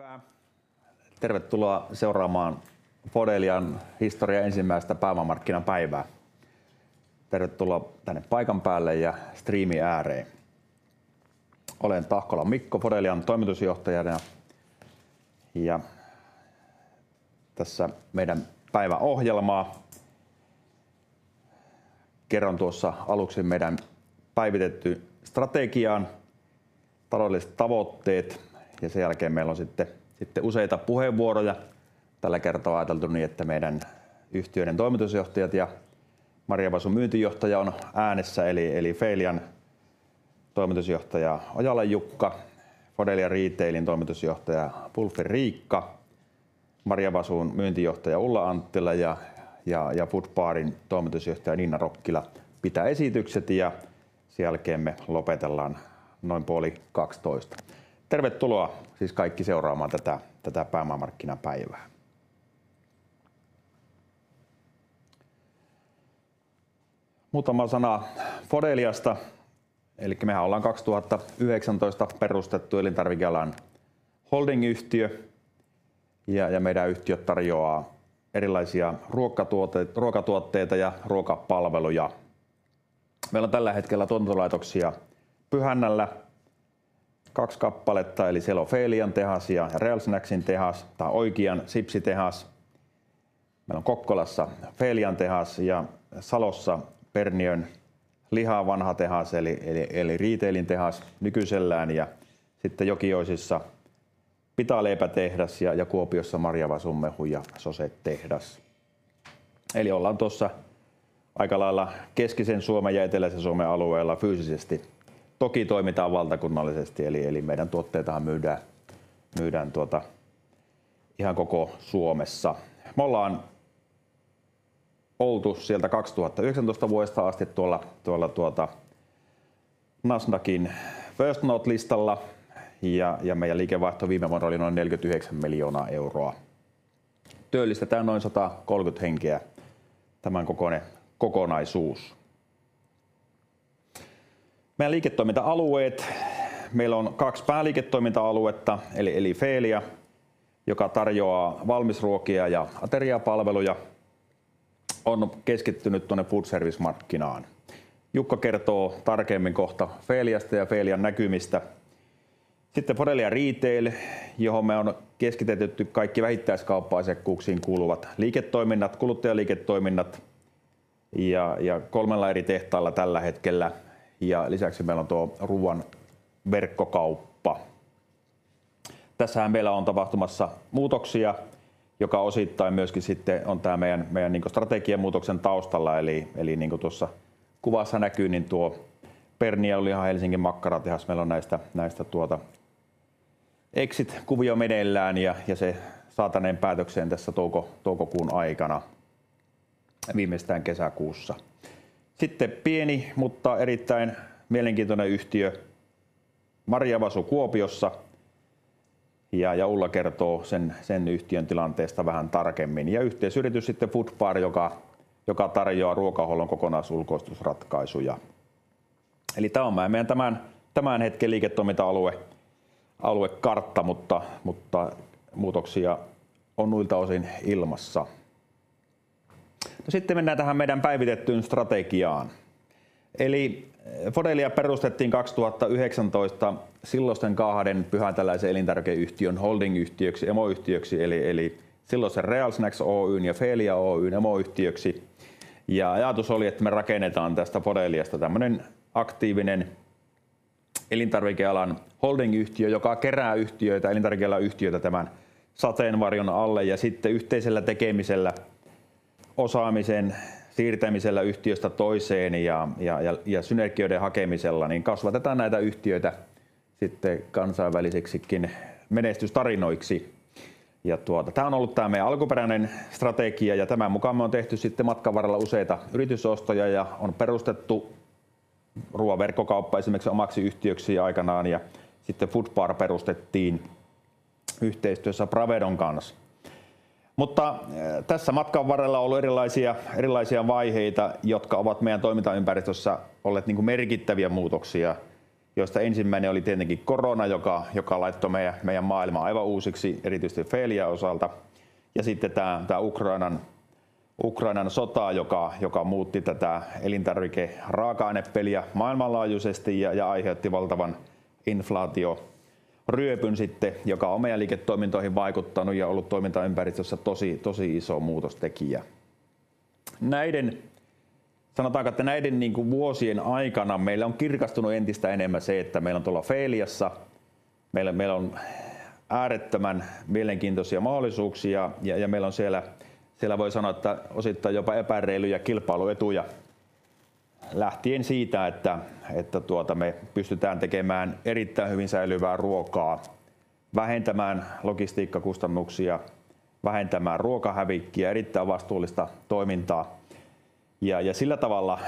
Hyvää päivää! Tervetuloa seuraamaan Fodelian historian ensimmäistä pääomamarkkinapäivää. Tervetuloa tänne paikan päälle ja striimin ääreen. Olen Tahkolan Mikko, Fodelian Toimitusjohtaja, ja tässä meidän päivän ohjelmaa. Kerron tuossa aluksi meidän päivitettyyn strategiaan, taloudelliset tavoitteet, ja sen jälkeen meillä on sitten useita puheenvuoroja. Tällä kertaa on ajateltu niin, että meidän yhtiöiden toimitusjohtajat ja Marjavasun Myyntijohtaja on äänessä. Feelian Toimitusjohtaja Ojalan Jukka, Fodelia Retailin Toimitusjohtaja Pulffin Riikka, Marjavasun Myyntijohtaja Ulla Anttila ja Food Barin Toimitusjohtaja Nina Rokkila pitää esitykset, ja sen jälkeen me lopetellaan noin puoli kaksitoista. Tervetuloa siis kaikki seuraamaan tätä pääomamarkkinapäivää! Muutama sana Fodeliasta. Me ollaan 2019 perustettu elintarvikealan holdingyhtiö, ja meidän yhtiöt tarjoaa erilaisia ruokatuotteita ja ruokapalveluja. Meillä on tällä hetkellä tuotantolaitoksia Pyhännällä kaksi kappaletta, siellä on Feelian tehdas ja Real Snacksin tehdas tai Oikian sipsitehdas. Meillä on Kokkolassa Feelian tehdas ja Salossa Perniön lihan vanha tehdas eli retailin tehdas nykyisellään ja sitten Jokioisissa pitaleipätehdas ja Kuopiossa Marjavasu-mehu ja sose -tehdas. Ollaan tuossa aikalailla keskisen Suomen ja eteläisen Suomen alueella fyysisesti. Toki toimitaan valtakunnallisesti, meidän tuotteitahan myydään ihan koko Suomessa. Me ollaan oltu sieltä 2019 vuodesta asti tuolla Nasdaqin First Note -listalla, ja meidän liikevaihto viime vuonna oli noin 46 miljoonaa euroa. Työllistetään noin 130 henkeä. Tämän kokoinen kokonaisuus. Meidän liiketoiminta-alueet. Meillä on kaksi pääliiketoiminta-aluetta, Feelia, joka tarjoaa valmisruokia ja ateriapalveluja, on keskittynyt tuonne food service -markkinaan. Jukka kertoo tarkemmin kohta Feeliasta ja Feelian näkymistä. Sitten Fodelia Retail, johon me on keskitetty kaikki vähittäiskauppa-asekuuksiin kuuluvat liiketoiminnat, kuluttajaliiketoiminnat, ja kolmella eri tehtaalla tällä hetkellä. Lisäksi meillä on tuo ruoan verkkokauppa. Tässähän meillä on tapahtumassa muutoksia, joka osittain myöskin sitten on tämän meidän strategianmuutoksen taustalla. Eli niin kuin tuossa kuvassa näkyy, niin tuo Pernill ja Lihan Helsingin makkaratehdas. Meillä on näistä exit-kuvio meneillään, ja se saadaan päätökseen tässä toukokuun aikana, viimeistään kesäkuussa. Sitten pieni, mutta erittäin mielenkiintoinen yhtiö, Marjavasu Kuopiossa, ja Ulla kertoo sen yhtiön tilanteesta vähän tarkemmin. Ja yhteisyritys sitten Food Bar, joka tarjoaa ruokahuollon kokonaisulkoistusratkaisuja. Eli tämä on meidän tämän hetken liiketoiminta-aluekartta, mutta muutoksia on noilta osin ilmassa. Sitten mennään tähän meidän päivitettyyn strategiaan. Eli Fodelia perustettiin 2019 silloisten kahden pyhäntäläisen elintarvikeyhtiön holdingyhtiöksi, emoyhtiöksi eli silloisen Real Snacks Oy:n ja Feelia Oy:n emoyhtiöksi. Ja ajatus oli, että me rakennetaan tästä Fodeliasta tämmöinen aktiivinen elintarvikealan holdingyhtiö, joka kerää yhtiöitä, elintarvikealan yhtiöitä, tämän sateenvarjon alle ja sitten yhteisellä tekemisellä, osaamisen siirtämisellä yhtiöstä toiseen ja synergioiden hakemisella, niin kasvatetaan näitä yhtiöitä sitten kansainvälisiksikin menestystarinoiksi. Tuota tää on ollut tää meidän alkuperäinen strategia, ja tämän mukaan me on tehty sitten matkan varrella useita yritysostoja ja on perustettu ruoan verkkokauppa esimerkiksi omaksi yhtiöksi aikanaan ja sitten Food Bar perustettiin yhteistyössä Pravedon kanssa. Mutta tässä matkan varrella on ollut erilaisia vaiheita, jotka ovat meidän toimintaympäristössä olleet merkittäviä muutoksia, joista ensimmäinen oli tietenkin korona, joka laittoi meidän maailman aivan uusiksi, erityisesti Feelian osalta. Sitten tää Ukrainan sota, joka muutti tätä elintarvikeraaka-ainepeliä maailmanlaajuisesti ja aiheutti valtavan inflaatioryöpyn sitten, joka on meidän liiketoimintoihin vaikuttanut ja ollut toimintaympäristössä tosi iso muutostekijä. Näiden vuosien aikana meille on kirkastunut entistä enemmän se, että meillä on tuolla Feelressa äärettömän mielenkiintoisia mahdollisuuksia, ja meillä on siellä osittain jopa epäreiluja kilpailuetuja. Lähtien siitä, että me pystytään tekemään erittäin hyvin säilyvää ruokaa, vähentämään logistiikkakustannuksia, vähentämään ruokahävikkiä, erittäin vastuullista toimintaa. Sillä tavalla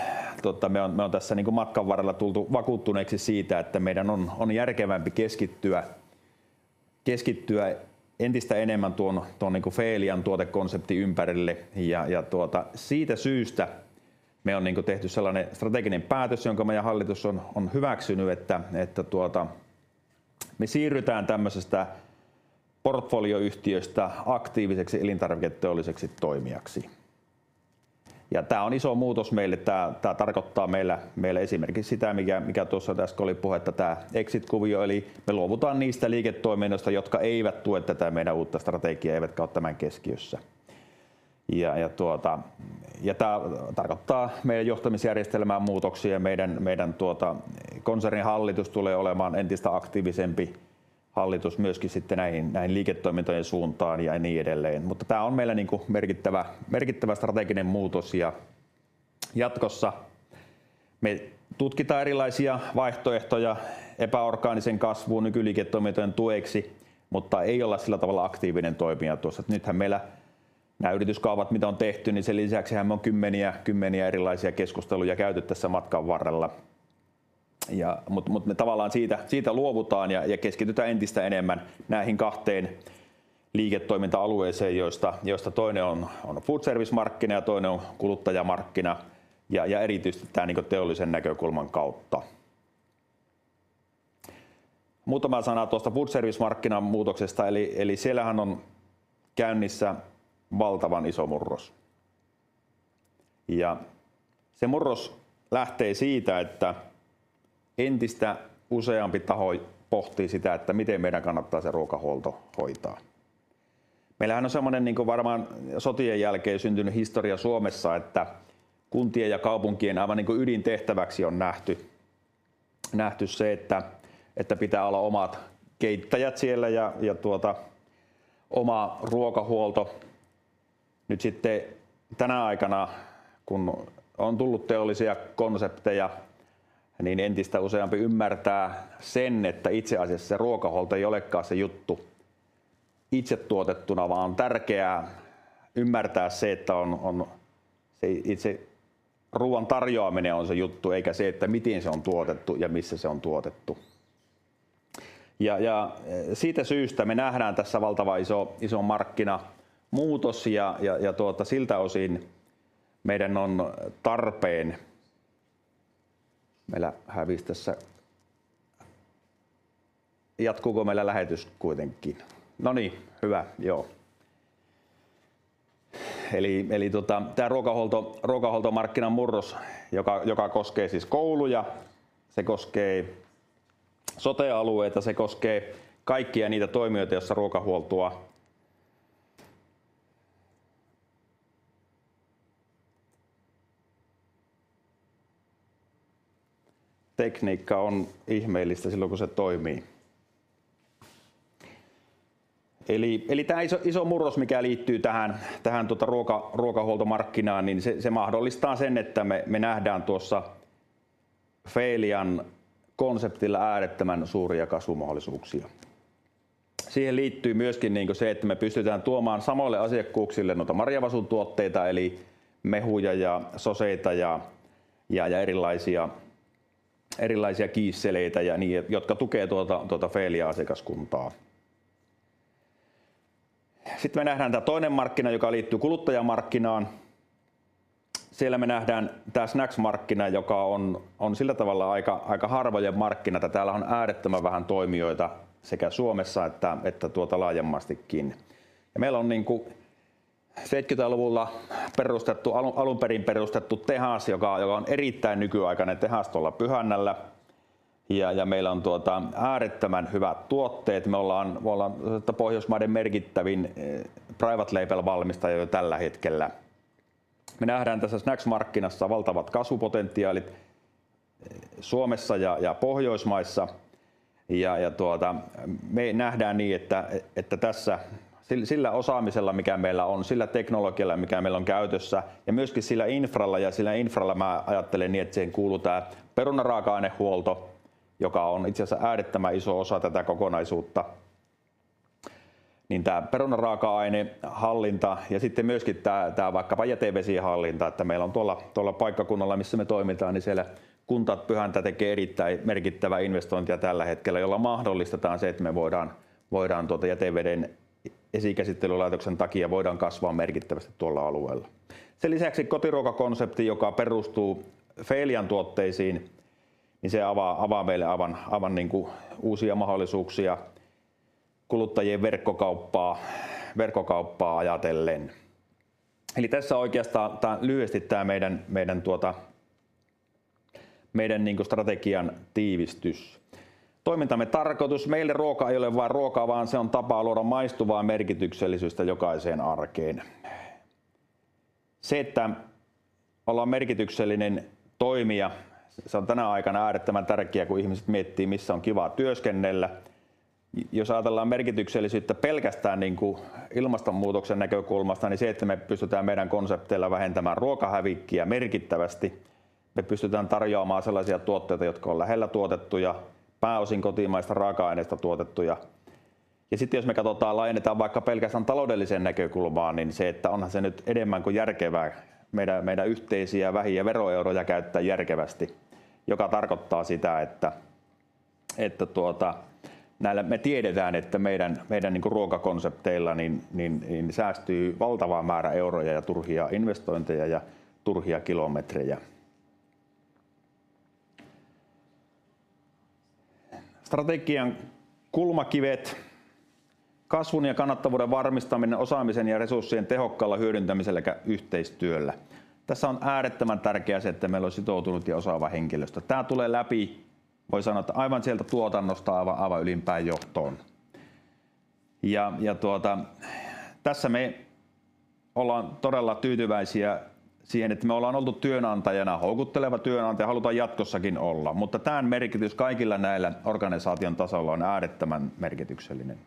me olemme tässä matkan varrella tulleet vakuuttuneiksi siitä, että meidän on järkevämpi keskittyä entistä enemmän tuon Feelian tuotekonseptin ympärille. Siitä syystä me olemme tehneet sellaisen strategisen päätöksen, jonka meidän hallitus on hyväksynyt, että me siirrytään tällaisesta portfolioyhtiöstä aktiiviseksi elintarviketeolliseksi toimijaksi. Tämä on iso muutos meille. Tämä tarkoittaa meillä esimerkiksi sitä, mikä tuossa tästä oli puhetta, tämä exit-kuvio, eli me luovutaan niistä liiketoiminnoista, jotka eivät tue tätä meidän uutta strategiaa eivätkä ole tämän keskiössä. Tämä tarkoittaa meidän johtamisjärjestelmään muutoksia. Meidän konsernihallitus tulee olemaan entistä aktiivisempi hallitus myöskin sitten näihin liiketoimintojen suuntaan ja niin edelleen. Mutta tämä on meillä merkittävä strateginen muutos ja jatkossa me tutkitaan erilaisia vaihtoehtoja epäorgaanisen kasvun nykyliiketoimintojen tueksi, mutta ei olla sillä tavalla aktiivinen toimija tuossa. Nythän meillä nämä yrityskaupat, mitä on tehty, niin sen lisäksi me on kymmeniä erilaisia keskusteluja käyty tässä matkan varrella. Mutta me tavallaan siitä luovutaan ja keskitytään entistä enemmän näihin kahteen liiketoiminta-alueeseen, joista toinen on food service -markkina ja toinen on kuluttajamarkkina. Erityisesti tämä teollisen näkökulman kautta. Muutama sana tuosta food service -markkinan muutoksesta. Eli, eli siellähän on käynnissä valtavan iso murros. Ja se murros lähtee siitä, että entistä useampi taho pohtii sitä, että miten meidän kannattaa se ruokahuolto hoitaa. Meillähän on semmonen niinku varmaan sotien jälkeen syntynyt historia Suomessa, että kuntien ja kaupunkien aivan niinku ydintehtäväksi on nähty se, että pitää olla omat keittäjät siellä ja oma ruokahuolto. Nyt sitten tänä aikana, kun on tullut teollisia konsepteja, niin entistä useampi ymmärtää sen, että itse asiassa se ruokahuolto ei olekaan se juttu itse tuotettuna, vaan on tärkeää ymmärtää se, että se ruoan tarjoaminen on se juttu, eikä se, että miten se on tuotettu ja missä se on tuotettu. Ja siitä syystä me nähdään tässä valtavan iso markkinamuutos ja siltä osin meidän on tarpeen... Meillä hävis tässä. Jatkuuko meillä lähetys kuitenkin? No niin, hyvä, joo. Tää ruokahuolto, ruokahuoltomarkkinan murros, joka koskee kouluja. Se koskee sote-alueita. Se koskee kaikkia niitä toimijoita, joissa ruokahuoltoa tekniikka on ihmeellistä silloin, kun se toimii. Tää iso murros, mikä liittyy tähän ruokahuoltomarkkinaan, niin se mahdollistaa sen, että me nähdään tuossa Felian konseptilla äärettömän suuria kasvumahdollisuuksia. Siihen liittyy myöskin se, että me pystytään tuomaan samoille asiakkuuksille noita Marjasasun tuotteita eli mehuja ja soseita ja erilaisia kiisseleitä, jotka tukee tuota Felia-asiakaskuntaa. Sitten me nähdään tää toinen markkina, joka liittyy kuluttajamarkkinaan. Siellä me nähdään tää snacks-markkina, joka on sillä tavalla aika harvojen markkina, että täällä on äärettömän vähän toimijoita sekä Suomessa että laajemmastikin. Ja meillä on 70-luvulla perustettu, alunperin perustettu tehdas, joka on erittäin nykyaikainen tehdas tuolla Pyhännällä. Ja meillä on äärettömän hyvät tuotteet. Me ollaan Pohjoismaiden merkittävin private label -valmistaja jo tällä hetkellä. Me nähdään tässä snacks-markkinassa valtavat kasvupotentiaalit Suomessa ja Pohjoismaissa. Me nähdään niin, että tässä sillä osaamisella, mikä meillä on, sillä teknologialla, mikä meillä on käytössä ja myöskin sillä infralla - ja sillä infralla mä ajattelen niin, että siihen kuuluu tää perunaraaka-ainehuolto, joka on itse asiassa äärettömän iso osa tätä kokonaisuutta - niin tää perunaraaka-ainehallinta ja sitten myöskin tää jätevesien hallinta, että meillä on tuolla paikkakunnalla, missä me toimitaan, niin siellä kunta Pyhäntä tekee erittäin merkittävää investointia tällä hetkellä, jolla mahdollistetaan se, että me voidaan jäteveden esikäsittelylaitoksen takia kasvaa merkittävästi tuolla alueella. Sen lisäksi kotiruokakonsepti, joka perustuu Felian tuotteisiin, niin se avaa meille aivan uusia mahdollisuuksia kuluttajien verkkokauppaa ajatellen. Eli tässä oikeastaan tää lyhyesti meidän strategian tiivistys, toimintamme tarkoitus. Meille ruoka ei ole vain ruokaa, vaan se on tapa luoda maistuvaa merkityksellisyyttä jokaiseen arkeen. Se, että ollaan merkityksellinen toimija, se on tänä aikana äärettömän tärkeää, kun ihmiset miettii, missä on kivaa työskennellä. Jos ajatellaan merkityksellisyyttä pelkästään ilmastonmuutoksen näkökulmasta, niin se, että me pystytään meidän konsepteilla vähentämään ruokahävikkiä merkittävästi. Me pystytään tarjoamaan sellaisia tuotteita, jotka on lähellä tuotettuja, pääosin kotimaisista raaka-aineista tuotettuja. Ja sitten jos me katotaan, laajennetaan vaikka pelkästään taloudelliseen näkökulmaan, niin se, että onhan se nyt enemmän kuin järkevää meidän yhteisiä vähiä veroeuroja käyttää järkevästi, joka tarkoittaa sitä, että näillä me tiedetään, että meidän ruokakonsepteilla säästyy valtava määrä euroja ja turhia investointeja ja turhia kilometrejä. Strategian kulmakivet: kasvun ja kannattavuuden varmistaminen osaamisen ja resurssien tehokkaalla hyödyntämisellä sekä yhteistyöllä. Tässä on äärettömän tärkeää se, että meillä on sitoutunut ja osaava henkilöstö. Tämä tulee läpi, voi sanoa, että aivan sieltä tuotannosta aivan ylimpään johtoon. Ja tässä me ollaan todella tyytyväisiä siihen, että me ollaan oltu työnantajana houkutteleva työnantaja ja halutaan jatkossakin olla, mutta tämän merkitys kaikilla näillä organisaation tasoilla on äärettömän merkityksellinen.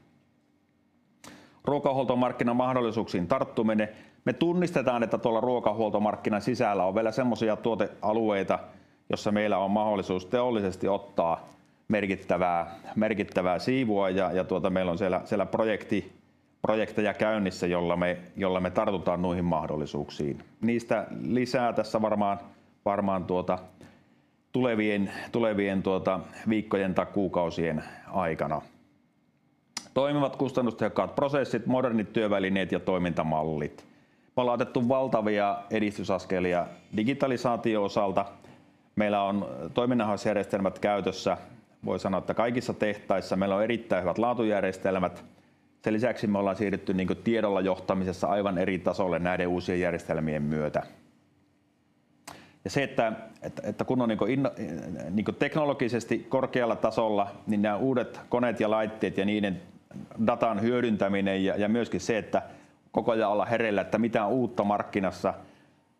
Ruokahuoltomarkkinan mahdollisuuksiin tarttuminen. Me tunnistetaan, että tuolla ruokahuoltomarkkinan sisällä on vielä semmoisia tuotealueita, joissa meillä on mahdollisuus teollisesti ottaa merkittävää siivua ja meillä on siellä projekteja käynnissä, joilla me tartutaan noihin mahdollisuuksiin. Niistä lisää tässä varmaan tulevien viikkojen tai kuukausien aikana. Toimivat, kustannustehokkaat prosessit, modernit työvälineet ja toimintamallit. Me ollaan otettu valtavia edistysaskelia digitalisaation osalta. Meillä on toiminnanohjausjärjestelmät käytössä. Voi sanoa, että kaikissa tehtaissa meillä on erittäin hyvät laatujärjestelmät. Sen lisäksi me ollaan siirrytty tiedolla johtamisessa aivan eri tasolle näiden uusien järjestelmien myötä. Ja se, että kun on niinku teknologisesti korkealla tasolla, niin nää uudet koneet ja laitteet ja niiden datan hyödyntäminen ja myöskin se, että koko ajan olla hereillä, että mitä uutta markkinassa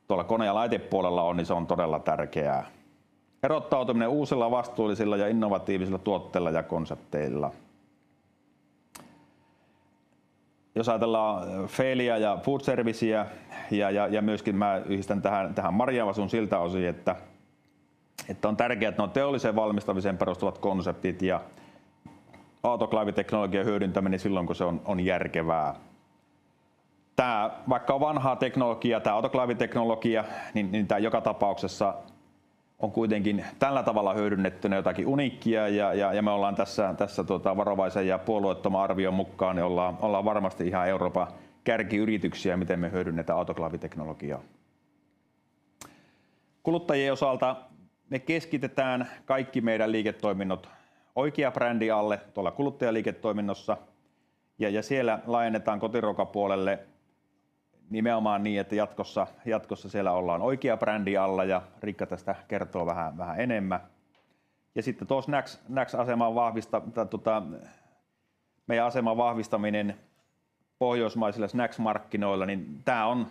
tuolla kone- ja laitepuolella on, niin se on todella tärkeää. Erottautuminen uusilla, vastuullisilla ja innovatiivisilla tuotteilla ja konsepteilla. Jos ajatellaan Feliä ja Foodserviceä ja myöskin mä yhdistän tähän Marjan vasun siltä osin, että on tärkeää, että ne on teolliseen valmistamiseen perustuvat konseptit ja autoklaaviteknologian hyödyntäminen silloin, kun se on järkevää. Tää vaikka on vanhaa teknologiaa tää autoklaaviteknologia, niin tää joka tapauksessa on kuitenkin tällä tavalla hyödynnettynä jotakin uniikkia ja me ollaan tässä tuota varovaisen ja puolueettoman arvion mukaan niin ollaan varmasti ihan Euroopan kärkiyrityksiä, miten me hyödynnetään autoklaaviteknologiaa. Kuluttajien osalta me keskitetään kaikki meidän liiketoiminnot oikean brändin alle tuolla kuluttajaliiketoiminnossa, ja siellä laajennetaan kotiruokapuolelle nimenomaan niin, että jatkossa siellä ollaan oikean brändin alla. Riikka tästä kertoo vähän enemmän. Sitten tuo snacks-asema on meidän aseman vahvistaminen pohjoismaisilla snacks-markkinoilla, niin tää on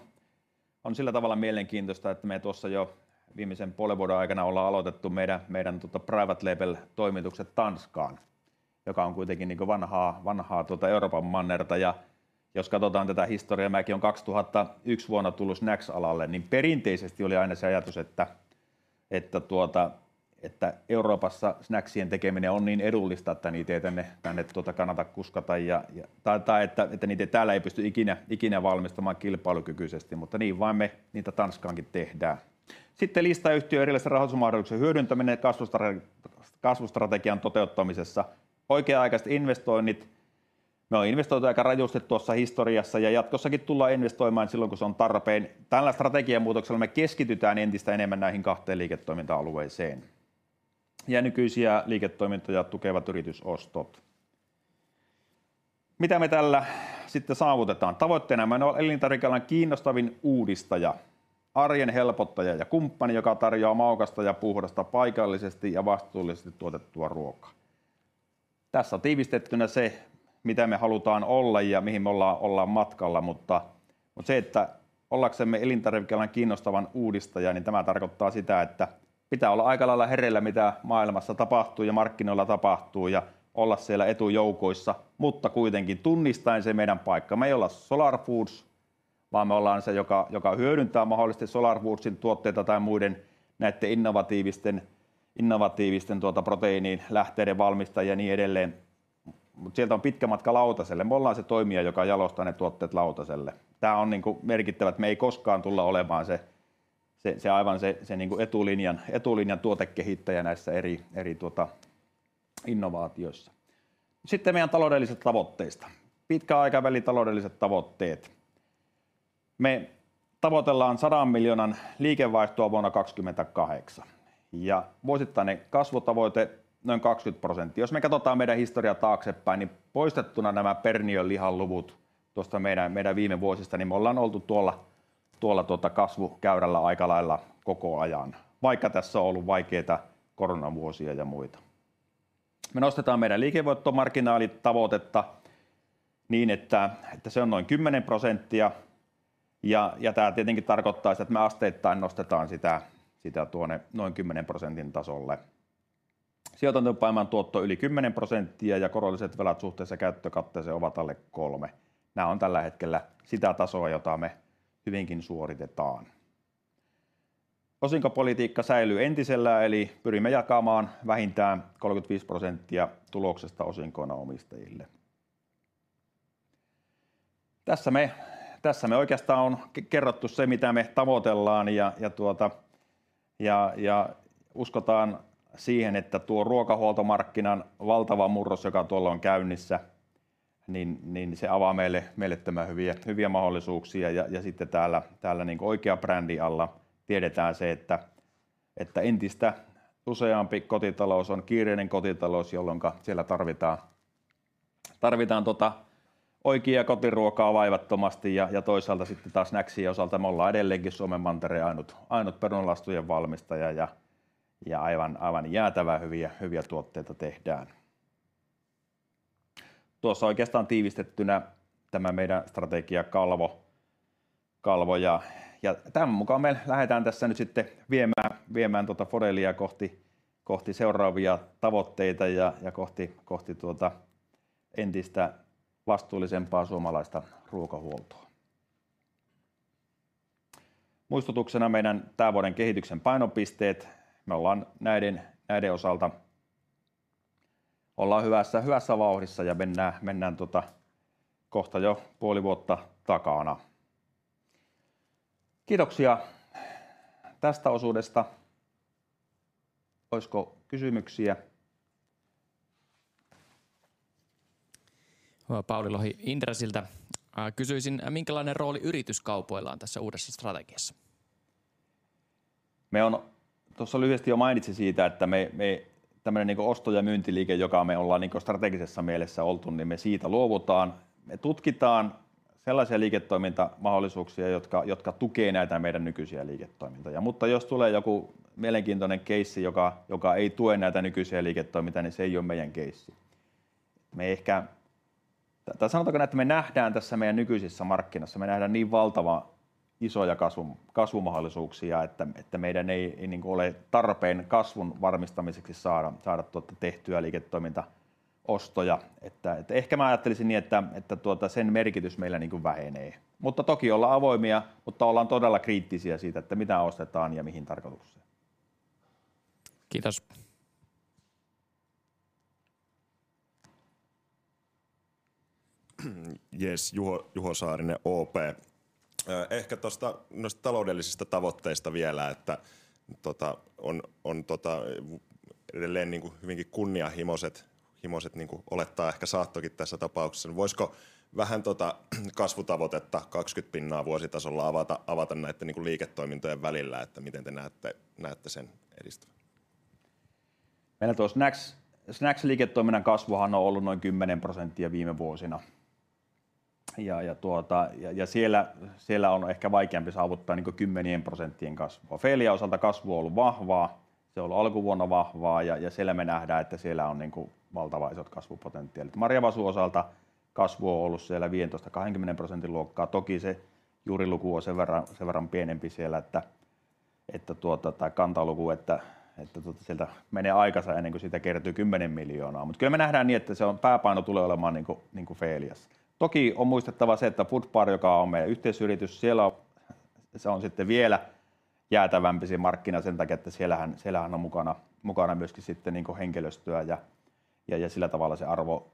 sillä tavalla mielenkiintoista, että me tuossa jo viimeisen puolen vuoden aikana ollaan aloitettu meidän private label toimitukset Tanskaan, joka on kuitenkin vanhaa Euroopan mannerta. Jos katotaan tätä historiaa, mäkin oon 2001 vuonna tullut snacks-alalle, niin perinteisesti oli aina se ajatus, että Euroopassa snacksien tekeminen on niin edullista, että niitä ei tänne kannata kuskata ja että niitä täällä ei pysty ikinä valmistamaan kilpailukykyisesti. Mutta niin vain me niitä Tanskaankin tehdään. Sitten listayhtiön erilaisten rahoitusmahdollisuuksien hyödyntäminen ja kasvustrategian toteuttamisessa. Oikea-aikaiset investoinnit. Me on investoitu aika rajusti tuossa historiassa ja jatkossakin tullaan investoimaan silloin, kun se on tarpeen. Tällä strategianmuutoksella me keskitytään entistä enemmän näihin kahteen liiketoiminta-alueeseen ja nykyisiä liiketoimintoja tukevat yritysostot. Mitä me tällä sitten saavutetaan? Tavoitteenamme on olla elintarvikealan kiinnostavin uudistaja, arjen helpottaja ja kumppani, joka tarjoaa maukasta ja puhdasta, paikallisesti ja vastuullisesti tuotettua ruokaa. Tässä tiivistettynä se, mitä me halutaan olla ja mihin me ollaan matkalla. Mutta se, että ollaksemme elintarvikealan kiinnostava uudistaja, niin tämä tarkoittaa sitä, että pitää olla aika lailla hereillä, mitä maailmassa tapahtuu ja markkinoilla tapahtuu, ja olla siellä etujoukoissa, mutta kuitenkin tunnistaa se meidän paikka. Me ei olla Solar Foods, vaan me ollaan se, joka hyödyntää mahdollisesti Solar Foodsin tuotteita tai muiden näiden innovatiivisten proteiinin lähteiden valmistajia ja niin edelleen. Mutta sieltä on pitkä matka lautaselle. Me ollaan se toimija, joka jalostaa ne tuotteet lautaselle. Tämä on merkittävää, että me ei koskaan tulla olemaan se aivan etulinjan tuotekehittäjä näissä eri innovaatioissa. Sitten meidän taloudellisista tavoitteista. Pitkän aikavälin taloudelliset tavoitteet. Me tavoitellaan sadan miljoonan liikevaihtoa vuonna 2028, ja vuosittainen kasvutavoite noin 20%. Jos me katotaan meidän historiaa taaksepäin, niin poistettuna nämä Perniön lihan luvut tuosta meidän viime vuosista, niin me ollaan oltu tuolla kasvukäyrällä aika lailla koko ajan, vaikka tässä on ollut vaikeita koronavuosia ja muita. Me nostetaan meidän liikevoittomarginaalitavoitetta niin, että se on noin 10%. Tämä tietenkin tarkoittaa sitä, että me asteittain nostetaan sitä tuonne noin 10%:n tasolle. Sijoitetun pääoman tuotto yli 10% ja korolliset velat suhteessa käyttökatteeseen ovat alle kolme. Nämä on tällä hetkellä sitä tasoa, jota me hyvinkin suoritetaan. Osinkopolitiikka säilyy entisellään, eli pyrimme jakamaan vähintään 35% tuloksesta osinkoina omistajille. Tässä me oikeastaan on kerrottu se, mitä me tavoitellaan ja uskotaan siihen, että tuo ruokahuoltomarkkinan valtava murros, joka tuolla on käynnissä, niin se avaa meille mielettömän hyviä mahdollisuuksia. Sitten täällä oikean brändin alla tiedetään se, että entistä useampi kotitalous on kiireinen kotitalous, jolloin siellä tarvitaan oikeaa kotiruokaa vaivattomasti. Toisaalta sitten taas snacksien osalta me ollaan edelleenkin Suomen mantereen ainut perunalastujen valmistaja ja aivan jäätävän hyviä tuotteita tehdään. Tuossa oikeastaan tiivistettynä tämä meidän strategiakalvo. Tämän mukaan me lähdetään tässä nyt sitten viemään Fodelia kohti seuraavia tavoitteita ja kohti entistä vastuullisempaa suomalaista ruokahuoltoa. Muistutuksena meidän tämän vuoden kehityksen painopisteet. Me ollaan näiden osalta... Ollaan hyvässä, hyvässä vauhdissa ja mennään, mennään tota kohta jo puoli vuotta takana. Kiitoksia tästä osuudesta! Olisiko kysymyksiä? Pauli Lohi Intressiltä. Kysyisin, minkälainen rooli yrityskaupoilla on tässä uudessa strategiassa? Me on-- tuossa lyhyesti jo mainitsin siitä, että me, me tämmöinen osto- ja myyntiliike, joka me ollaan strategisessa mielessä oltu, niin me siitä luovutaan. Me tutkitaan sellaisia liiketoimintamahdollisuuksia, jotka tukee näitä meidän nykyisiä liiketoimintoja. Mutta jos tulee joku mielenkiintoinen keissi, joka ei tue näitä nykyisiä liiketoimintoja, niin se ei ole meidän keissi. Me ehkä... tai sanotaanko näin, että me nähdään tässä meidän nykyisissä markkinassa niin valtavan isoja kasvumahdollisuuksia, että meidän ei ole tarpeen kasvun varmistamiseksi saada tehtyä liiketoimintaostoja. Ehkä mä ajattelisin niin, että sen merkitys meillä vähenee. Mutta toki ollaan avoimia, mutta ollaan todella kriittisiä siitä, että mitä ostetaan ja mihin tarkoitukseen. Kiitos! Jees. Juho, Juho Saarinen, OP. Ehkä noista taloudellisista tavoitteista vielä, että ne ovat edelleen hyvinkin kunnianhimoiset, kuten ehkä saattoikin tässä tapauksessa olettaa. Voisiko vähän kasvutavoitetta 20% vuositasolla avata näiden liiketoimintojen välillä, että miten te näette sen edistyvän? Meillä tuo snacks-liiketoiminnan kasvu on ollut noin 10% viime vuosina, ja siellä on ehkä vaikeampi saavuttaa kymmenten prosenttien kasvua. Feelian osalta kasvu on ollut vahvaa. Se on ollut alkuvuonna vahvaa ja siellä me nähdään, että siellä on valtavan isot kasvupotentiaalit. Marjavasun osalta kasvu on ollut siellä 15-20% luokkaa. Toki se juuriluku on sen verran pienempi siellä, että sieltä menee aikansa ennen kuin siitä kertyy 10 miljoonaa. Mutta kyllä me nähdään niin, että se pääpaino tulee olemaan Feelissa. Toki on muistettava se, että Food Bar, joka on meidän yhteisyritys, siellä se on sitten vielä jäätävämpi se markkina sen takia, että siellä on mukana myöskin henkilöstöä ja sillä tavalla se arvo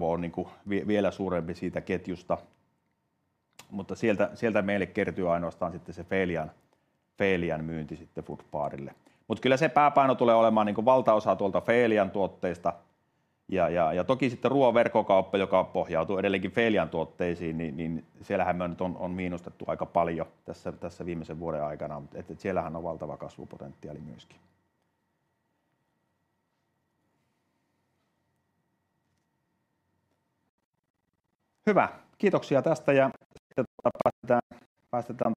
on vielä suurempi siitä ketjusta. Mutta sieltä meille kertyy ainoastaan sitten se Feelian myynti Food Barille. Kyllä se pääpaino tulee olemaan valtaosa tuolta Feelian tuotteista. Toki sitten ruoan verkkokauppa, joka pohjautuu edelleenkin Feelian tuotteisiin, siellä me on miinustettu aika paljon tässä viimeisen vuoden aikana, mutta siellä on valtava kasvupotentiaali myöskin. Hyvä, kiitoksia tästä ja sitten päästetään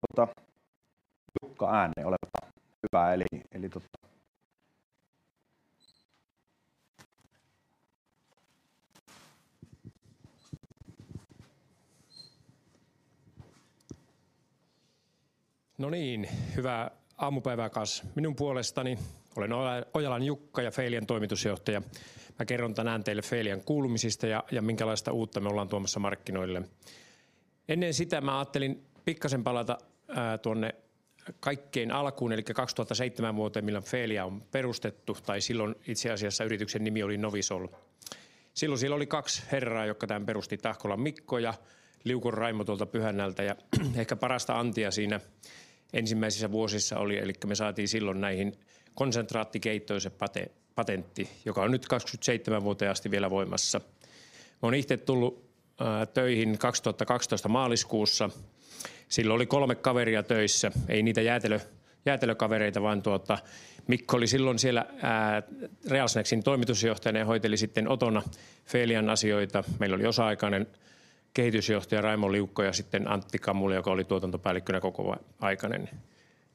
Jukka ääneen. Oleppa hyvä! Eli tota. No niin, hyvää aamupäivää kans minun puolestani. Olen Ojalan Jukka ja Feelian toimitusjohtaja. Mä kerron tänään teille Feelian kuulumisista ja minkälaista uutta me ollaan tuomassa markkinoille. Ennen sitä mä aattelin pikkasen palata tuonne kaikkien alkuun, eli 2007 vuoteen, milloin Feelia on perustettu. Tai silloin itse asiassa yrityksen nimi oli Novisol. Silloin siellä oli kaksi herraa, jotka tän perusti, Tahkolan Mikko ja Liukon Raimo tuolta Pyhännältä. Ja ehkä parasta antia siinä ensimmäisissä vuosissa oli. Eli me saatiin silloin näihin konsentraattikeittojen patentti, joka on nyt 2027 vuoteen asti vielä voimassa. Oon itte tullu töihin 2012 maaliskuussa. Silloin oli kolme kaveria töissä. Ei niitä jäätelökavereita, vaan tuota. Mikko oli silloin siellä Real Snacksin toimitusjohtajana ja hoiteli sitten sivutoimisesti Feelian asioita. Meillä oli osa-aikainen kehitysjohtaja, Raimo Liukko ja sitten Antti Kammula, joka oli tuotantopäällikkönä kokoaikainen.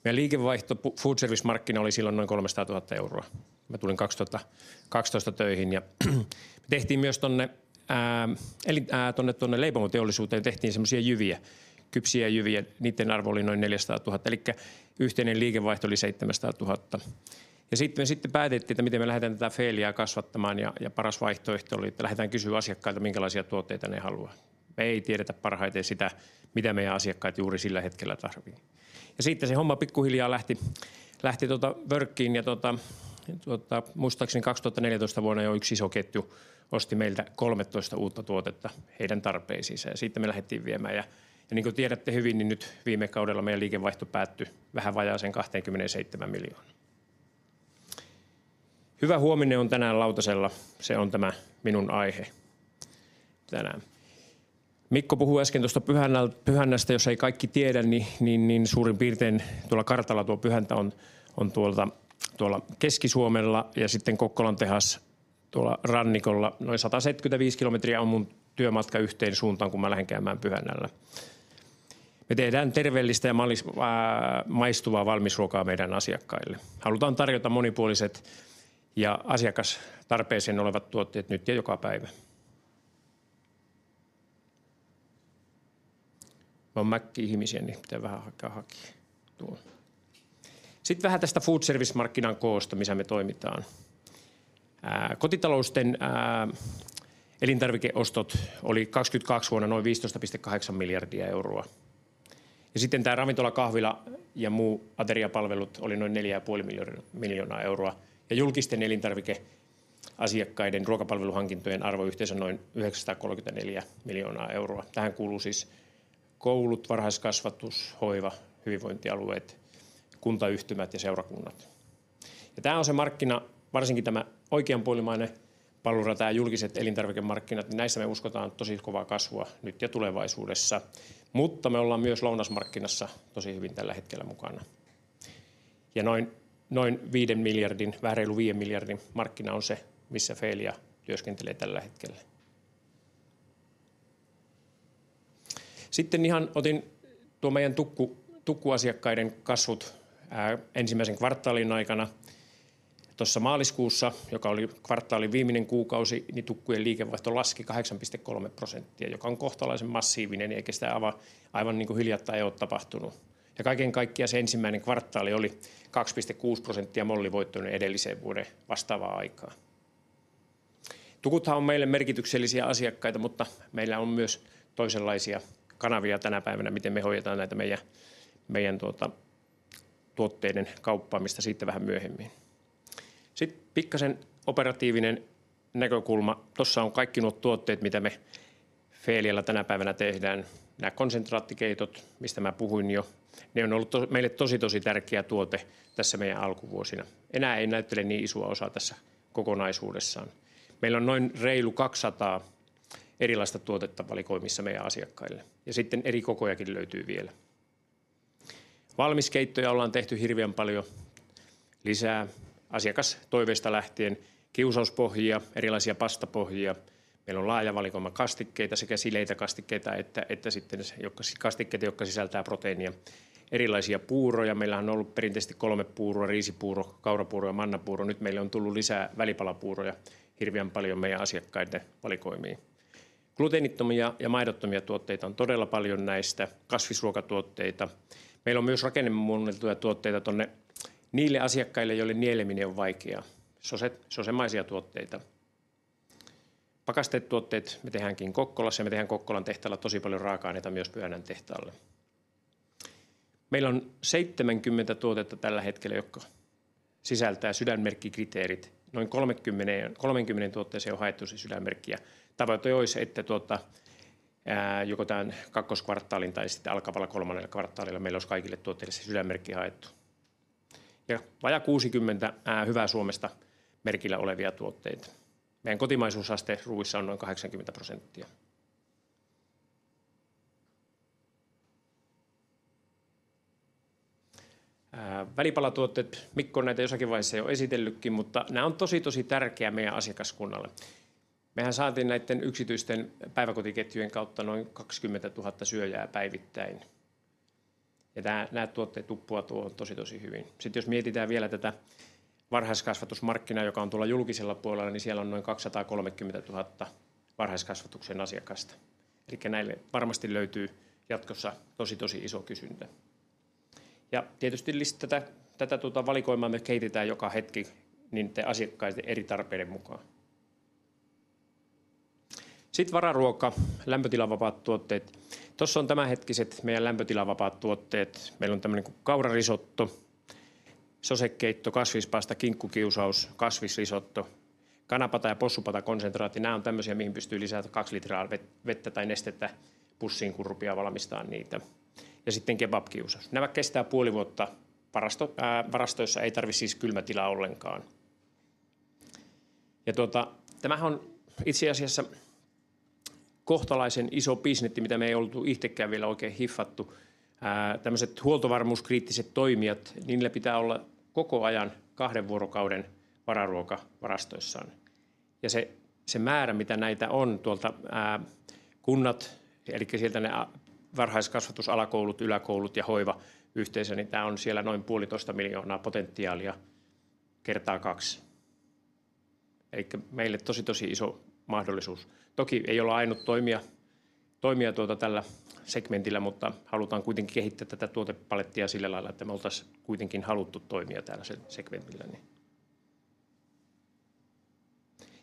Meidän liikevaihto foodservice-markkinassa oli silloin noin €300,000. Mä tulin 2012 töihin, ja me tehtiin myös tuonne leipomoteollisuuteen semmoisia jyviä, kypsiä jyviä. Niiden arvo oli noin €4,000, eli yhteinen liikevaihto oli €700,000. Sitten me päätettiin, että miten me lähdetään tätä Feeliä kasvattamaan. Paras vaihtoehto oli, että lähdetään kysymään asiakkailta, minkälaisia tuotteita ne haluaa. Me ei tiedetä parhaiten sitä, mitä meidän asiakkaat juuri sillä hetkellä tarvii. Sitten se homma pikkuhiljaa lähti workkiin ja muistaakseni 2014 vuonna jo yksi iso ketju osti meiltä 13 uutta tuotetta heidän tarpeisiinsa ja siitä me lähdettiin viemään. Niin kuin tiedätte hyvin, niin nyt viime kaudella meidän liikevaihto päätty vähän vajaaseen €27 miljoonaan. Hyvä huominen on tänään lautasella. Se on tämä minun aihe tänään. Mikko puhui äsken tuosta Pyhännästä. Jos ei kaikki tiedä, niin suurin piirtein tuolla kartalla tuo Pyhäntä on tuolta Keski-Suomella ja sitten Kokkolan tehdas tuolla rannikolla. Noin 175 kilometriä on mun työmatka yhteen suuntaan, kun mä lähden käymään Pyhännällä. Me tehdään terveellistä ja maistuvaa valmisruokaa meidän asiakkaille. Halutaan tarjota monipuoliset ja asiakastarpeeseen olevat tuotteet nyt ja joka päivä. Mä oon mäkki-ihmisiä, niin pitää vähän käydä hakee tuolta. Sitten vähän tästä food service -markkinan koosta, missä me toimitaan. Kotitalousten elintarvikeostot oli 2022 vuonna noin €15.8 miljardia, ja sitten tää ravintola, kahvila ja muu ateriapalvelut oli noin €4.5 miljardia ja julkisten elintarvikeasiakkaiden ruokapalveluhankintojen arvo yhteensä noin €934 miljoonaa. Tähän kuuluu siis koulut, varhaiskasvatus, hoiva, hyvinvointialueet, kuntayhtymät ja seurakunnat. Ja tää on se markkina. Varsinkin tämä oikeanpuolimmainen palvelurata ja julkiset elintarvikemarkkinat, niin näissä me uskotaan tosi kovaa kasvua nyt ja tulevaisuudessa. Mutta me ollaan myös lounasmarkkinassa tosi hyvin tällä hetkellä mukana. Ja noin viiden miljardin, vähän reilu viiden miljardin markkina on se, missä Felia työskentelee tällä hetkellä. Sitten otin tuo meidän tukkuasiakkaiden kasvut ensimmäisen kvartaalin aikana. Tossa maaliskuussa, joka oli kvartaalin viimeinen kuukausi, niin tukkujen liikevaihto laski 8,3%, joka on kohtalaisen massiivinen, eikä sitä aivan niin kuin hiljattain ole tapahtunut. Ja kaiken kaikkiaan se ensimmäinen kvartaali oli 2,6% mollivoittoinen edelliseen vuoden vastaavaan aikaan. Tukuthan on meille merkityksellisiä asiakkaita, mutta meillä on myös toisenlaisia kanavia tänä päivänä, miten me hoidetaan näitä meidän tuotteiden kauppaamista. Siitä vähän myöhemmin. Sitten pikkaisen operatiivinen näkökulma. Tuossa on kaikki nuo tuotteet, mitä me Felialla tänä päivänä tehdään. Nää konsentraattikeitot, mistä mä puhuin jo, ne on ollut meille tosi tärkeä tuote tässä meidän alkuvuosina. Enää ei näyttele niin isoa osaa tässä kokonaisuudessaan. Meillä on noin reilu kaksisataa erilaista tuotetta valikoimissa meidän asiakkaille ja sitten eri kokojakin löytyy vielä. Valmiskeittoja on tehty hirveän paljon lisää asiakastoiveista lähtien. Kiusauspohjia, erilaisia pastapohjia. Meillä on laaja valikoima kastikkeita, sekä sileitä kastikkeita että kastikkeita, jotka sisältävät proteiinia. Erilaisia puuroja. Meillähän on ollut perinteisesti kolme puuroa: riisipuuro, kaurapuuro ja mannapuuro. Nyt meille on tullut lisää välipalapuuroja hirveän paljon meidän asiakkaiden valikoimiin. Gluteenittomia ja maidottomia tuotteita on todella paljon. Kasvisruokatuotteita. Meillä on myös rakennemuunneltuja tuotteita niille asiakkaille, joille nieleminen on vaikeaa. Sosemaisia tuotteita. Pakastetuotteet. Me teemme Kokkolassa ja me teemme Kokkolan tehtaalla todella paljon raaka-aineita myös Pyhännän tehtaalle. Meillä on 70 tuotetta tällä hetkellä, jotka sisältävät Sydänmerkki-kriteerit. Noin 30 tuotteeseen on haettu Sydänmerkkiä. Tavoite olisi, että joko tämän toisen kvartaalin tai sitten alkavalla kolmannella kvartaalilla meillä olisi kaikille tuotteille Sydänmerkki haettu. Ja vajaa 60 Hyvää Suomesta -merkillä olevaa tuotetta. Meidän kotimaisuusaste ruuissa on noin 80%. Välipalatuotteet. Mikko on näitä jossakin vaiheessa jo esitellytkin, mutta nää on tosi tärkeä meidän asiakaskunnalle. Mehän saatiin näitten yksityisten päiväkotiketjujen kautta noin 20 000 syöjää päivittäin. Ja nää tuotteet uppoaa tosi hyvin. Sitten jos mietitään vielä tätä varhaiskasvatusmarkkinaa, joka on tuolla julkisella puolella, niin siellä on noin 230 000 varhaiskasvatuksen asiakkaista. Elikkä näille varmasti löytyy jatkossa tosi iso kysyntä. Ja tietysti tätä valikoimaa me kehitetään joka hetki niitten asiakkaiden eri tarpeiden mukaan. Sitten vararuoka. Lämpötilavapaat tuotteet. Tuossa on tämänhetkiset meidän lämpötilavapaat tuotteet. Meillä on tämmönen kuin kaurarisotto, sosekeitto, kasvispasta, kinkkukiusaus, kasvisrisotto, kanapata ja possupatakonsentraatti. Nää on tämmösiä, mihin pystyy lisäämään kaksi litraa vettä tai nestettä pussiin, kun rupeaa valmistamaan niitä. Ja sitten kebabkiusaus. Nämä kestää puoli vuotta varastoissa. Ei tarvii siis kylmätilaa ollenkaan. Ja tuota, tämähän on itse asiassa kohtalaisen iso bisnes, mitä me ei oltu itsekään vielä oikein hiffattu. Tämmöiset huoltovarmuuskriittiset toimijat, niin niillä pitää olla koko ajan kahden vuorokauden vararuoka varastoissaan. Ja se määrä, mitä näitä on tuolta kunnat. Eli sieltä ne varhaiskasvatus, alakoulut, yläkoulut ja hoiva yhteensä, niin tää on siellä noin 1.5 miljoonaa potentiaalia kertaa kaksi. Eli meille tosi, tosi iso mahdollisuus. Toki ei olla ainut toimija tuota tällä segmentillä, mutta halutaan kuitenkin kehittää tätä tuotepalettia sillä lailla, että me oltaisiin kuitenkin haluttu toimija tällä segmentillä.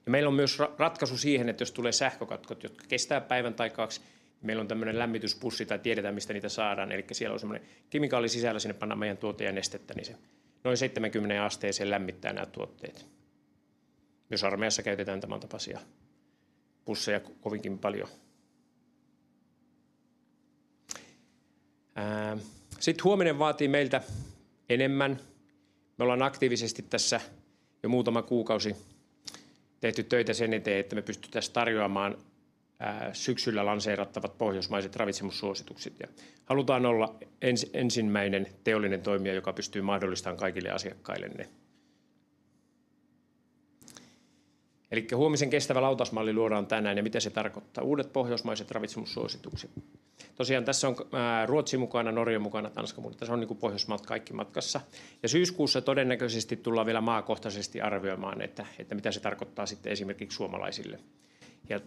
Meillä on myös ratkaisu siihen, että jos tulee sähkökatkot, jotka kestää päivän tai kaksi, niin meillä on tämmöinen lämmityspussi tai tiedetään mistä niitä saadaan. Eli siellä on semmoinen kemikaali sisällä. Sinne pannaan meidän tuote ja nestettä, niin se noin 70 asteeseen lämmittää nää tuotteet. Myös armeijassa käytetään tämän tapaisia pusseja kovinkin paljon. Sitten huominen vaatii meiltä enemmän. Me ollaan aktiivisesti tässä jo muutama kuukausi tehty töitä sen eteen, että me pystyttäisiin tarjoamaan syksyllä lanseerattavat pohjoismaiset ravitsemussuositukset. Halutaan olla ensimmäinen teollinen toimija, joka pystyy mahdollistamaan kaikille asiakkaillemme. Huomisen kestävä lautasmalli luodaan tänään. Mitä se tarkoittaa? Uudet pohjoismaiset ravitsemussuositukset. Tässä on Ruotsi mukana, Norja on mukana, Tanska. Tässä on Pohjoismaat kaikki matkassa ja syyskuussa todennäköisesti tullaan vielä maakohtaisesti arvioimaan, että mitä se tarkoittaa sitten esimerkiksi suomalaisille.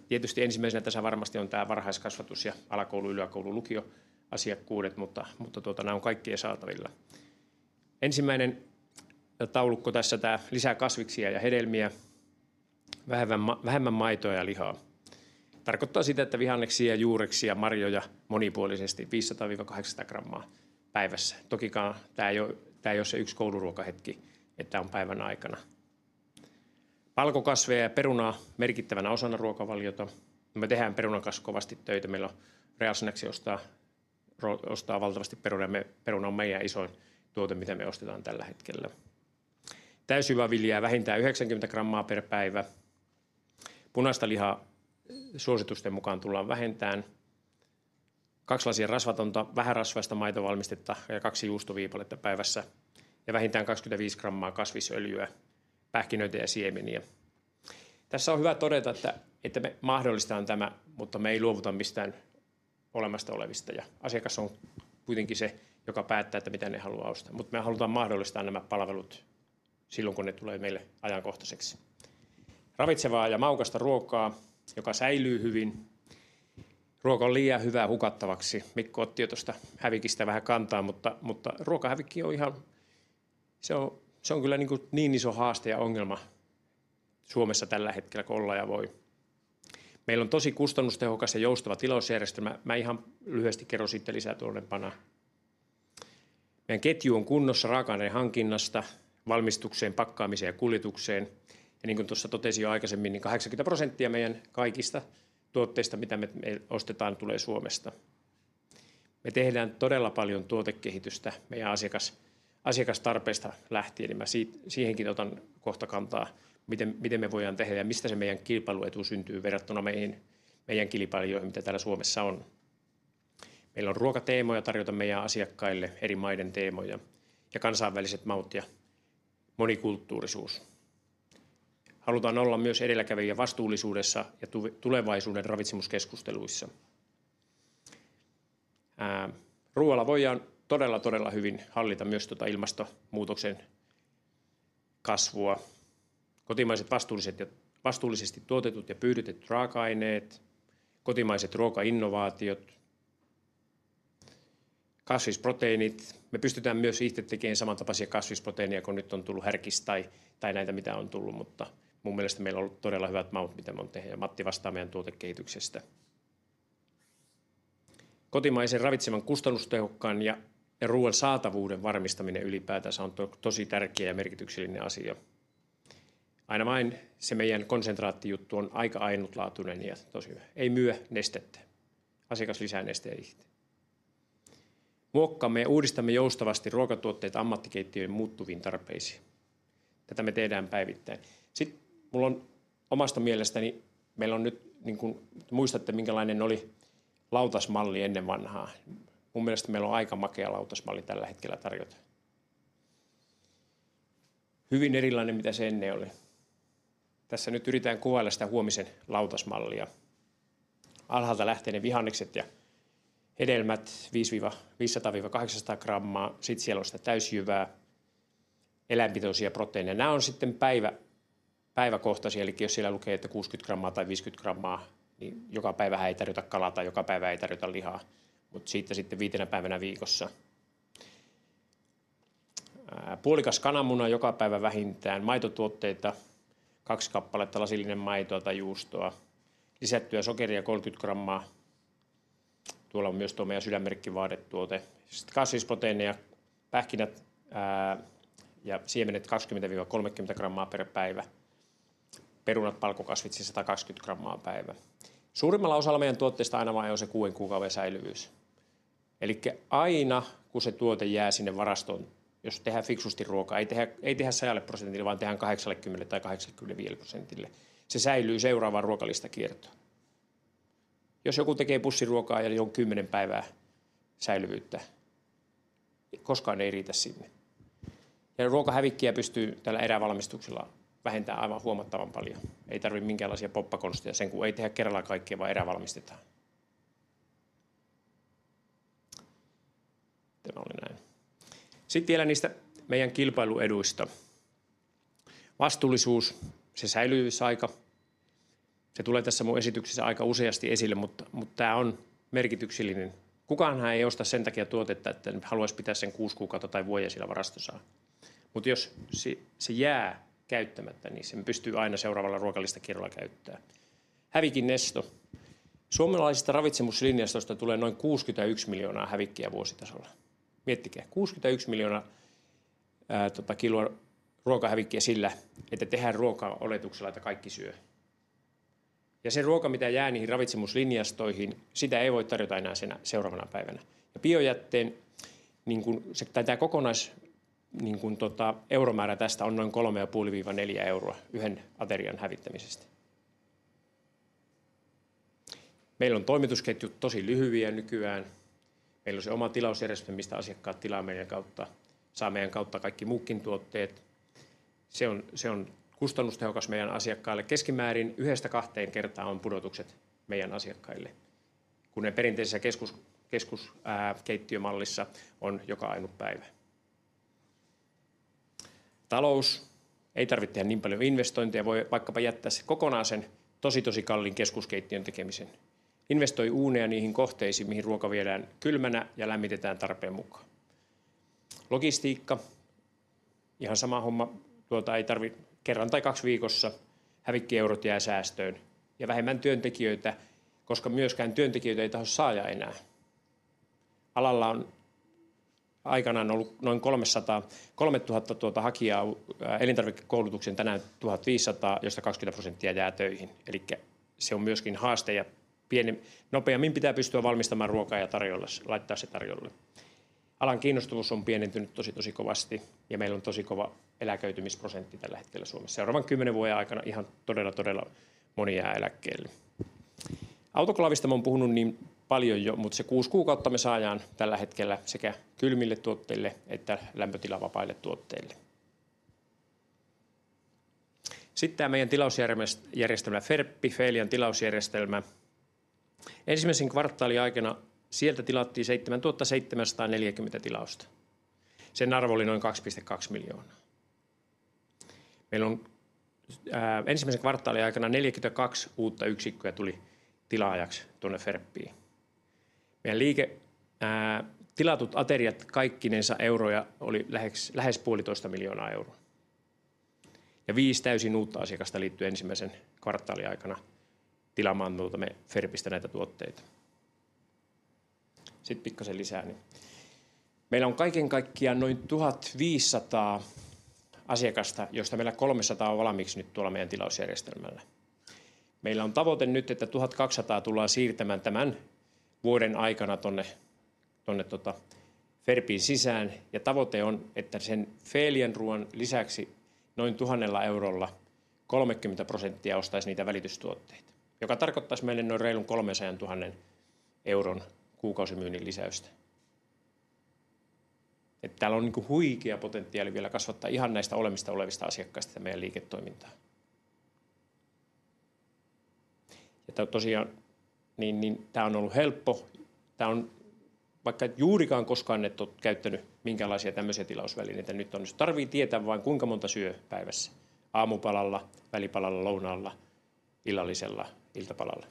Tietysti ensimmäisenä tässä varmasti on tää varhaiskasvatus ja alakoulu, yläkoulu, lukio asiakkuudet. Nää on kaikkien saatavilla. Ensimmäinen taulukko tässä, tää lisää kasviksia ja hedelmiä, vähemmän maitoa ja lihaa. Tarkoittaa sitä, että vihanneksia ja juureksia, marjoja monipuolisesti 500-800 grammaa päivässä. Tää ei ole se yksi kouluruokahetki, että on päivän aikana. Palkokasveja ja perunaa merkittävänä osana ruokavaliota. Me tehdään perunan kanssa kovasti töitä. Meillä on Real Snacks ostaa valtavasti perunaa. Peruna on meidän isoin tuote, mitä me ostetaan tällä hetkellä. Täysjyväviljaa vähintään 90 grammaa per päivä. Punaista lihaa suositusten mukaan tullaan vähentämään. Kaksi lasia rasvatonta vähärasvaista maitovalmistetta ja kaksi juustoviipaletta päivässä ja vähintään 25 grammaa kasvisöljyä, pähkinöitä ja siemeniä. Tässä on hyvä todeta, että me mahdollistetaan tämä, mutta me ei luovuta mistään olemassa olevista ja asiakas on kuitenkin se, joka päättää, että mitä ne haluaa ostaa. Mutta me halutaan mahdollistaa nämä palvelut silloin, kun ne tulee meille ajankohtaiseksi. Ravitsevaa ja maukasta ruokaa, joka säilyy hyvin. Ruoka on liian hyvää hukattavaksi. Mikko otti jo tuosta hävikistä vähän kantaa, mutta ruokahävikki on ihan... Se on kyllä niin iso haaste ja ongelma Suomessa tällä hetkellä kuin olla ja voi. Meillä on tosi kustannustehokas ja joustava tilausjärjestelmä. Mä ihan lyhyesti kerron siitä lisää tuonnempana. Meidän ketju on kunnossa raaka-aineen hankinnasta valmistukseen, pakkaamiseen ja kuljetukseen. Ja niin kuin tuossa totesin jo aikaisemmin, niin 80% meidän kaikista tuotteista, mitä me ostetaan, tulee Suomesta. Me tehdään todella paljon tuotekehitystä meidän asiakastarpeesta lähtien, niin mä siihenkin otan kohta kantaa. Miten me voidaan tehdä ja mistä se meidän kilpailuetu syntyy verrattuna meidän kilpailijoihin, mitä täällä Suomessa on? Meillä on ruokateemoja tarjota meidän asiakkaille eri maiden teemoja ja kansainväliset maut ja monikulttuurisuus. Halutaan olla myös edelläkävijä vastuullisuudessa ja tulevaisuuden ravitsemuskeskusteluissa. Ruoalla voidaan todella hyvin hallita myös tuota ilmastonmuutoksen kasvua. Kotimaiset, vastuulliset ja vastuullisesti tuotetut ja pyydytetyt raaka-aineet, kotimaiset ruokainnovaatiot, kasvisproteiinit. Me pystytään myös itse tekemään samantapaisia kasvisproteiineja kuin nyt on tullut Härkis tai näitä, mitä on tullut. Mutta mun mielestä meillä on ollut todella hyvät maut, mitä me on tehty ja Matti vastaa meidän tuotekehityksestä. Kotimaisen, ravitsevan, kustannustehokkaan ja ruoan saatavuuden varmistaminen ylipäätänsä on tosi tärkeä ja merkityksellinen asia. Aina vain se meidän konsentraattijuttu on aika ainutlaatuinen ja tosi hyvä. Ei myy nestettä. Asiakas lisää nesteen itse. Muokkaamme ja uudistamme joustavasti ruokatuotteet ammattikeittiöiden muuttuviin tarpeisiin. Tätä me tehdään päivittäin. Sitten mulla on omasta mielestäni meillä on nyt niin kuin muistatte, minkälainen oli lautasmalli ennen vanhaan. Mun mielestä meillä on aika makea lautasmalli tällä hetkellä tarjota. Hyvin erilainen mitä se ennen oli. Tässä nyt yritän kuvailla sitä huomisen lautasmallia. Alhaalta lähtee ne vihannekset ja hedelmät. 500-800 grammaa. Sitten siellä on sitä täysjyvää, eläinperäisiä proteiineja. Nää on sitten päiväkohtaisia. Elikkä jos siellä lukee, että 60 grammaa tai 50 grammaa, niin joka päivähän ei tarjota kalaa tai joka päivä ei tarjota lihaa, mutta sitten viitenä päivänä viikossa. Puolikas kananmuna joka päivä, vähintään maitotuotteita kaksi kappaletta, lasillinen maitoa tai juustoa. Lisättyä sokeria 30 grammaa. Tuolla on myös tuo meidän Sydänmerkki-vaatetuote. Kasvisproteiineja, pähkinät ja siemenet kaksikymmentä-kolmekymmentä grammaa per päivä. Perunat, palkokasvit satakaksikymmentä grammaa päivässä. Suurimmalla osalla meidän tuotteista aina on se kuuden kuukauden säilyvyys. Kun se tuote jää sinne varastoon, jos tehdään fiksusti ruokaa, ei tehdä sadalle prosentille, vaan tehdään kahdeksallekymmenelle tai kahdeksankymmenelleviisi prosentille. Se säilyy seuraavaan ruokalistakiertoon. Jos joku tekee pussiruokaa ja johon kymmenen päivää säilyvyyttä, se ei koskaan riitä sinne. Ruokahävikkiä pystyy tällä erävalmistuksella vähentää aivan huomattavan paljon. Ei tarvitse minkäänlaisia poppakonsteja. Sen kun ei tehdä kerralla kaikkea, vaan erävalmistetaan. Sitten vielä niistä meidän kilpailueduista. Vastuullisuus. Se säilyvyysaika. Se tulee tässä mun esityksessä aika useasti esille, mutta tämä on merkityksellinen. Kukaan ei osta sen takia tuotetta, että haluaisi pitää sen kuusi kuukautta tai vuoden siellä varastossaan, mutta jos se jää käyttämättä, niin sen pystyy aina seuraavalla ruokalistakierrolla käyttää. Hävikin esto. Suomalaisista ravitsemuslinjastoista tulee noin 61 miljoonaa kiloa hävikkiä vuositasolla. Miettikää 61 miljoonaa kiloa ruokahävikkiä sillä, että tehdään ruokaa oletuksella, että kaikki syö ja se ruoka, mitä jää niihin ravitsemuslinjastoihin. Sitä ei voi tarjota enää sinä seuraavana päivänä ja biojätteen euromäärä. Tästä on noin 3,5-4 euroa yhden aterian hävittämisestä. Meillä on toimitusketjut tosi lyhyitä nykyään. Meillä on se oma tilausjärjestelmä, mistä asiakkaat tilaa meidän kautta saa meidän kautta kaikki muukin tuotteet. Se on kustannustehokas meidän asiakkaille. Keskimäärin yhdestä kahteen kertaan on pudotukset meidän asiakkaille, kun ne perinteisessä keskuskeittiömallissa on joka ainut päivä. Talous. Ei tarvi tehdä niin paljon investointeja. Voi vaikkapa jättää kokonaan sen tosi, tosi kalliin keskuskeittiön tekemisen, investoi uuneja niihin kohteisiin, mihin ruoka viedään kylmänä ja lämmitetään tarpeen mukaan. Logistiikka. Ihan sama homma. Tuota ei tarvitse kerran tai kaksi viikossa. Hävikki eurot jää säästöön ja vähemmän työntekijöitä, koska työntekijöitä ei tahdo saada enää. Alalla on aikanaan ollut noin kolmesataakolmetuhatta hakijaa elintarvikekoulutukseen, tänään tuhatviisisataa, joista 20% jää töihin. Se on myöskin haaste ja pieni. Nopeammin pitää pystyä valmistamaan ruokaa ja tarjoamaan, laittaa se tarjolle. Alan kiinnostavuus on pienentynyt todella kovasti ja meillä on kova eläköitymisprosentti tällä hetkellä Suomessa. Seuraavan kymmenen vuoden aikana todella moni jää eläkkeelle. Autoklaavista olen puhunut jo paljon, mutta se kuusi kuukautta me saadaan tällä hetkellä sekä kylmille tuotteille että lämpötilavapaille tuotteille. Sitten tämä meidän tilausjärjestelmä Ferppi Feelian tilausjärjestelmä. Ensimmäisen kvartaalin aikana sieltä tilattiin seitsemäntuhattaseitsemänsataaneljäkymmentä tilausta. Sen arvo oli noin €2,2 miljoonaa. Meillä on ensimmäisen kvartaalin aikana neljäkymmentäkaksi uutta yksikköä tullut tilaajaksi tuonne Ferppiin. Tilatut ateriat kaikkiaan euroja oli lähes puolitoista miljoonaa euroa ja viisi täysin uutta asiakasta liittyi ensimmäisen kvartaalin aikana tilaamaan Ferpistä näitä tuotteita. Sitten vähän lisää, meillä on kaiken kaikkiaan noin tuhat viisisataa asiakasta, joista kolmesataa on valmiiksi nyt tuolla meidän tilausjärjestelmällä. Meillä on tavoite nyt, että tuhat kaksisataa tullaan siirtämään tämän vuoden aikana tuonne Ferpin sisään ja tavoite on, että Feelian ruoan lisäksi noin tuhannella eurolla 30% ostaisi niitä välitystuotteita, joka tarkoittaisi meille noin reilun kolmensadantuhannen euron kuukausimyynnin lisäystä. Täällä on huikea potentiaali vielä kasvattaa ihan näistä olemassa olevista asiakkaista meidän liiketoimintaa. Tämä on ollut helppo. Tämä on, vaikka et juurikaan koskaan ole käyttänyt minkäänlaisia tämmöisiä tilausvälineitä. Nyt tarvitsee tietää vain, kuinka monta syö päivässä, aamupalalla, välipalalla, lounaalla, illallisella, iltapalalla.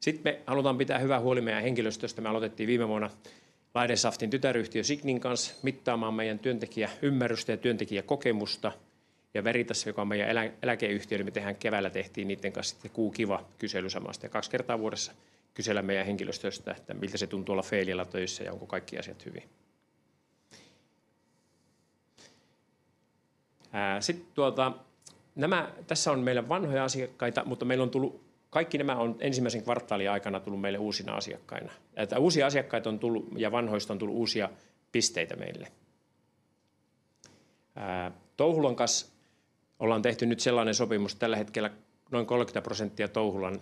Sitten me halutaan pitää hyvä huoli meidän henkilöstöstä. Me aloitettiin viime vuonna Laidensaftin tytäryhtiön Signin kanssa mittaamaan meidän työntekijäymmärrystä ja työntekijäkokemusta. Veritaksesta, joka on meidän eläkeyhtiö, me tehdään keväällä niiden kanssa se Q Kiva kysely samasta ja kaksi kertaa vuodessa kysellä meidän henkilöstöstä, että miltä se tuntuu tuolla Feelialla töissä ja onko kaikki asiat hyvin. Tässä on meillä vanhoja asiakkaita, mutta meillä on tullut kaikki. Nämä on ensimmäisen kvartaalin aikana tullut meille uusina asiakkaina. Uusia asiakkaita on tullut ja vanhoista on tullut uusia pisteitä meille. Touhulan kanssa ollaan tehty nyt sellainen sopimus. Tällä hetkellä noin 30% Touhulan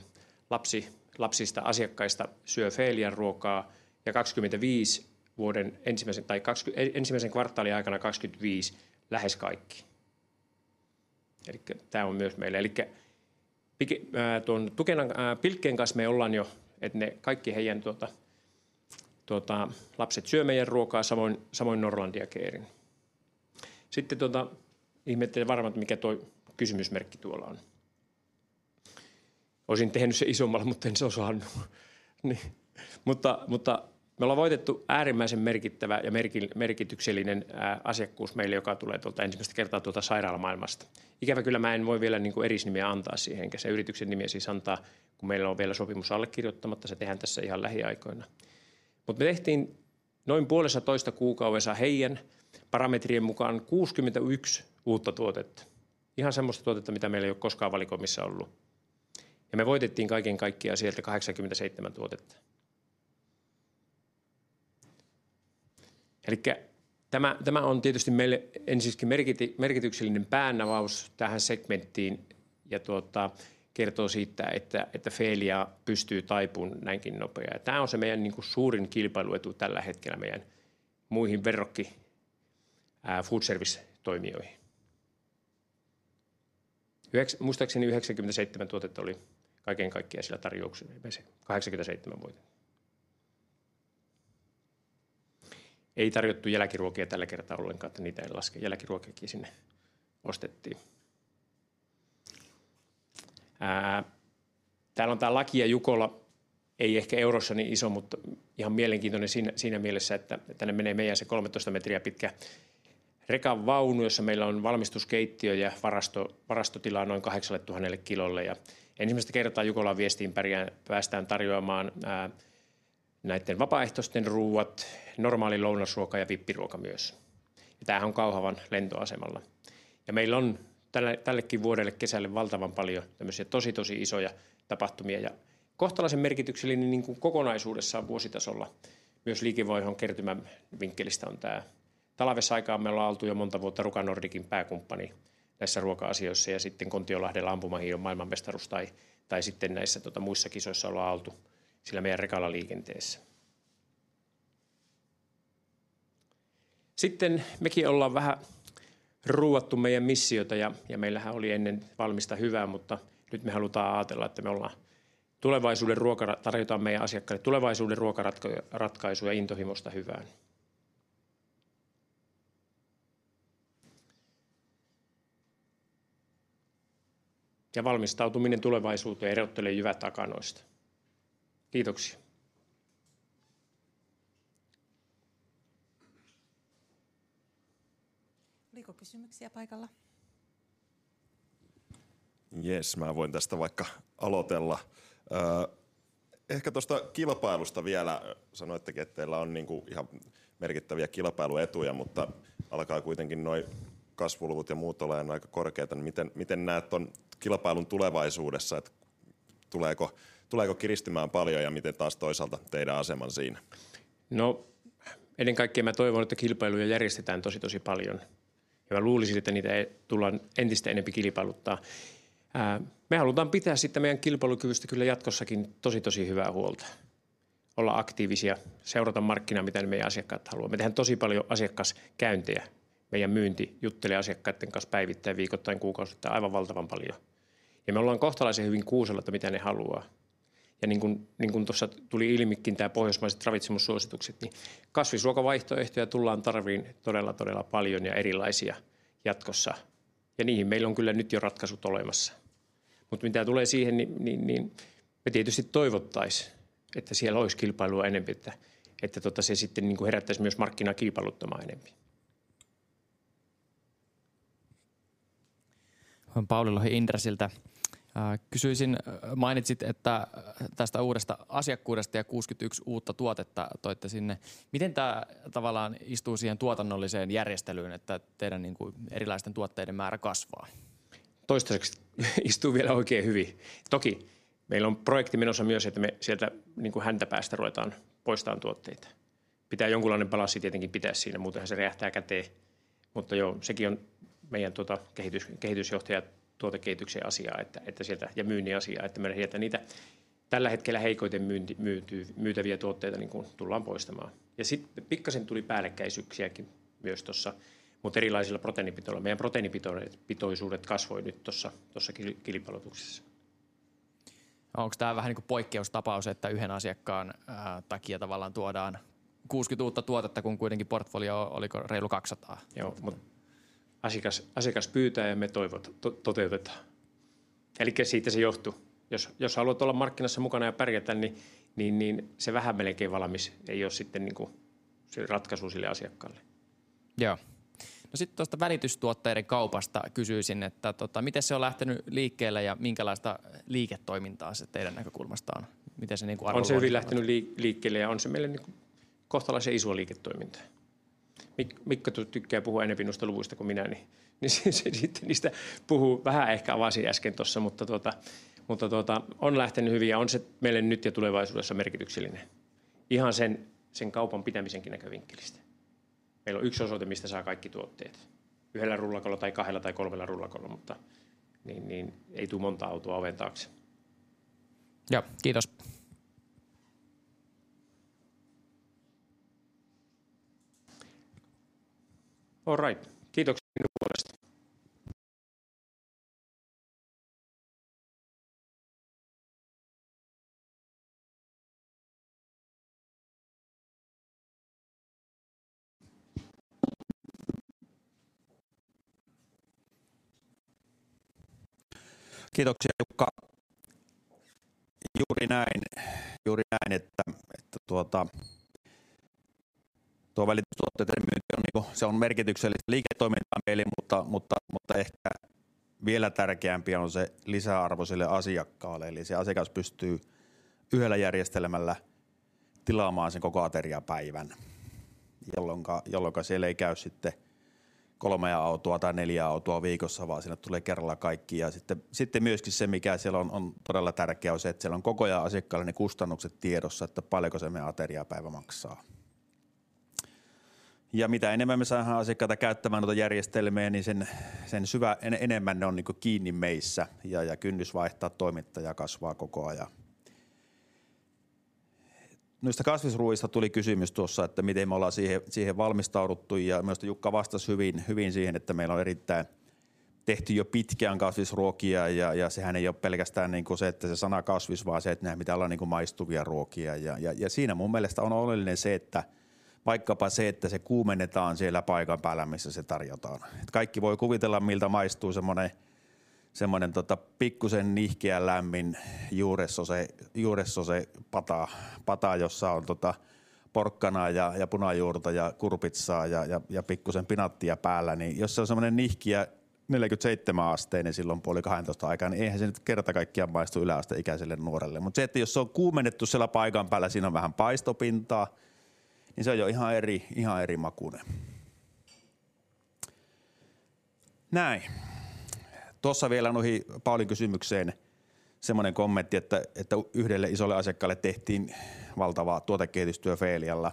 lapsista asiakkaista syö Feelian ruokaa ja 25 vuoden ensimmäisen tai 20 ensimmäisen kvartaalin aikana 25 lähes kaikki. Tämä on myös meille. Tukenan Pilkkeen kanssa me ollaan jo, että ne kaikki heidän lapset syö meidän ruokaa, samoin Norlandia Keirin. Ihmettelee varmaan, että mikä toi kysymysmerkki tuolla on. Olisin tehnyt sen isommalla, mutta en osannut niin. Me ollaan voitettu äärimmäisen merkittävä ja merkityksellinen asiakkuus meille, joka tulee ensimmäistä kertaa sairaalamaailmasta. Ikävä kyllä en voi vielä yrityksen nimeä antaa, kun meillä on vielä sopimus allekirjoittamatta. Se tehdään tässä ihan lähiaikoina, mutta me tehtiin noin puolessatoista kuukaudessa heidän parametrien mukaan 61 uutta tuotetta. Ihan sellaista tuotetta, mitä meillä ei ole koskaan valikoimissa ollut ja me voitettiin kaiken kaikkiaan sieltä 87 tuotetta. Tämä on tietysti meille ensiksikin merkityksellinen päänavaus tähän segmenttiin ja kertoo siitä, että Feelia pystyy taipumaan näinkin nopeasti. Tämä on meidän suurin kilpailuetu tällä hetkellä meidän muihin verrokki food service -toimijoihin. Muistaakseni 97 tuotetta oli kaiken kaikkiaan siellä tarjouksessa, 87 muistan. Ei tarjottu jälkiruokia tällä kertaa ollenkaan, että niitä en laske. Jälkiruokiakin sinne ostettiin. Ää täällä on tää laki ja Jukola ei ehkä euroissa niin iso, mutta ihan mielenkiintoinen siinä mielessä, että tänne menee meidän se kolmetoista metriä pitkä rekan vaunu, jossa meillä on valmistuskeittiö ja varasto, varastotilaa noin kahdeksalletuhannelle kilolle. Ensimmäistä kertaa Jukolan viestiin pärjää, päästään tarjoamaan näitten vapaaehtoisten ruoat, normaali lounasruoka ja VIP-ruoka myös. Tämähän on Kauhavan lentoasemalla ja meillä on tälle vuodelle kesälle valtavan paljon tämmöisiä tosi isoja tapahtumia ja kohtalaisen merkityksellinen kokonaisuudessaan vuositasolla myös liikevaihdon kertymän vinkkelistä. Talvisaikaan me ollaan oltu jo monta vuotta Ruka Nordicin pääkumppani näissä ruoka-asioissa ja sitten Kontiolahdella ampumahiihdon maailmanmestaruus tai sitten näissä muissa kisoissa ollaan oltu sillä meidän rekalla liikenteessä. Sitten mekin ollaan vähän ruuattu meidän missiota ja meillähän oli ennen valmista hyvää, mutta nyt me halutaan ajatella, että me ollaan tulevaisuuden ruoka, tarjotaan meidän asiakkaille tulevaisuuden ruokaratkaisuja intohimosta hyvään. Ja valmistautuminen tulevaisuuteen erottaa jyvät akanoista. Kiitos! Oliko kysymyksiä paikalla? Jees, mä voin tästä vaikka aloitella. Ehkä tuosta kilpailusta vielä. Sanoittekin, että teillä on niinku ihan merkittäviä kilpailuetuja, mutta alkaa kuitenkin noi kasvuluvut ja muut olemaan aika korkeita, niin miten näet tuon kilpailun tulevaisuudessa, että tuleeko kiristymään paljon ja miten taas toisaalta teidän asema siinä? Ennen kaikkea mä toivon, että kilpailuja järjestetään tosi paljon, ja mä luulisin, että niitä tullaan entistä enemmän kilpailuttamaan. Me halutaan pitää sitten meidän kilpailukyvystä kyllä jatkossakin tosi hyvää huolta, olla aktiivisia, seurata markkinaa, mitä ne meidän asiakkaat haluaa. Me tehdään tosi paljon asiakaskäyntejä. Meidän myynti juttelee asiakkaiden kanssa päivittäin, viikoittain, kuukausittain aivan valtavan paljon, ja me ollaan kohtalaisesti hyvin kuulolla, että mitä ne haluaa. Ja niin kuin tuossa tuli ilmikin, nämä pohjoismaiset ravitsemussuositukset, niin kasvisruokavaihtoehtoja tullaan tarvitsemaan todella paljon ja erilaisia jatkossa, ja niihin meillä on kyllä nyt jo ratkaisut olemassa. Mutta mitä tulee siihen, niin me tietysti toivottaisiin, että siellä olisi kilpailua enemmän, että se sitten herättäisi myös markkinaa kilpailuttamaan enemmän. Olen Pauli Lohi Intrasilta. Kysyisin... mainitsit, että tästä uudesta asiakkuudesta ja kuusikymmentäyksi uutta tuotetta toitte sinne. Miten tää tavallaan istuu siihen tuotannolliseen järjestelyyn, että teidän niinku erilaisten tuotteiden määrä kasvaa? Toistaiseksi istuu vielä oikein hyvin. Toki meillä on projekti menossa myös, että me sieltä häntäpäästä ruvetaan poistamaan tuotteita. Pitää jonkinlainen balanssi tietenkin pitää siinä, muuten se räjähtää käteen. Mutta joo, sekin on meidän tuotekehitysjohtajan tuotekehityksen asiaa, että sieltä ja myynnin asia, että me lähdetään niitä tällä hetkellä heikoiten myytyviä tuotteita poistamaan. Sitten tuli päällekkäisyyksiäkin myös tuossa, mutta erilaisilla proteiinipitoisuuksilla. Meidän proteiinipitoisuudet kasvoivat nyt tuossa kilpailutuksessa. Onko tää vähän niinku poikkeustapaus, että yhden asiakkaan takia tavallaan tuodaan kuusikymmentä uutta tuotetta, kun kuitenkin portfolio on, oliko reilu kaksisataa? Joo, mutta asiakas pyytää ja me toivotaan toteutetaan. Siitä se johtuu. Jos haluat olla markkinassa mukana ja pärjätä, niin se vähän melkein valmis ei ole sitten se ratkaisu sille asiakkaalle. Joo. No sitten tuosta välitystuotteiden kaupasta kysyisin, että miten se on lähtenyt liikkeelle ja minkälaista liiketoimintaa se teidän näkökulmasta on? Miten se arvotetaan? On se hyvin lähtenyt liikkeelle ja on se meille niinku kohtalaisen isoa liiketoimintaa. Mikko tykkää puhua enempi noista luvuista kuin minä, niin se sitten niistä puhuu. Vähän ehkä avasin äsken tuossa, mutta on lähtenyt hyvin ja on se meille nyt ja tulevaisuudessa merkityksellinen. Ihan sen kaupan pitämisenkin näkövinkkelistä. Meillä on yksi osoite, mistä saa kaikki tuotteet yhdellä rullakolla tai kahdella tai kolmella rullakolla, mutta ei tuu montaa autoa oven taakse. Joo, kiitos. Alright, kiitoksia minun puolesta. Kiitoksia Jukka! Juuri näin. Juuri näin, että tuo välitystuotteiden myynti on niinku se on merkityksellistä liiketoimintaa meille, mutta ehkä vielä tärkeämpiä on se lisäarvo sille asiakkaalle. Eli se asiakas pystyy yhdellä järjestelmällä tilaamaan sen koko ateriapäivän, jolloin siellä ei käy sitten kolmea autoa tai neljää autoa viikossa, vaan sinne tulee kerralla kaikki. Ja sitten myöskin se, mikä siellä on todella tärkeää, on se, että siellä on koko ajan asiakkaalle ne kustannukset tiedossa, että paljonko se meidän ateriapäivä maksaa. Ja mitä enemmän me saadaan asiakkaita käyttämään noita järjestelmiä, niin sen enemmän ne on niinku kiinni meissä ja kynnys vaihtaa toimittajaa kasvaa koko ajan. Noista kasvisruoista tuli kysymys tuossa, että miten me ollaan siihen valmistauduttu? Ja minusta Jukka vastasi hyvin siihen, että meillä on erittäin hyvin tehty jo pitkään kasvisruokia. Ja, ja sehän ei ole pelkästään se, että se sana kasvis, vaan se, että nehän pitää olla maistuvia ruokia. Ja siinä mun mielestä on oleellinen se, että vaikkapa se kuumennetaan siellä paikan päällä, missä se tarjotaan. Kaikki voi kuvitella, miltä maistuu semmonen pikkusen nihkeä, lämmin juuresose, juuresosepata, pata, jossa on porkkanaa ja punajuurta ja kurpitsaa ja pikkusen pinaattia päällä. Jos se on semmonen nihkeä neljäkymmentäseitsemän asteinen puoli kahentoista aikaan, niin eihän se kerta kaikkiaan maistu yläasteikäiselle nuorelle. Mutta jos se on kuumennettu siellä paikan päällä, siinä on vähän paistopintaa, niin se on jo ihan eri, ihan eri makuinen. Näin! Tossa vielä noihin Paulin kysymykseen semmonen kommentti, että yhdelle isolle asiakkaalle tehtiin valtava tuotekehitystyö Feelialla,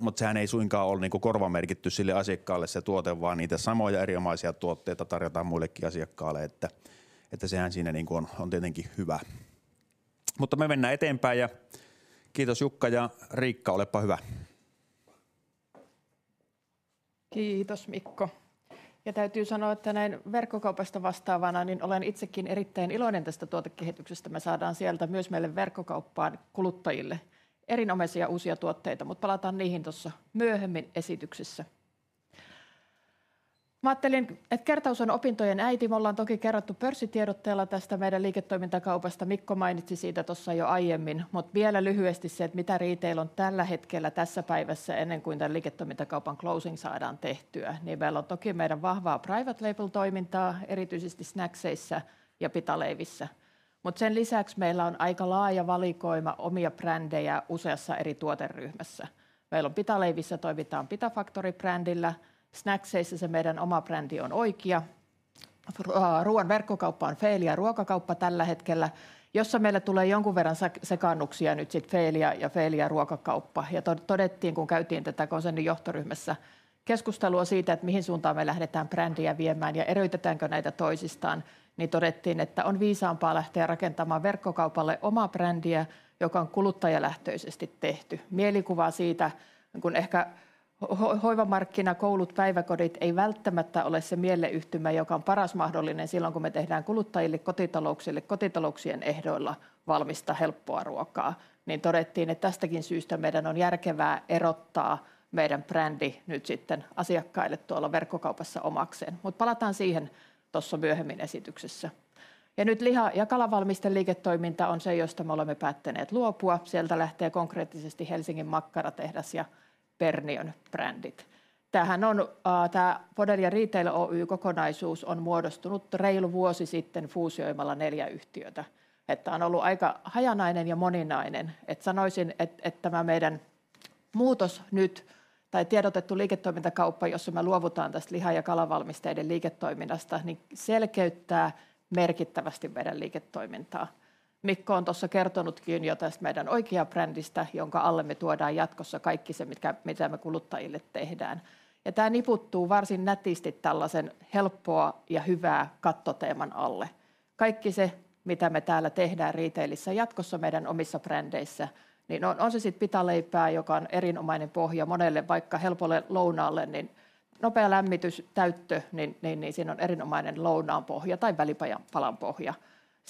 mutta sehän ei suinkaan ole korvamerkitty sille asiakkaalle se tuote, vaan niitä samoja erinomaisia tuotteita tarjotaan muillekin asiakkaille. Sehän siinä on tietenkin hyvä. Mutta me mennään eteenpäin ja kiitos Jukka, ja Riikka, oleppa hyvä! Kiitos Mikko! Ja täytyy sanoa, että näin verkkokaupasta vastaavana, niin olen itsekin erittäin iloinen tästä tuotekehityksestä. Me saadaan sieltä myös meille verkkokauppaan kuluttajille erinomaisia uusia tuotteita, mutta palataan niihin tuossa myöhemmin esityksessä. Mä ajattelin, että kertaus on opintojen äiti. Me ollaan toki kerrottu pörssitiedotteella tästä meidän liiketoimintakaupasta. Mikko mainitsi siitä tuossa jo aiemmin, mutta vielä lyhyesti se, että mitä retail on tällä hetkellä tässä päivässä ennen kuin tän liiketoimintakaupan closing saadaan tehtyä, niin meillä on toki meidän vahvaa private label -toimintaa erityisesti snackseissa ja pitaleivissä, mutta sen lisäksi meillä on aika laaja valikoima omia brändejä useassa eri tuoteryhmässä. Meillä on pitaleivissä toimitaan Pita Factory -brändillä. Snackseissa se meidän oma brändi on Oikia. Ruoan verkkokauppa on Feelia Ruokakauppa tällä hetkellä, jossa meillä tulee jonkun verran sekaannuksia. Nyt sitten Feelia ja Feelia Ruokakauppa. Ja todettiin, kun käytiin tätä konsernin johtoryhmässä keskustelua siitä, että mihin suuntaan me lähdetään brändiä viemään ja erotetaanko näitä toisistaan, niin todettiin, että on viisaampaa lähteä rakentamaan verkkokaupalle omaa brändiä, joka on kuluttajalähtöisesti tehty. Mielikuva siitä, kun ehkä hoivamarkkina, koulut, päiväkodit ei välttämättä ole se mielleyhtymä, joka on paras mahdollinen silloin, kun me tehdään kuluttajille, kotitalouksille, kotitalouksien ehdoilla valmista helppoa ruokaa, niin todettiin, että tästäkin syystä meidän on järkevää erottaa meidän brändi nyt sitten asiakkaille tuolla verkkokaupassa omakseen, mutta palataan siihen tuossa myöhemmin esityksessä. Ja nyt liha- ja kalavalmiste liiketoiminta on se, josta me olemme päättäneet luopua. Sieltä lähtee konkreettisesti Helsingin Makkaratehdas ja Perniön brändit. Tämähän on tämä Bodavia Retail Oy kokonaisuus on muodostunut reilu vuosi sitten fuusioimalla neljä yhtiötä. Että tää on ollut aika hajanainen ja moninainen. Sanoisin, että tämä meidän muutos nyt tai tiedotettu liiketoimintakauppa, jossa me luovutaan tästä liha- ja kalavalmisteiden liiketoiminnasta, niin selkeyttää merkittävästi meidän liiketoimintaa. Mikko on tuossa kertonutkin jo tästä meidän Oikia-brändistä, jonka alle me tuodaan jatkossa kaikki se, mitä me kuluttajille tehdään. Tää niputtuu varsin nätisti tällaisen helppoa ja hyvää kattoteeman alle. Kaikki se, mitä me täällä tehdään retailissa jatkossa meidän omissa brändeissä, niin on se sitten pitaleipää, joka on erinomainen pohja monelle, vaikka helpolle lounaalle, niin nopea lämmitys täyttö, niin siinä on erinomainen lounaan pohja tai välipalan pohja.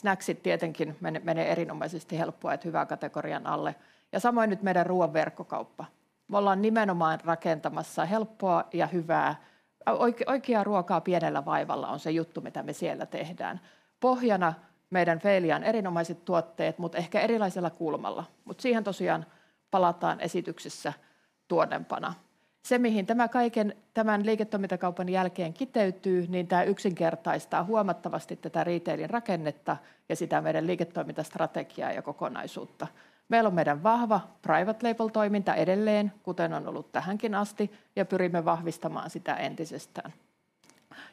Snacksit tietenkin menee erinomaisesti helppoa ja hyvää kategorian alle ja samoin nyt meidän ruoan verkkokauppa. Me ollaan nimenomaan rakentamassa helppoa ja hyvää. Oiki-oikeaa ruokaa pienellä vaivalla on se juttu, mitä me siellä tehdään. Pohjana meidän Feelian erinomaiset tuotteet, mutta ehkä erilaisella kulmalla. Mutta siihen tosiaan palataan esityksessä tuonnempana. Se, mihin tämä kaiken tämän liiketoimintakaupan jälkeen kiteytyy, niin tää yksinkertaistaa huomattavasti tätä retailin rakennetta ja sitä meidän liiketoimintastrategiaa ja kokonaisuutta. Meillä on meidän vahva private label -toiminta edelleen, kuten on ollut tähänkin asti, ja pyrimme vahvistamaan sitä entisestään.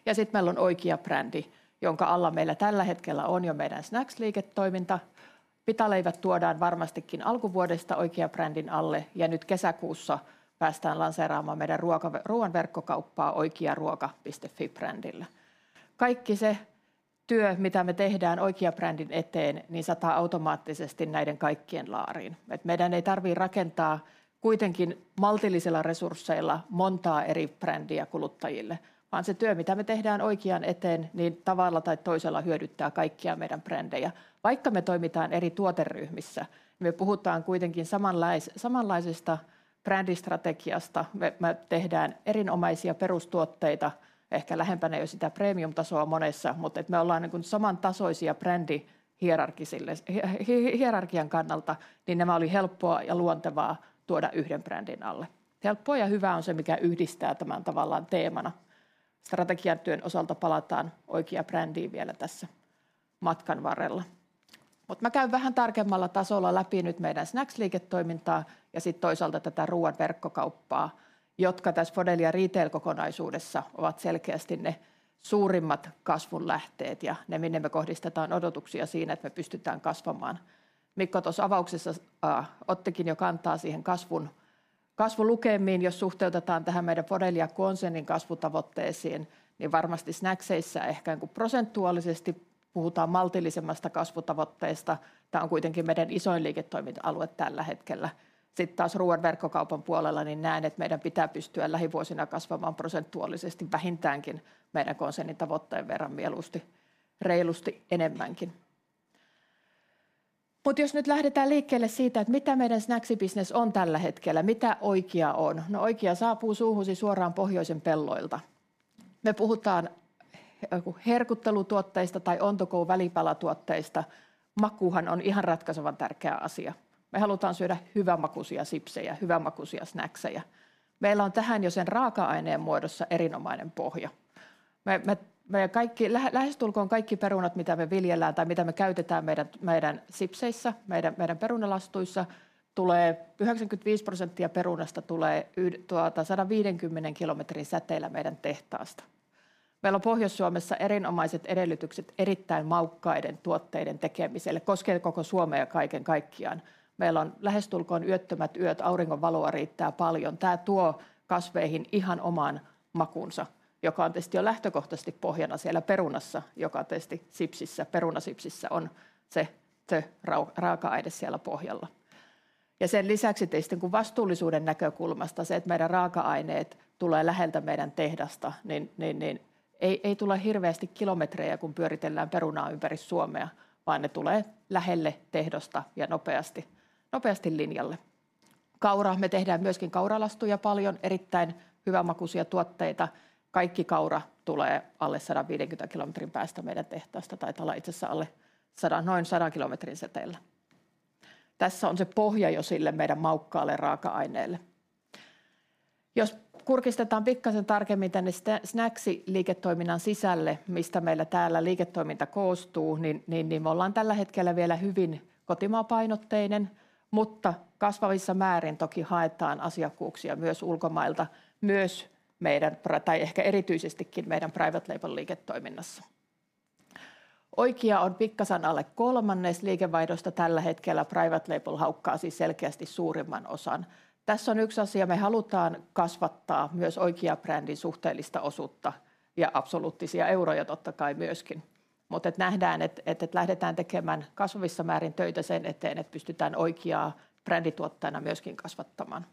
Ja sitten meillä on Oikia-brändi, jonka alla meillä tällä hetkellä on jo meidän Snacks-liiketoiminta. Pitaleivät tuodaan varmasti alkuvuodesta Oikia-brändin alle ja nyt kesäkuussa päästään lanseeraamaan meidän ruoan verkkokauppaa oikiaruoka.fi-brändillä. Kaikki se työ, mitä me tehdään Oikia-brändin eteen, niin sataa automaattisesti näiden kaikkien laariin. Meidän ei tarvitse rakentaa kuitenkin maltillisilla resursseilla montaa eri brändiä kuluttajille, vaan se työ, mitä me tehdään Oikian eteen, niin tavalla tai toisella hyödyttää kaikkia meidän brändejä. Vaikka me toimitaan eri tuoteryhmissä, me puhutaan kuitenkin samanlaisesta brändistrategiasta. Me tehdään erinomaisia perustuotteita, ehkä lähempänä jo sitä premium-tasoa monessa, mutta me ollaan samantasoisia brändi-hierarkian kannalta, niin nämä oli helppoa ja luontevaa tuoda yhden brändin alle. Helppoa ja hyvää on se, mikä yhdistää tämän tavallaan teemana. Strategiatyön osalta palataan Oikia-brändiin vielä tässä matkan varrella, mutta mä käyn vähän tarkemmalla tasolla läpi nyt meidän Snacks-liiketoimintaa ja sitten toisaalta tätä ruoan verkkokauppaa, jotka tässä Bodavia Retail -kokonaisuudessa ovat selkeästi ne suurimmat kasvun lähteet ja ne, minne me kohdistetaan odotuksia siinä, että me pystytään kasvamaan. Mikko tuossa avauksessa ottikin jo kantaa siihen kasvulukemiin, jos suhteutetaan tähän meidän Fodelia-konsernin kasvutavoitteisiin, niin varmasti snackseissa ehkä prosentuaalisesti puhutaan maltillisemmasta kasvutavoitteesta. Tää on kuitenkin meidän isoin liiketoiminta-alue tällä hetkellä. Sitten taas ruoan verkkokaupan puolella, niin näen, että meidän pitää pystyä lähivuosina kasvamaan prosentuaalisesti vähintäänkin meidän konsernin tavoitteen verran, mieluusti reilusti enemmänkin. Mutta jos nyt lähdetään liikkeelle siitä, että mitä meidän snacksi-bisnes on tällä hetkellä, mitä Oikia on? No, Oikia saapuu suuhusi suoraan pohjoisen pelloilta. Me puhutaan herkuttelutuotteista tai on-the-go-välipalatuotteista. Maku on ihan ratkaisevan tärkeä asia. Me halutaan syödä hyvänmakuisia sipsejä, hyvänmakuisia snackseja. Meillä on tähän jo sen raaka-aineen muodossa erinomainen pohja. Meidän lähes kaikki perunat, mitä me viljellään tai mitä me käytetään meidän sipseissä, meidän perunalastuissa tulee 95% perunasta tulee sadanviidenkymmenen kilometrin säteellä meidän tehtaasta. Meillä on Pohjois-Suomessa erinomaiset edellytykset erittäin maukkaiden tuotteiden tekemiselle. Koskee koko Suomea kaiken kaikkiaan. Meillä on lähestulkoon yöttömät yöt, auringonvaloa riittää paljon. Tää tuo kasveihin ihan oman makunsa, joka on tietysti jo lähtökohtaisesti pohjana siellä perunassa, joka tietysti sipsissä, perunasipsissä on se raaka-aine siellä pohjalla. Ja sen lisäksi tietysti vastuullisuuden näkökulmasta se, että meidän raaka-aineet tulee läheltä meidän tehdasta, niin ei tule hirveästi kilometrejä, kun pyöritellään perunaa ympäri Suomea, vaan ne tulee lähelle tehdasta ja nopeasti linjalle. Kaura. Me tehdään myöskin kauralastuja paljon, erittäin hyvänmakuisia tuotteita. Kaikki kaura tulee alle 150 kilometrin päästä meidän tehtaasta. Taitaa olla itse asiassa alle sadan, noin sadan kilometrin säteellä. Tässä on se pohja jo sille meidän maukkaalle raaka-aineelle. Jos kurkistetaan pikkaisen tarkemmin tänne sitä snacksi-liiketoiminnan sisälle, mistä meillä täällä liiketoiminta koostuu, niin me ollaan tällä hetkellä vielä hyvin kotimaapainotteinen, mutta kasvavissa määrin toki haetaan asiakkuuksia myös ulkomailta, myös meidän tai ehkä erityisestikin meidän private label -liiketoiminnassa. Oikia on pikkaisen alle kolmannes liikevaihdosta tällä hetkellä. Private label haukkaa siis selkeästi suurimman osan. Tässä on yksi asia. Me halutaan kasvattaa myös Oikia-brändin suhteellista osuutta ja absoluuttisia euroja totta kai myöskin. Mutta nähdään, että lähdetään tekemään kasvavissa määrin töitä sen eteen, että pystytään Oikiaa brändituotteena myöskin kasvattamaan.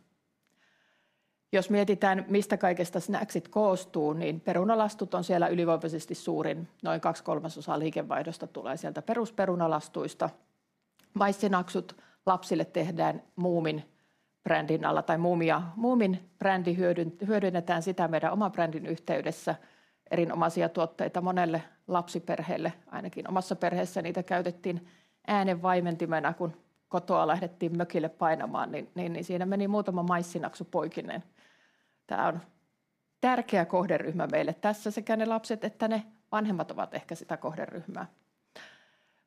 Jos mietitään, mistä kaikesta snacksit koostuu, niin perunalastut on siellä ylivoimaisesti suurin. Noin kaksi kolmasosaa liikevaihdosta tulee sieltä perus perunalastuista. Maissinaksut lapsille tehdään Muumin brändin alla tai Muumi ja Muumin brändi hyödynnetään sitä meidän oman brändin yhteydessä. Erinomaisia tuotteita monelle lapsiperheelle. Ainakin omassa perheessä niitä käytettiin äänenvaimentimena, kun kotoa lähdettiin mökille painamaan, niin siinä meni muutama maissinaksu poikineen. Tää on tärkeä kohderyhmä meille. Tässä sekä ne lapset että ne vanhemmat ovat ehkä sitä kohderyhmää.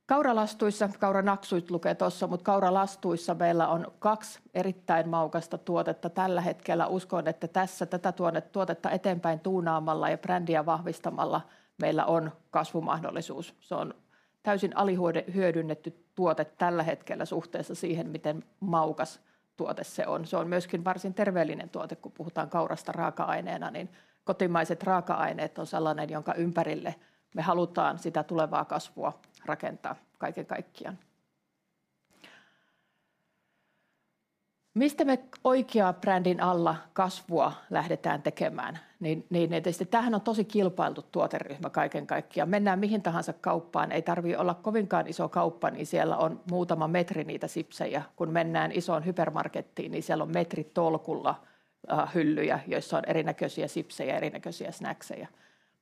Kauralastuissa kauranaksut lukee tuossa, mutta kauralastuissa meillä on kaksi erittäin maukasta tuotetta tällä hetkellä. Uskon, että tässä tätä tuotetta eteenpäin tuunaamalla ja brändiä vahvistamalla meillä on kasvumahdollisuus. Se on täysin alihyödynnetty tuote tällä hetkellä suhteessa siihen, miten maukas tuote se on. Se on myöskin varsin terveellinen tuote kun puhutaan kaurasta raaka-aineena, niin kotimaiset raaka-aineet on sellainen, jonka ympärille me halutaan sitä tulevaa kasvua rakentaa kaiken kaikkiaan. Mistä me Oikia-brändin alla kasvua lähdetään tekemään? Niin, niin, tietysti tämähän on tosi kilpailtu tuoteryhmä kaiken kaikkiaan. Mennään mihin tahansa kauppaan. Ei tarvitse olla kovinkaan iso kauppa, niin siellä on muutama metri niitä sipsejä. Kun mennään isoon hypermarkettiin, niin siellä on metritolkulla hyllyjä, joissa on erinäköisiä sipsejä, erinäköisiä snackseja.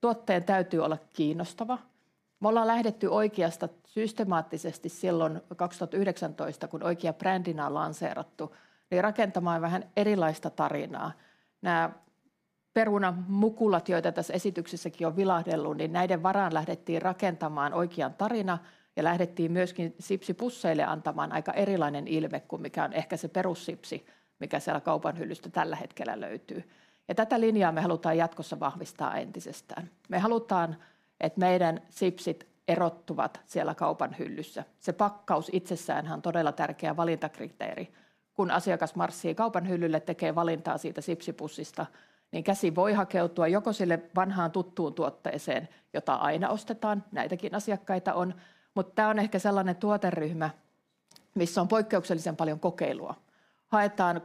Tuotteen täytyy olla kiinnostava. Me ollaan lähdetty Oikiasta systemaattisesti silloin 2019, kun Oikia brändinä on lanseerattu, niin rakentamaan vähän erilaista tarinaa. Nää perunamukulat, joita tässä esityksessäkin on vilahdellut, niin näiden varaan lähdettiin rakentamaan Oikian tarina ja lähdettiin myöskin sipsipusseille antamaan aika erilainen ilme kuin mikä on ehkä se perussipsi, mikä siellä kaupan hyllystä tällä hetkellä löytyy. Ja tätä linjaa me halutaan jatkossa vahvistaa entisestään. Me halutaan, että meidän sipsit erottuvat siellä kaupan hyllyssä. Se pakkaus itsessäänhän on todella tärkeä valintakriteeri. Kun asiakas marssii kaupan hyllylle, tekee valintaa siitä sipsipussista, niin käsi voi hakeutua joko sille vanhaan tuttuun tuotteeseen, jota aina ostetaan. Näitäkin asiakkaita on, mutta tämä on ehkä sellainen tuoteryhmä, missä on poikkeuksellisen paljon kokeilua. Haetaan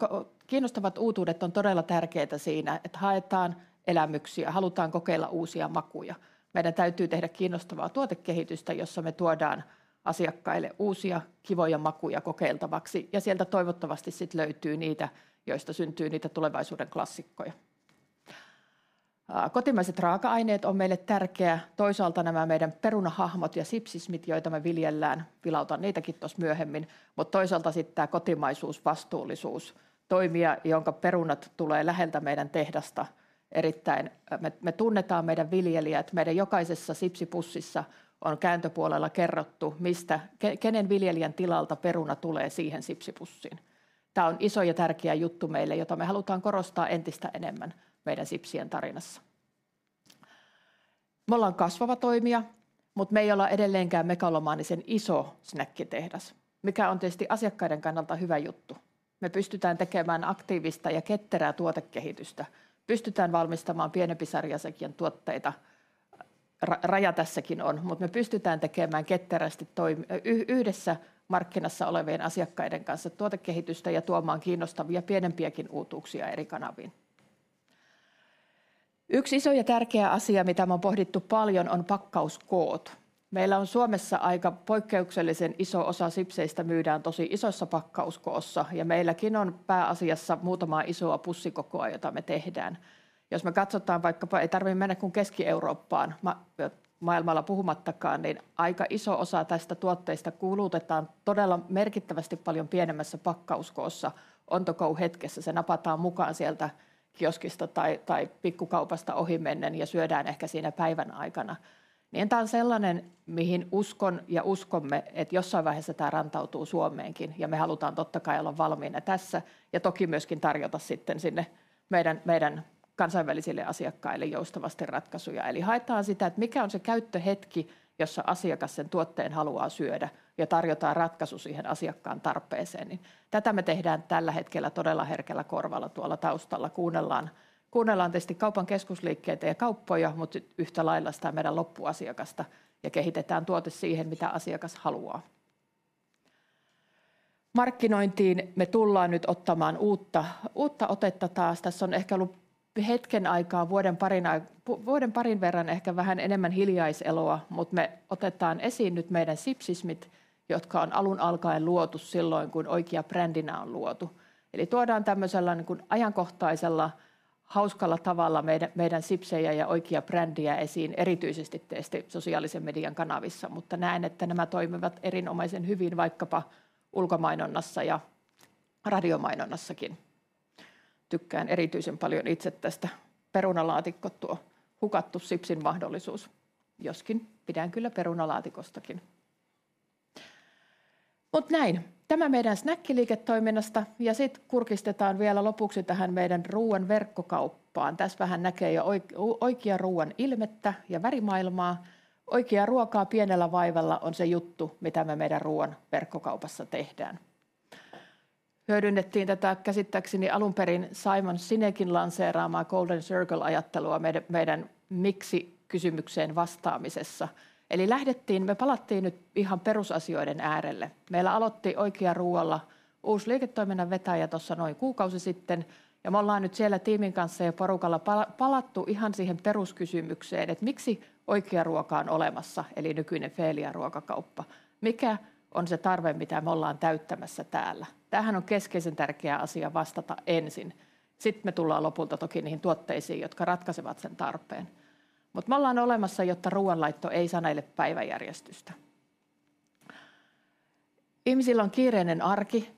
kiinnostavat uutuudet on todella tärkeitä siinä, että haetaan elämyksiä, halutaan kokeilla uusia makuja. Meidän täytyy tehdä kiinnostavaa tuotekehitystä, jossa me tuodaan asiakkaille uusia kivoja makuja kokeiltavaksi ja sieltä toivottavasti sitten löytyy niitä, joista syntyy niitä tulevaisuuden klassikkoja. Kotimaiset raaka-aineet on meille tärkeä. Toisaalta nämä meidän perunahahmot ja sipsismit, joita me viljellään. Vilautan niitäkin tuossa myöhemmin, mutta toisaalta sitten tämä kotimaisuus, vastuullisuus. Toimija, jonka perunat tulee läheltä meidän tehdasta. Erittäin me tunnetaan meidän viljelijät. Meidän jokaisessa sipsipussissa on kääntöpuolella kerrottu, mistä, kenen viljelijän tilalta peruna tulee siihen sipsipussiin. Tää on iso ja tärkeä juttu meille, jota me halutaan korostaa entistä enemmän meidän sipsien tarinassa. Me ollaan kasvava toimija, mutta me ei olla edelleenkään megalomaanisen iso snack-tehdas, mikä on tietysti asiakkaiden kannalta hyvä juttu. Me pystytään tekemään aktiivista ja ketterää tuotekehitystä, pystytään valmistamaan pienempiä sarjoja tuotteita. Raja tässäkin on, mutta me pystytään tekemään ketterästi toi yhdessä markkinassa olevien asiakkaiden kanssa tuotekehitystä ja tuomaan kiinnostavia pienempiäkin uutuuksia eri kanaviin. Yksi iso ja tärkeä asia, mitä me on pohdittu paljon, on pakkauskoot. Meillä on Suomessa aika poikkeuksellisen iso osa sipseistä myydään tosi isoissa pakkauskoossa ja meilläkin on pääasiassa muutamaa isoa pussikokoa, jota me tehdään. Jos me katsotaan vaikkapa, ei tarvitse mennä kuin Keski-Eurooppaan, maailmalla puhumattakaan, niin aika iso osa tästä tuotteista kulutetaan todella merkittävästi paljon pienemmässä pakkauskoossa. On-the-go-hetkessä se napataan mukaan sieltä kioskista tai pikkukaupasta ohimennen ja syödään ehkä siinä päivän aikana, niin tää on sellainen, mihin uskon ja uskomme, että jossain vaiheessa tää rantautuu Suomeenkin ja me halutaan totta kai olla valmiina tässä ja toki myöskin tarjota sitten sinne meidän kansainvälisille asiakkaille joustavasti ratkaisuja. Eli haetaan sitä, että mikä on se käyttöhetki, jossa asiakas sen tuotteen haluaa syödä ja tarjotaan ratkaisu siihen asiakkaan tarpeeseen, niin tätä me tehdään tällä hetkellä todella herkällä korvalla tuolla taustalla kuunnellaan. Kuunnellaan tietysti kaupan keskusliikkeitä ja kauppoja, mutta yhtä lailla sitä meidän loppuasiakasta ja kehitetään tuote siihen, mitä asiakas haluaa. Markkinointiin me tullaan nyt ottamaan uutta otetta taas. Tässä on ehkä ollut hetken aikaa, vuoden, parin vuoden verran, ehkä vähän enemmän hiljaiseloa, mutta me otetaan esiin nyt meidän sipsismit, jotka on alun alkaen luotu silloin, kun Oikija brändinä on luotu. Eli tuodaan tämmöisellä niinkun ajankohtaisella, hauskalla tavalla meidän sipsejä ja Oikija-brändiä esiin. Erityisesti tietysti sosiaalisen median kanavissa, mutta näen, että nämä toimivat erinomaisesti vaikkapa ulkomainonnassa ja radiomainonnassakin. Tykkään erityisen paljon itse tästä perunalaatikko, tuo hukattu sipsin mahdollisuus. Joskin pidän kyllä perunalaatikostakin. Mutta näin tämä meidän snack-liiketoiminnasta ja sitten kurkistetaan vielä lopuksi tähän meidän ruoan verkkokauppaan. Tässä vähän näkee jo Oi-Oikija ruoan ilmettä ja värimaailmaa. Oikeaa ruokaa pienellä vaivalla on se juttu, mitä me meidän ruoan verkkokaupassa tehdään. Hyödynnettiin tätä käsittääkseni alunperin Simon Sinekin lanseeraamaa Golden Circle -ajattelua meidän miksi-kysymykseen vastaamisessa. Lähdettiin, me palattiin nyt ihan perusasioiden äärelle. Meillä aloitti Oikija ruoalla uusi liiketoiminnan vetäjä tuossa noin kuukausi sitten, ja me ollaan nyt siellä tiimin kanssa ja porukalla palattu ihan siihen peruskysymykseen, että miksi Oikija ruoka on olemassa. Nykyinen Felia-ruokakauppa. Mikä on se tarve, mitä me ollaan täyttämässä täällä? Tämähän on keskeisen tärkeä asia vastata ensin. Sitten me tullaan lopulta toki niihin tuotteisiin, jotka ratkaisevat sen tarpeen, mutta me ollaan olemassa, jotta ruoanlaitto ei sanele päiväjärjestystä. Ihmisillä on kiireinen arki.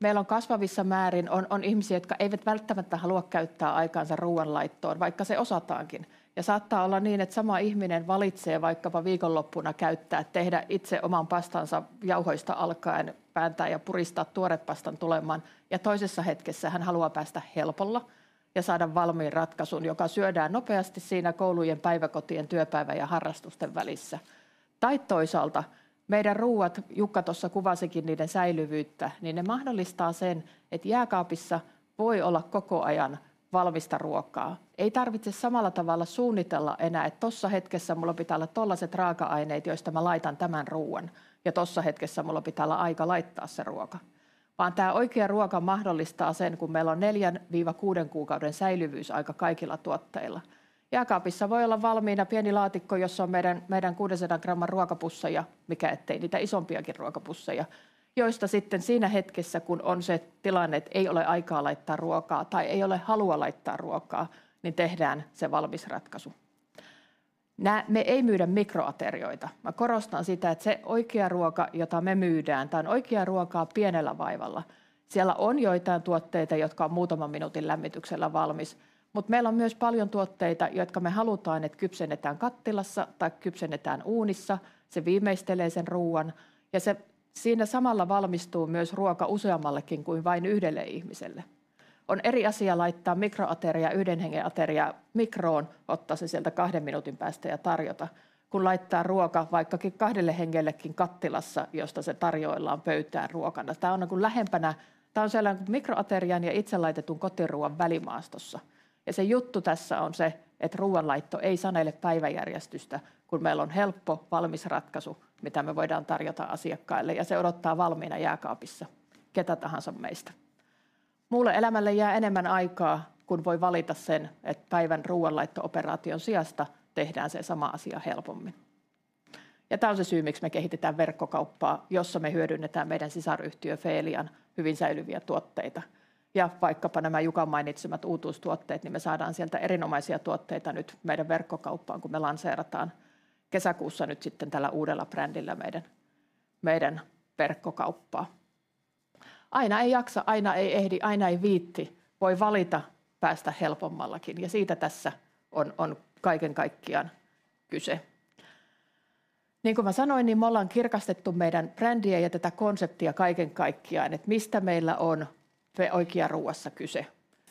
Meillä on kasvavissa määrin ihmisiä, jotka eivät välttämättä halua käyttää aikaansa ruoanlaittoon, vaikka se osataankin. Saattaa olla niin, että sama ihminen valitsee vaikkapa viikonloppuna käyttää tehdä itse oman pastansa jauhoista alkaen, vääntää ja puristaa tuorepastan tulemaan ja toisessa hetkessä hän haluaa päästä helpolla ja saada valmiin ratkaisun, joka syödään nopeasti siinä koulujen, päiväkotien, työpäivän ja harrastusten välissä. Tai toisaalta meidän ruuat. Jukka tuossa kuvasikin niiden säilyvyyttä, niin ne mahdollistaa sen, että jääkaapissa voi olla koko ajan valmista ruokaa. Ei tarvitse samalla tavalla suunnitella enää, että tuossa hetkessä mulla pitää olla tuollaiset raaka-aineet, joista mä laitan tämän ruoan ja tuossa hetkessä mulla pitää olla aika laittaa se ruoka, vaan tämä oikea ruoka mahdollistaa sen, kun meillä on neljän-kuuden kuukauden säilyvyysaika kaikilla tuotteilla. Jääkaapissa voi olla valmiina pieni laatikko, jossa on meidän kuudensadan gramman ruokapusseja. Miksei niitä isompiakin ruokapusseja, joista sitten siinä hetkessä, kun ei ole aikaa laittaa ruokaa tai ei ole halua laittaa ruokaa, niin tehdään se valmisratkaisu. Me ei myydä mikroaterioita. Korostan sitä, että se oikea ruoka, jota me myydään, tämä on oikeaa ruokaa pienellä vaivalla. Siellä on joitakin tuotteita, jotka on muutaman minuutin lämmityksellä valmiita, mutta meillä on myös paljon tuotteita, jotka me halutaan, että kypsennetään kattilassa tai kypsennetään uunissa. Se viimeistelee sen ruoan ja se siinä samalla valmistuu myös ruoka useammallekin kuin vain yhdelle ihmiselle. On eri asia laittaa mikroateria, yhden hengen ateria mikroon, ottaa se sieltä kahden minuutin päästä ja tarjota, kun laittaa ruokaa vaikkakin kahdelle hengellekin kattilassa, josta se tarjoillaan pöytään ruokana. Tämä on lähempänä, tämä on sellainen mikroaterian ja itse laitetun kotiruoan välimaastossa. Ja se juttu tässä on se, että ruoanlaitto ei sanele päiväjärjestystä, kun meillä on helppo valmisratkaisu, mitä me voidaan tarjota asiakkaille, ja se odottaa valmiina jääkaapissa ketä tahansa meistä. Muulle elämälle jää enemmän aikaa, kun voi valita sen, että päivän ruoanlaitto-operaation sijasta tehdään se sama asia helpommin. Ja tämä on se syy, miksi me kehitetään verkkokauppaa, jossa me hyödynnetään meidän sisaryhtiö Felian hyvin säilyviä tuotteita ja vaikkapa nämä Jukan mainitsemat uutuustuotteet, niin me saadaan sieltä erinomaisia tuotteita nyt meidän verkkokauppaan, kun me lanseerataan kesäkuussa nyt sitten tällä uudella brändillä meidän verkkokauppaa. Aina ei jaksa, aina ei ehdi, aina ei viitsi. Voi valita päästä helpommallakin ja siitä tässä on kaiken kaikkiaan kyse. Niin kun mä sanoin, niin me ollaan kirkastettu meidän brändiä ja tätä konseptia kaiken kaikkiaan, et mistä meillä on se oikea ruoassa kyse?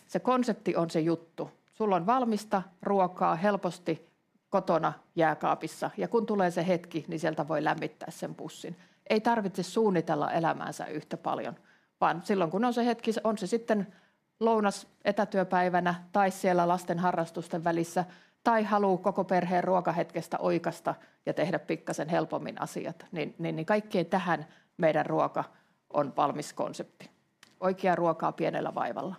Se konsepti on se juttu. Sulla on valmista ruokaa helposti kotona jääkaapissa, ja kun tulee se hetki, niin sieltä voi lämmittää sen pussin. Ei tarvitse suunnitella elämäänsä yhtä paljon, vaan silloin kun on se hetki, on se sitten lounas etätyöpäivänä tai siellä lasten harrastusten välissä tai haluu koko perheen ruokahetkestä oikeaa ja tehdä pikkasen helpommin asiat, niin kaikkeen tähän meidän ruoka on valmis konsepti. Oikeaa ruokaa pienellä vaivalla.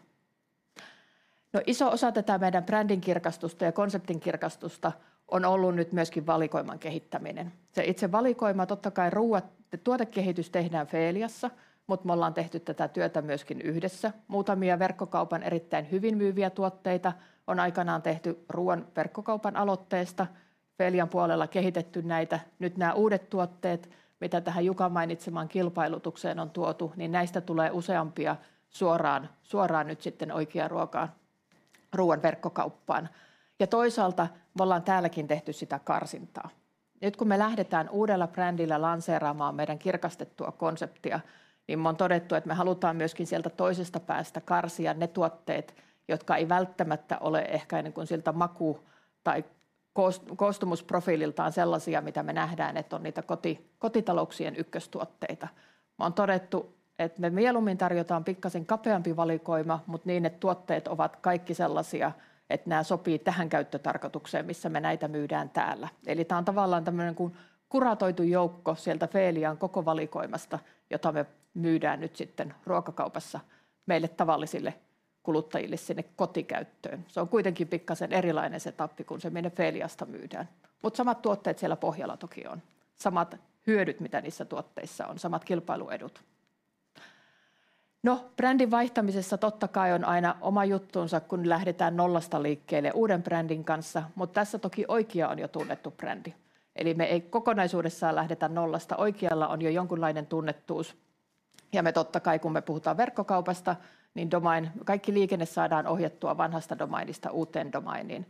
Iso osa tätä meidän brändin kirkastusta ja konseptin kirkastusta on ollut nyt myöskin valikoiman kehittäminen. Se itse valikoima totta kai ruoat, tuotekehitys tehdään Feliassa, mutta me ollaan tehty tätä työtä myöskin yhdessä. Muutamia verkkokaupan erittäin hyvin myyviä tuotteita on aikanaan tehty ruoan verkkokaupan aloitteesta. Felian puolella kehitetty näitä. Nyt nää uudet tuotteet, mitä tähän Jukan mainitsemaan kilpailutukseen on tuotu, niin näistä tulee useampia suoraan nyt sitten oikeaan ruokaan, ruoan verkkokauppaan. Ja toisaalta me ollaan täälläkin tehty sitä karsintaa. Nyt kun me lähdetään uudella brändillä lanseeraamaan meidän kirkastettua konseptia, niin me on todettu, että me halutaan myöskin sieltä toisesta päästä karsia ne tuotteet, jotka ei välttämättä ole ehkä niin kuin sieltä maku- tai koostumusprofiililtaan sellaisia, mitä me nähdään, että on niitä koti, kotitalouksien ykköstuotteita. Me on todettu, että me mieluummin tarjotaan pikkaisen kapeampi valikoima, mutta niin, että tuotteet ovat kaikki sellaisia, että nää sopii tähän käyttötarkoitukseen, missä me näitä myydään täällä. Eli tää on tavallaan tämmöinen kuin kuratoitu joukko sieltä Felian koko valikoimasta, jota me myydään nyt sitten ruokakaupassa meille tavallisille kuluttajille sinne kotikäyttöön. Se on kuitenkin pikkaisen erilainen se tappi kuin se mitä Feliasta myydään, mutta samat tuotteet siellä pohjalla toki on. Samat hyödyt, mitä niissä tuotteissa on, samat kilpailuedut. Brändin vaihtamisessa totta kai on aina oma juttunsa, kun lähdetään nollasta liikkeelle uuden brändin kanssa, mutta tässä toki Oikia on jo tunnettu brändi. Eli me ei kokonaisuudessaan lähdetä nollasta. Oikealla on jo jonkinlainen tunnettuus, ja me totta kai, kun me puhutaan verkkokaupasta, niin domain, kaikki liikenne saadaan ohjattua vanhasta domainista uuteen domainiin,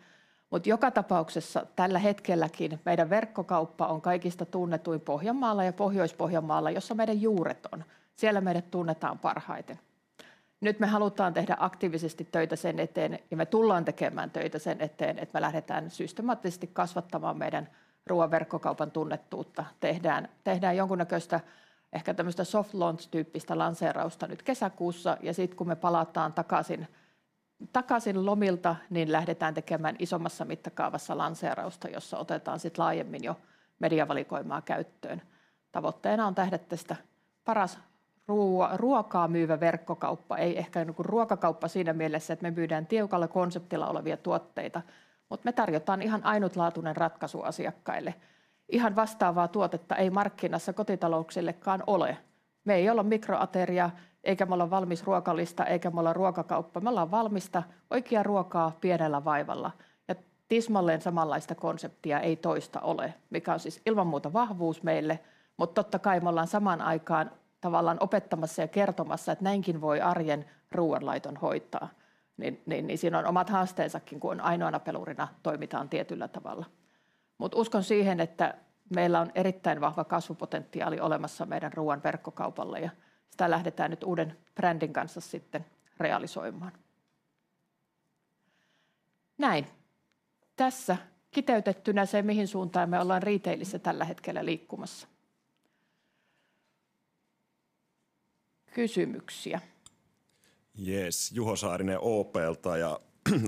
mutta joka tapauksessa tällä hetkelläkin meidän verkkokauppa on kaikista tunnetuin Pohjanmaalla ja Pohjois-Pohjanmaalla, jossa meidän juuret on. Siellä meidät tunnetaan parhaiten. Nyt me halutaan tehdä aktiivisesti töitä sen eteen ja me tullaan tekemään töitä sen eteen, että me lähdetään systemaattisesti kasvattamaan meidän ruoan verkkokaupan tunnettuutta. Tehdään jonkinlaista, ehkä tämmöistä soft launch -tyyppistä lanseerausta nyt kesäkuussa, ja sitten kun me palataan takaisin lomilta, niin lähdetään tekemään isommassa mittakaavassa lanseerausta, jossa otetaan sitten laajemmin jo mediavalikoimaa käyttöön. Tavoitteena on tehdä tästä paras ruokaa myyvä verkkokauppa. Ei ehkä niin kuin ruokakauppa siinä mielessä, että me myydään tiukalla konseptilla olevia tuotteita, mutta me tarjotaan ihan ainutlaatuinen ratkaisu asiakkaille. Ihan vastaavaa tuotetta ei markkinassa kotitalouksillekaan ole. Me ei olla mikroateria, eikä me olla valmis ruokalista, eikä me olla ruokakauppa. Me ollaan valmista, oikeaa ruokaa pienellä vaivalla. Ja tismalleen samanlaista konseptia ei toista ole. Mikä on siis ilman muuta vahvuus meille. Mutta totta kai me ollaan samaan aikaan tavallaan opettamassa ja kertomassa, että näinkin voi arjen ruoanlaiton hoitaa. Siinä on omat haasteensakin, kun ainoana pelurina toimitaan tietyllä tavalla. Mutta uskon siihen, että meillä on erittäin vahva kasvupotentiaali olemassa meidän ruoan verkkokaupalle, ja sitä lähdetään nyt uuden brändin kanssa sitten realisoimaan. Näin! Tässä kiteytettynä se, mihin suuntaan me ollaan retailissa tällä hetkellä liikkumassa. Kysymyksiä. Jees. Juho Saarinen OP:lta ja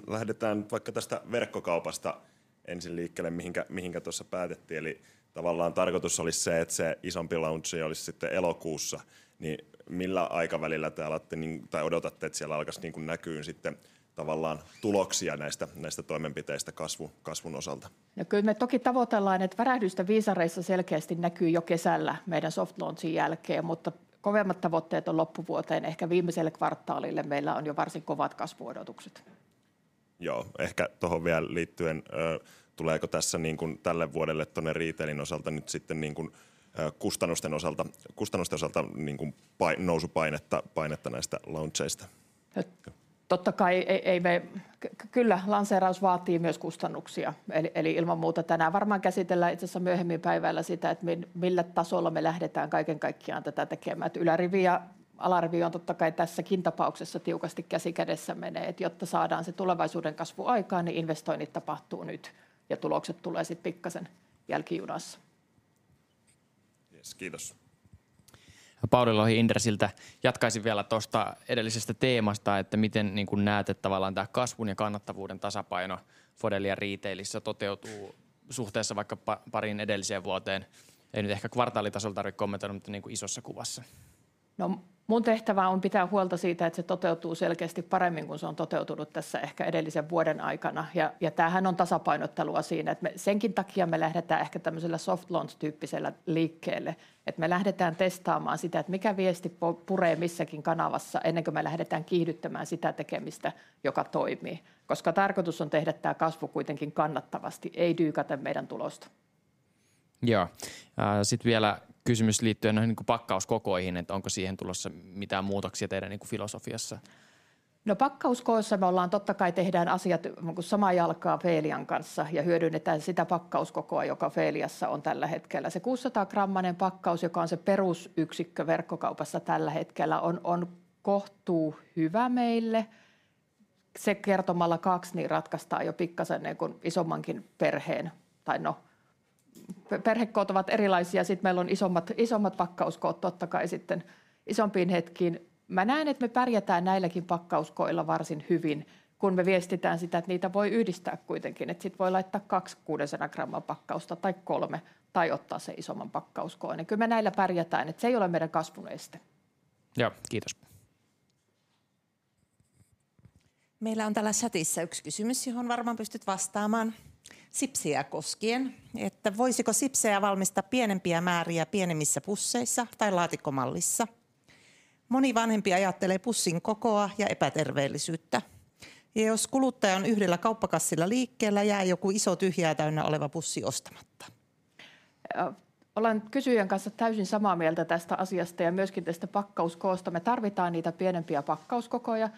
lähdetään nyt vaikka tästä verkkokaupasta ensin liikkeelle, mihinkä tuossa päätettiin. Eli tavallaan tarkoitus olisi se, että se isompi launchi olisi sitten elokuussa, niin millä aikavälillä te alatte tai odotatte, että siellä alkaisi näkymään sitten tavallaan tuloksia näistä toimenpiteistä kasvun osalta? Kyllä me toki tavoitellaan, että värähdystä viisareissa selkeästi näkyy jo kesällä meidän soft launchin jälkeen, mutta kovemmat tavoitteet on loppuvuoteen. Ehkä viimeiselle kvartaalille meillä on jo varsin kovat kasvuodotukset. Joo, ehkä tuohon vielä liittyen, tuleeko tässä tälle vuodelle tuonne retailin osalta nyt sitten kustannusten osalta nousupainetta näistä launcheista? Totta kai, ei, ei me... Kyllä, lanseeraus vaatii myös kustannuksia. Eli ilman muuta tänään varmaan käsitellään itse asiassa myöhemmin päivällä sitä, että millä tasolla me lähdetään kaiken kaikkiaan tätä tekemään. Ylärivi ja alarivi on totta kai tässäkin tapauksessa tiukasti käsi kädessä menee, että jotta saadaan se tulevaisuuden kasvu aikaan, niin investoinnit tapahtuu nyt ja tulokset tulee sitten pikkaisen jälkijunassa. Jees, kiitos! Pauli Lohi Inderesiltä. Jatkaisin vielä tuosta edellisestä teemasta, että miten näet, että tavallaan tämä kasvun ja kannattavuuden tasapaino Fodelian retailissa toteutuu suhteessa vaikka pariin edelliseen vuoteen? Ei nyt ehkä kvartaalitasolla tarvi kommentoida, mutta isossa kuvassa. No, mun tehtävä on pitää huolta siitä, että se toteutuu selkeästi paremmin kuin se on toteutunut tässä ehkä edellisen vuoden aikana. Ja tämähän on tasapainottelua siinä, että me senkin takia me lähdetään ehkä tämmöisellä soft launch -tyyppisellä liikkeelle, että me lähdetään testaamaan sitä, että mikä viesti purree missäkin kanavassa, ennen kuin me lähdetään kiihdyttämään sitä tekemistä, joka toimii. Koska tarkoitus on tehdä tämä kasvu kuitenkin kannattavasti, ei dyykata meidän tulosta. Joo, sitten vielä kysymys liittyen noihin pakkauskokoihin, että onko siihen tulossa mitään muutoksia teidän filosofiassa? Pakkauskoossa me ollaan totta kai tehdään asiat samalla tavalla Feelian kanssa ja hyödynnetään sitä pakkauskokoa, joka Feliassa on tällä hetkellä. Se kuusisataagrammainen pakkaus, joka on se perusyksikkö verkkokaupassa tällä hetkellä, on kohtuu hyvä meille. Se kertomalla kaksi, niin ratkaistaan jo vähän isommankin perheen. Perhekoot ovat erilaisia. Sitten meillä on isommat pakkauskoot, totta kai sitten isompiin hetkiin. Mä näen, että me pärjätään näilläkin pakkauskoilla varsin hyvin, kun me viestitään sitä, että niitä voi yhdistää kuitenkin, että sitten voi laittaa kaksi kuudensadan gramman pakkausta tai kolme tai ottaa se isomman pakkauskoon. Kyllä me näillä pärjätään, että se ei ole meidän kasvun este. Joo, kiitos! Meillä on täällä chatissa yksi kysymys, johon varmaan pystyt vastaamaan sipsejä koskien. Voisiko sipsejä valmistaa pienempiä määriä pienemmissä pusseissa tai laatikkomallissa? Moni vanhempi ajattelee pussin kokoa ja epäterveellisyyttä, ja jos kuluttaja on yhdellä kauppakassilla liikkeellä, jää joku iso tyhjää täynnä oleva pussi ostamatta. Olen kysyjän kanssa täysin samaa mieltä tästä asiasta ja myöskin tästä pakkauskoosta. Me tarvitaan niitä pienempiä pakkauskokoja,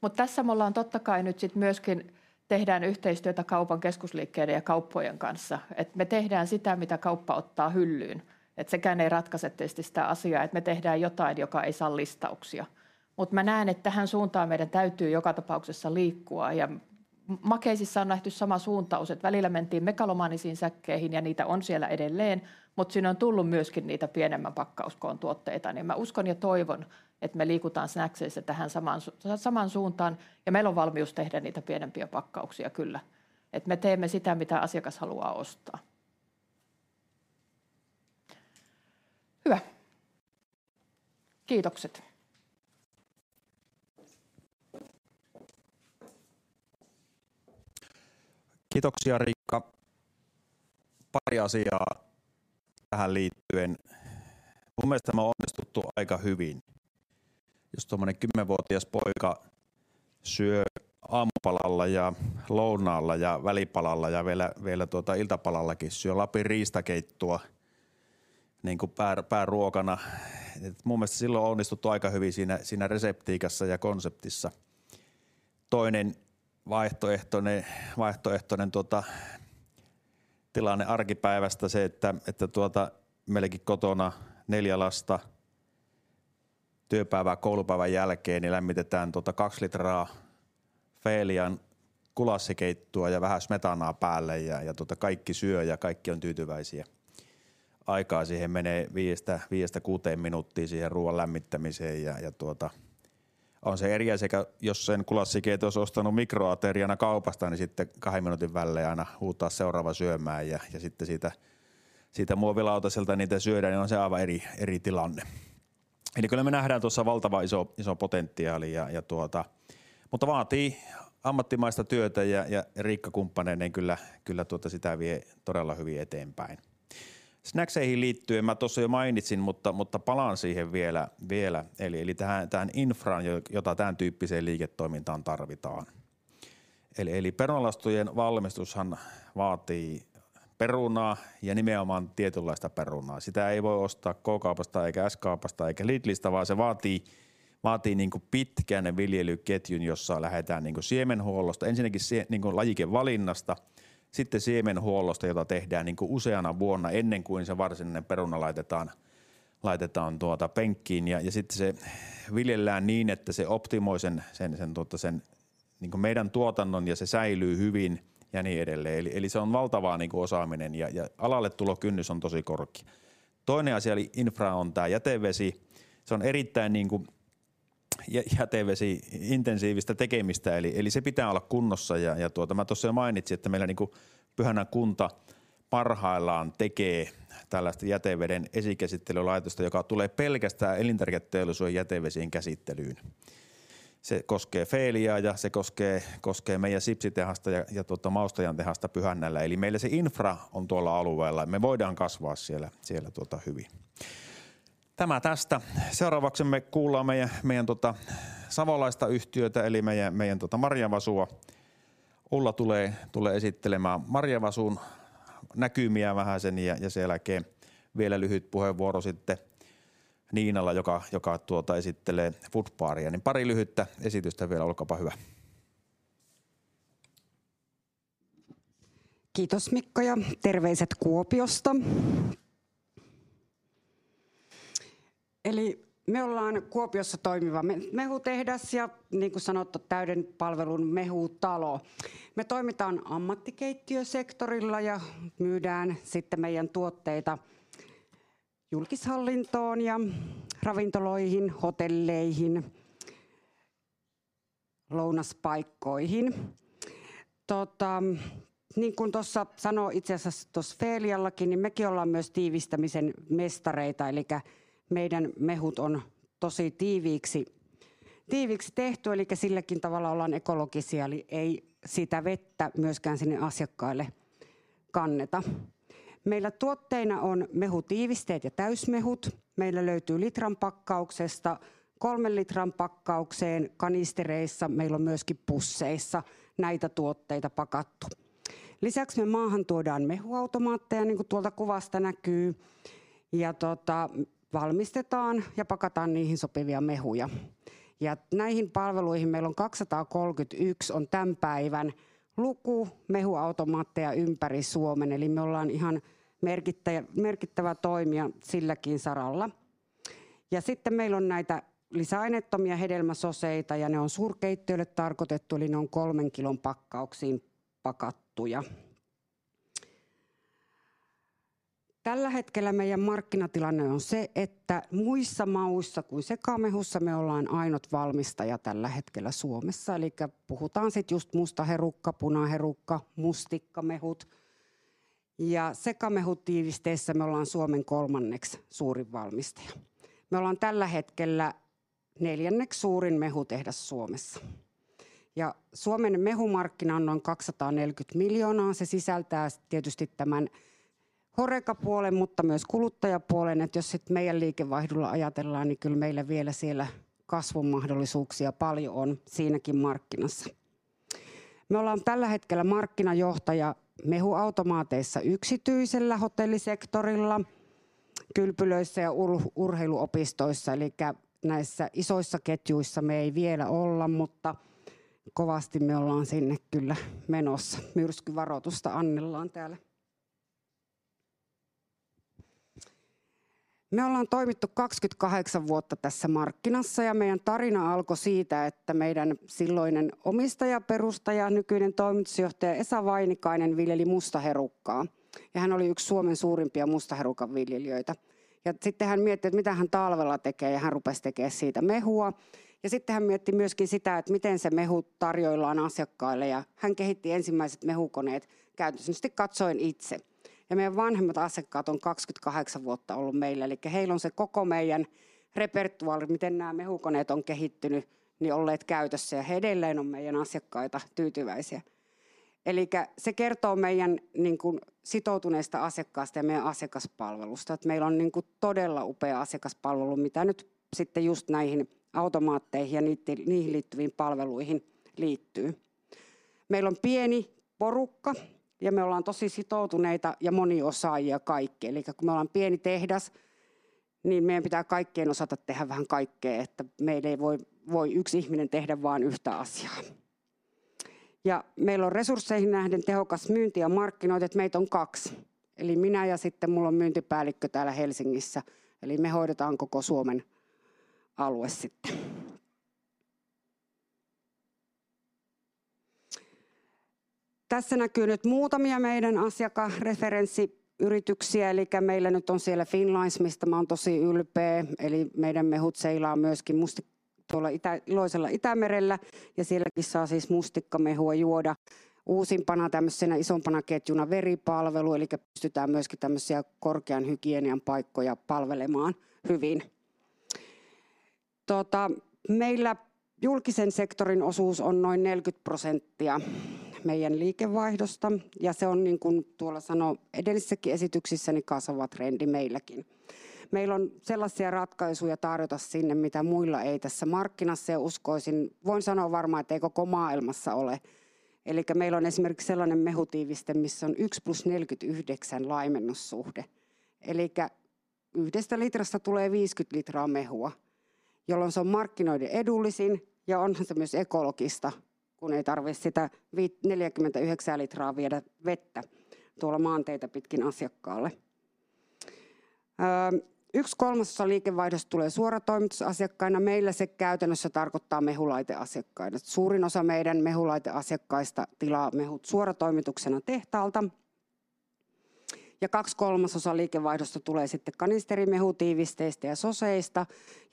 mutta tässä me ollaan totta kai nyt sitten myöskin tehdään yhteistyötä kaupan keskusliikkeiden ja kauppojen kanssa. Että me tehdään sitä, mitä kauppa ottaa hyllyyn. Sekään ei ratkaise tietysti sitä asiaa, että me tehdään jotain, joka ei saa listauksia. Mutta mä näen, että tähän suuntaan meidän täytyy joka tapauksessa liikkua ja makeisissa on nähty sama suuntaus, että välillä mentiin megalomaanisiin säkkeihin ja niitä on siellä edelleen, mutta sinne on tullut myöskin niitä pienemmän pakkauskoon tuotteita. Mä uskon ja toivon, että me liikutaan snackseissa tähän samaan suuntaan ja meillä on valmius tehdä niitä pienempiä pakkauksia kyllä. Että me teemme sitä, mitä asiakas haluaa ostaa. Hyvä, kiitokset. Kiitoksia Riikka! Pari asiaa tähän liittyen. Mun mielestä tämä on onnistuttu aika hyvin. Jos tuommoinen kymmenvuotias poika syö aamupalalla ja lounaalla ja välipalalla ja vielä iltapalallakin syö Lapin riistakeittoa niinku pääruokana, mun mielestä silloin on onnistuttu aika hyvin siinä reseptiikassa ja konseptissa. Toinen vaihtoehtoinen tilanne arkipäivästä: se, että meilläkin kotona neljä lasta työpäivän ja koulupäivän jälkeen niin lämmitetään kaksi litraa Feelian gulassikeittoa ja vähän smetanaa päälle ja kaikki syö ja kaikki on tyytyväisiä. Aikaa siihen menee viidestä kuuteen minuuttiin siihen ruoan lämmittämiseen. On se eri asia kuin jos sen gulassikeiton olisi ostanut mikroateriana kaupasta, niin sitten kahden minuutin välein aina huutaa seuraava syömään ja sitten siitä muovilautaselta niitä syödään, niin on se aivan eri tilanne. Eli kyllä me nähdään tuossa valtavan iso potentiaali. Mutta vaatii ammattimaista työtä ja Riikka kumppaneineen kyllä vie sitä todella hyvin eteenpäin. Snackseihin liittyen mä tuossa jo mainitsin, mutta palaan siihen vielä. Eli tähän infraan, jota tämän tyyppiseen liiketoimintaan tarvitaan. Eli perunalastujen valmistushan vaatii perunaa ja nimenomaan tietynlaista perunaa. Sitä ei voi ostaa K-kaupasta eikä S-kaupasta eikä Lidlistä, vaan se vaatii pitkän viljelyketjun, jossa lähdetään siemenhuollosta. Ensinnäkin lajikevalinnasta, sitten siemenhuollosta, jota tehdään useana vuonna ennen kuin se varsinainen peruna laitetaan penkkiin ja sitten se viljellään niin, että se optimoi sen tuotannon ja se säilyy hyvin ja niin edelleen. Eli se on valtavaa osaaminen ja alalle tulokynnys on tosi korkea. Toinen asia, eli infra on tämä jätevesi. Se on erittäin jätevesiintensiivistä tekemistä, eli se pitää olla kunnossa. Ja, tuota mä tuossa jo mainitsin, että meillä Pyhännän kunta parhaillaan tekee tällaista jäteveden esikäsittelylaitosta, joka tulee pelkästään elintarviketeollisuuden jätevesien käsittelyyn. Se koskee Feeliaa ja se koskee meidän sipsitehdasta ja maustetehdasta Pyhännällä. Meillä se infra on tuolla alueella ja me voidaan kasvaa siellä hyvin. Seuraavaksi me kuullaan meidän savolaista yhtiötä eli Marjanvasua. Ulla tulee esittelemään Marjanvasun näkymiä vähäsen ja sen jälkeen vielä lyhyt puheenvuoro Niinalla, joka esittelee Foodbaria. Pari lyhyttä esitystä vielä. Olkaa hyvä! Kiitos Mikko ja terveiset Kuopiosta! Me ollaan Kuopiossa toimiva mehutehdas ja niin kuin sanottu, täyden palvelun mehutalo. Me toimitaan ammattikeittiösektorilla ja myydään sitten meidän tuotteita julkishallintoon ja ravintoloihin, hotelleihin, lounaspaikkoihin. Niin kuin tuossa sanoi, itse asiassa tuossa Feeliallakin, niin mekin ollaan myös tiivistämisen mestareita. Meidän mehut on tosi tiiviiksi tehty, silläkin tavalla ollaan ekologisia. Ei sitä vettä myöskään sinne asiakkaille kanneta. Meillä tuotteina on mehutiivisteet ja täysmehut. Meillä löytyy litran pakkauksesta kolmen litran pakkaukseen kanistereissa. Meillä on myöskin pusseissa näitä tuotteita pakattu. Lisäksi me maahan tuodaan mehuautomaatteja, niin kuin tuolta kuvasta näkyy, ja valmistetaan ja pakataan niihin sopivia mehuja. Näihin palveluihin meillä on 243, on tän päivän luku, mehuautomaatteja ympäri Suomen. Me ollaan ihan merkittävä toimija silläkin saralla. Sitten meillä on näitä lisäaineettomia hedelmäsoseita ja ne on suurkeittiöille tarkoitettu, ne on kolmen kilon pakkauksiin pakattuja. Tällä hetkellä meidän markkinatilanne on se, että muissa mauissa kuin sekamehussa me ollaan ainut valmistaja tällä hetkellä Suomessa. Puhutaan sit just mustaherukka, punaherukka, mustikkamehut. Sekamehutiivisteessä me ollaan Suomen kolmanneksi suurin valmistaja. Me ollaan tällä hetkellä neljänneksi suurin mehutehdas Suomessa ja Suomen mehumarkkina on noin €240 miljoonaa. Se sisältää tietysti tämän horecapuolen, mutta myös kuluttajapuolen. Jos sit meidän liikevaihdolla ajatellaan, niin kyllä meillä vielä siellä kasvumahdollisuuksia paljon on siinäkin markkinassa. Me ollaan tällä hetkellä markkinajohtaja mehuautomaateissa, yksityisellä hotellisektorilla, kylpylöissä ja urheiluopistoissa. Eli näissä isoissa ketjuissa me ei vielä olla, mutta kovasti me ollaan sinne kyllä menossa. Myrskyvaroitusta annetaan täällä. Me ollaan toimittu 28 vuotta tässä markkinassa ja meidän tarina alkoi siitä, että meidän silloinen omistaja-perustaja, nykyinen toimitusjohtaja Esa Vainikainen viljeli mustaherukkaa ja hän oli yksi Suomen suurimpia mustaherukan viljelijöitä. Sitten hän mietti, että mitä hän talvella tekee ja hän rupesi tekemään siitä mehua. Sitten hän mietti myöskin sitä, että miten se mehu tarjoillaan asiakkaille. Hän kehitti ensimmäiset mehukoneet käytännöllisesti katsoen itse. Meidän vanhimmat asiakkaat on 28 vuotta ollut meillä, eli heillä on se koko meidän repertuaari, miten nämä mehukoneet on kehittynyt, niin olleet käytössä ja he edelleen on meidän asiakkaita, tyytyväisiä. Se kertoo meidän sitoutuneesta asiakkaasta ja meidän asiakaspalvelusta, että meillä on todella upea asiakaspalvelu. Mitä nyt sitten just näihin automaatteihin ja niihin liittyviin palveluihin liittyy. Meillä on pieni porukka ja me ollaan tosi sitoutuneita ja moniosaajia kaikki. Kun me ollaan pieni tehdas, niin meidän pitää kaikkien osata tehdä vähän kaikkea. Meillä ei voi yksi ihminen tehdä vaan yhtä asiaa. Meillä on resursseihin nähden tehokas myynti ja markkinointi. Meitä on kaksi, eli minä ja sitten mulla on myyntipäällikkö täällä Helsingissä. Me hoidetaan koko Suomen alue sitten. Tässä näkyy nyt muutamia meidän asiakasreferenssiyrityksiä. Meillä nyt on siellä Finnlines, mistä mä oon tosi ylpeä. Meidän mehut seilaa myöskin tuolla iloisella Itämerellä ja sielläkin saa siis mustikkamehua juoda. Uusimpana tämmöisenä isompana ketjuna Veripalvelu. Pystytään myöskin tämmöisiä korkean hygienian paikkoja palvelemaan hyvin. Meillä julkisen sektorin osuus on noin 40% meidän liikevaihdosta, ja se on, niin kuin tuolla edellisessäkin esityksessä sanottiin, niin kasvava trendi meilläkin. Meillä on sellaisia ratkaisuja tarjota sinne, mitä muilla ei tässä markkinassa ja uskoisin, voin sanoa varmaan, että ei koko maailmassa ole. Meillä on esimerkiksi sellainen mehutiiviste, missä on yksi plus neljäkymmentäyhdeksän laimennussuhde. Yhdestä litrasta tulee viisikymmentä litraa mehua, jolloin se on markkinoiden edullisin. Onhan se myös ekologista, kun ei tarvitse sitä neljääkymmentäyhdeksää litraa vettä viedä tuolla maanteitä pitkin asiakkaalle. Yksi kolmasosa liikevaihdosta tulee suoratoimitusasiakkaina. Meillä se käytännössä tarkoittaa mehulaiteasiakkaina. Suurin osa meidän mehulaiteasiakkaista tilaa mehut suoratoimituksena tehtaalta ja kaksi kolmasosaa liikevaihdosta tulee sitten kanisterimehutiivisteistä ja soseista.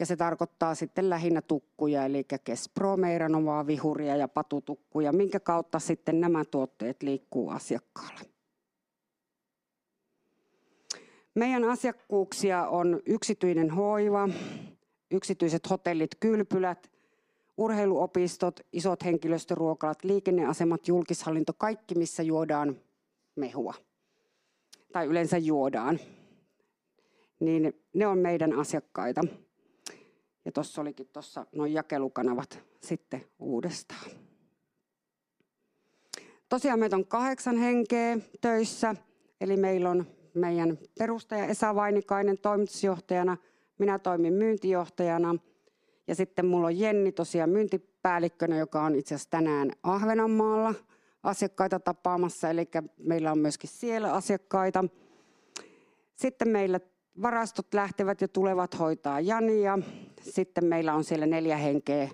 Se tarkoittaa sitten lähinnä tukkuja eli Kespro, Meiranova, Wihuria ja Patu-tukkuja, minkä kautta sitten nämä tuotteet liikkuu asiakkaalle. Meidän asiakkuuksia on yksityinen hoiva, yksityiset hotellit, kylpylät, urheiluopistot, isot henkilöstöruokalat, liikenneasemat, julkishallinto. Kaikki missä juodaan mehua tai yleensä juodaan, niin ne on meidän asiakkaita. Tuossa olikin tuossa nuo jakelukanavat sitten uudestaan. Tosiaan meitä on kahdeksan henkeä töissä, eli meillä on meidän perustaja Esa Vainikainen Toimitusjohtajana. Minä toimin Myyntijohtajana ja sitten mulla on Jenni tosiaan Myyntipäällikkönä, joka on itse asiassa tänään Ahvenanmaalla asiakkaita tapaamassa. Meillä on myöskin siellä asiakkaita. Sitten meillä varastot lähtevät ja tulevat hoitaa Jani. Sitten meillä on siellä neljä henkeä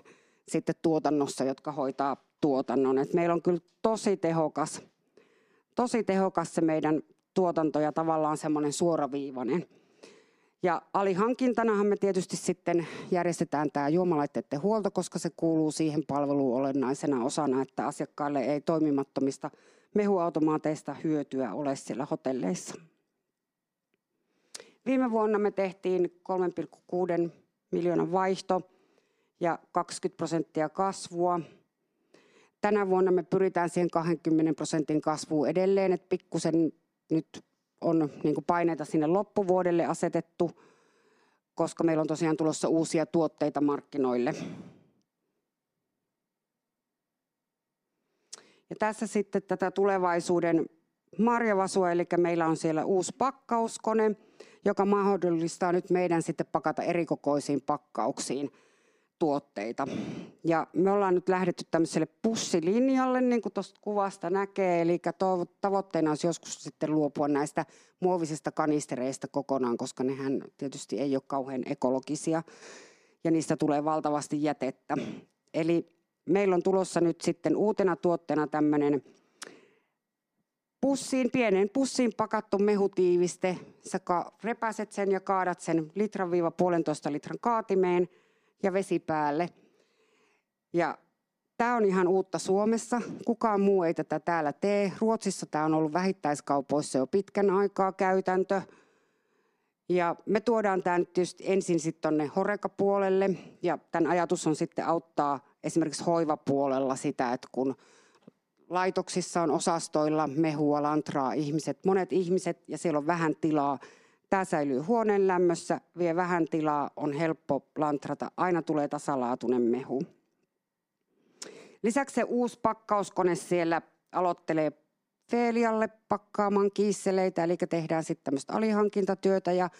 tuotannossa, jotka hoitaa tuotannon. Meillä on kyllä tosi tehokas tuotanto ja tavallaan semmonen suoraviivainen. Alihankintanahan me tietysti sitten järjestetään tämä juomalaitteiden huolto, koska se kuuluu siihen palveluun olennaisena osana, että asiakkaille ei toimimattomista mehuautomaateista hyötyä ole siellä hotelleissa. Viime vuonna me tehtiin €3,6 miljoonan vaihto ja 200% kasvua. Tänä vuonna me pyritään siihen 20% kasvuun edelleen. Pikkusen nyt on niinku paineita sinne loppuvuodelle asetettu, koska meillä on tosiaan tulossa uusia tuotteita markkinoille. Tässä sitten tätä tulevaisuuden Marja Vasua. Meillä on siellä uusi pakkauskone, joka mahdollistaa nyt meidän sitten pakata erikokoisiin pakkauksiin tuotteita. Me ollaan nyt lähdetty tämmöiselle pussilinjalle, niin kuin tuosta kuvasta näkee. Tavoitteena olisi joskus sitten luopua näistä muovisista kanistereista kokonaan, koska nehän tietysti ei ole kauhean ekologisia ja niistä tulee valtavasti jätettä. Meillä on tulossa nyt sitten uutena tuotteena tämmöinen pussiin, pieneen pussiin pakattu mehutiiviste. Sä repäiset sen ja kaadat sen litran viiva puolentoista litran kaatimeen ja vesi päälle. Tää on ihan uutta Suomessa. Kukaan muu ei tätä täällä tee. Ruotsissa tää on ollut vähittäiskaupoissa jo pitkän aikaa käytäntö, ja me tuodaan tää nyt tietysti ensin sitten tuonne HoReCa-puolelle. Tän ajatus on sitten auttaa esimerkiksi hoivapuolella sitä, että kun laitoksissa on osastoilla mehua lantrata ihmiset, monet ihmiset ja siellä on vähän tilaa. Tää säilyy huoneenlämmössä, vie vähän tilaa, on helppo lantrata, aina tulee tasalaatuinen mehu. Lisäksi se uusi pakkauskone siellä aloittelee Feelialle pakkaamaan kiisseleitä. Tehdään sitten tämmöistä alihankintatyötä ja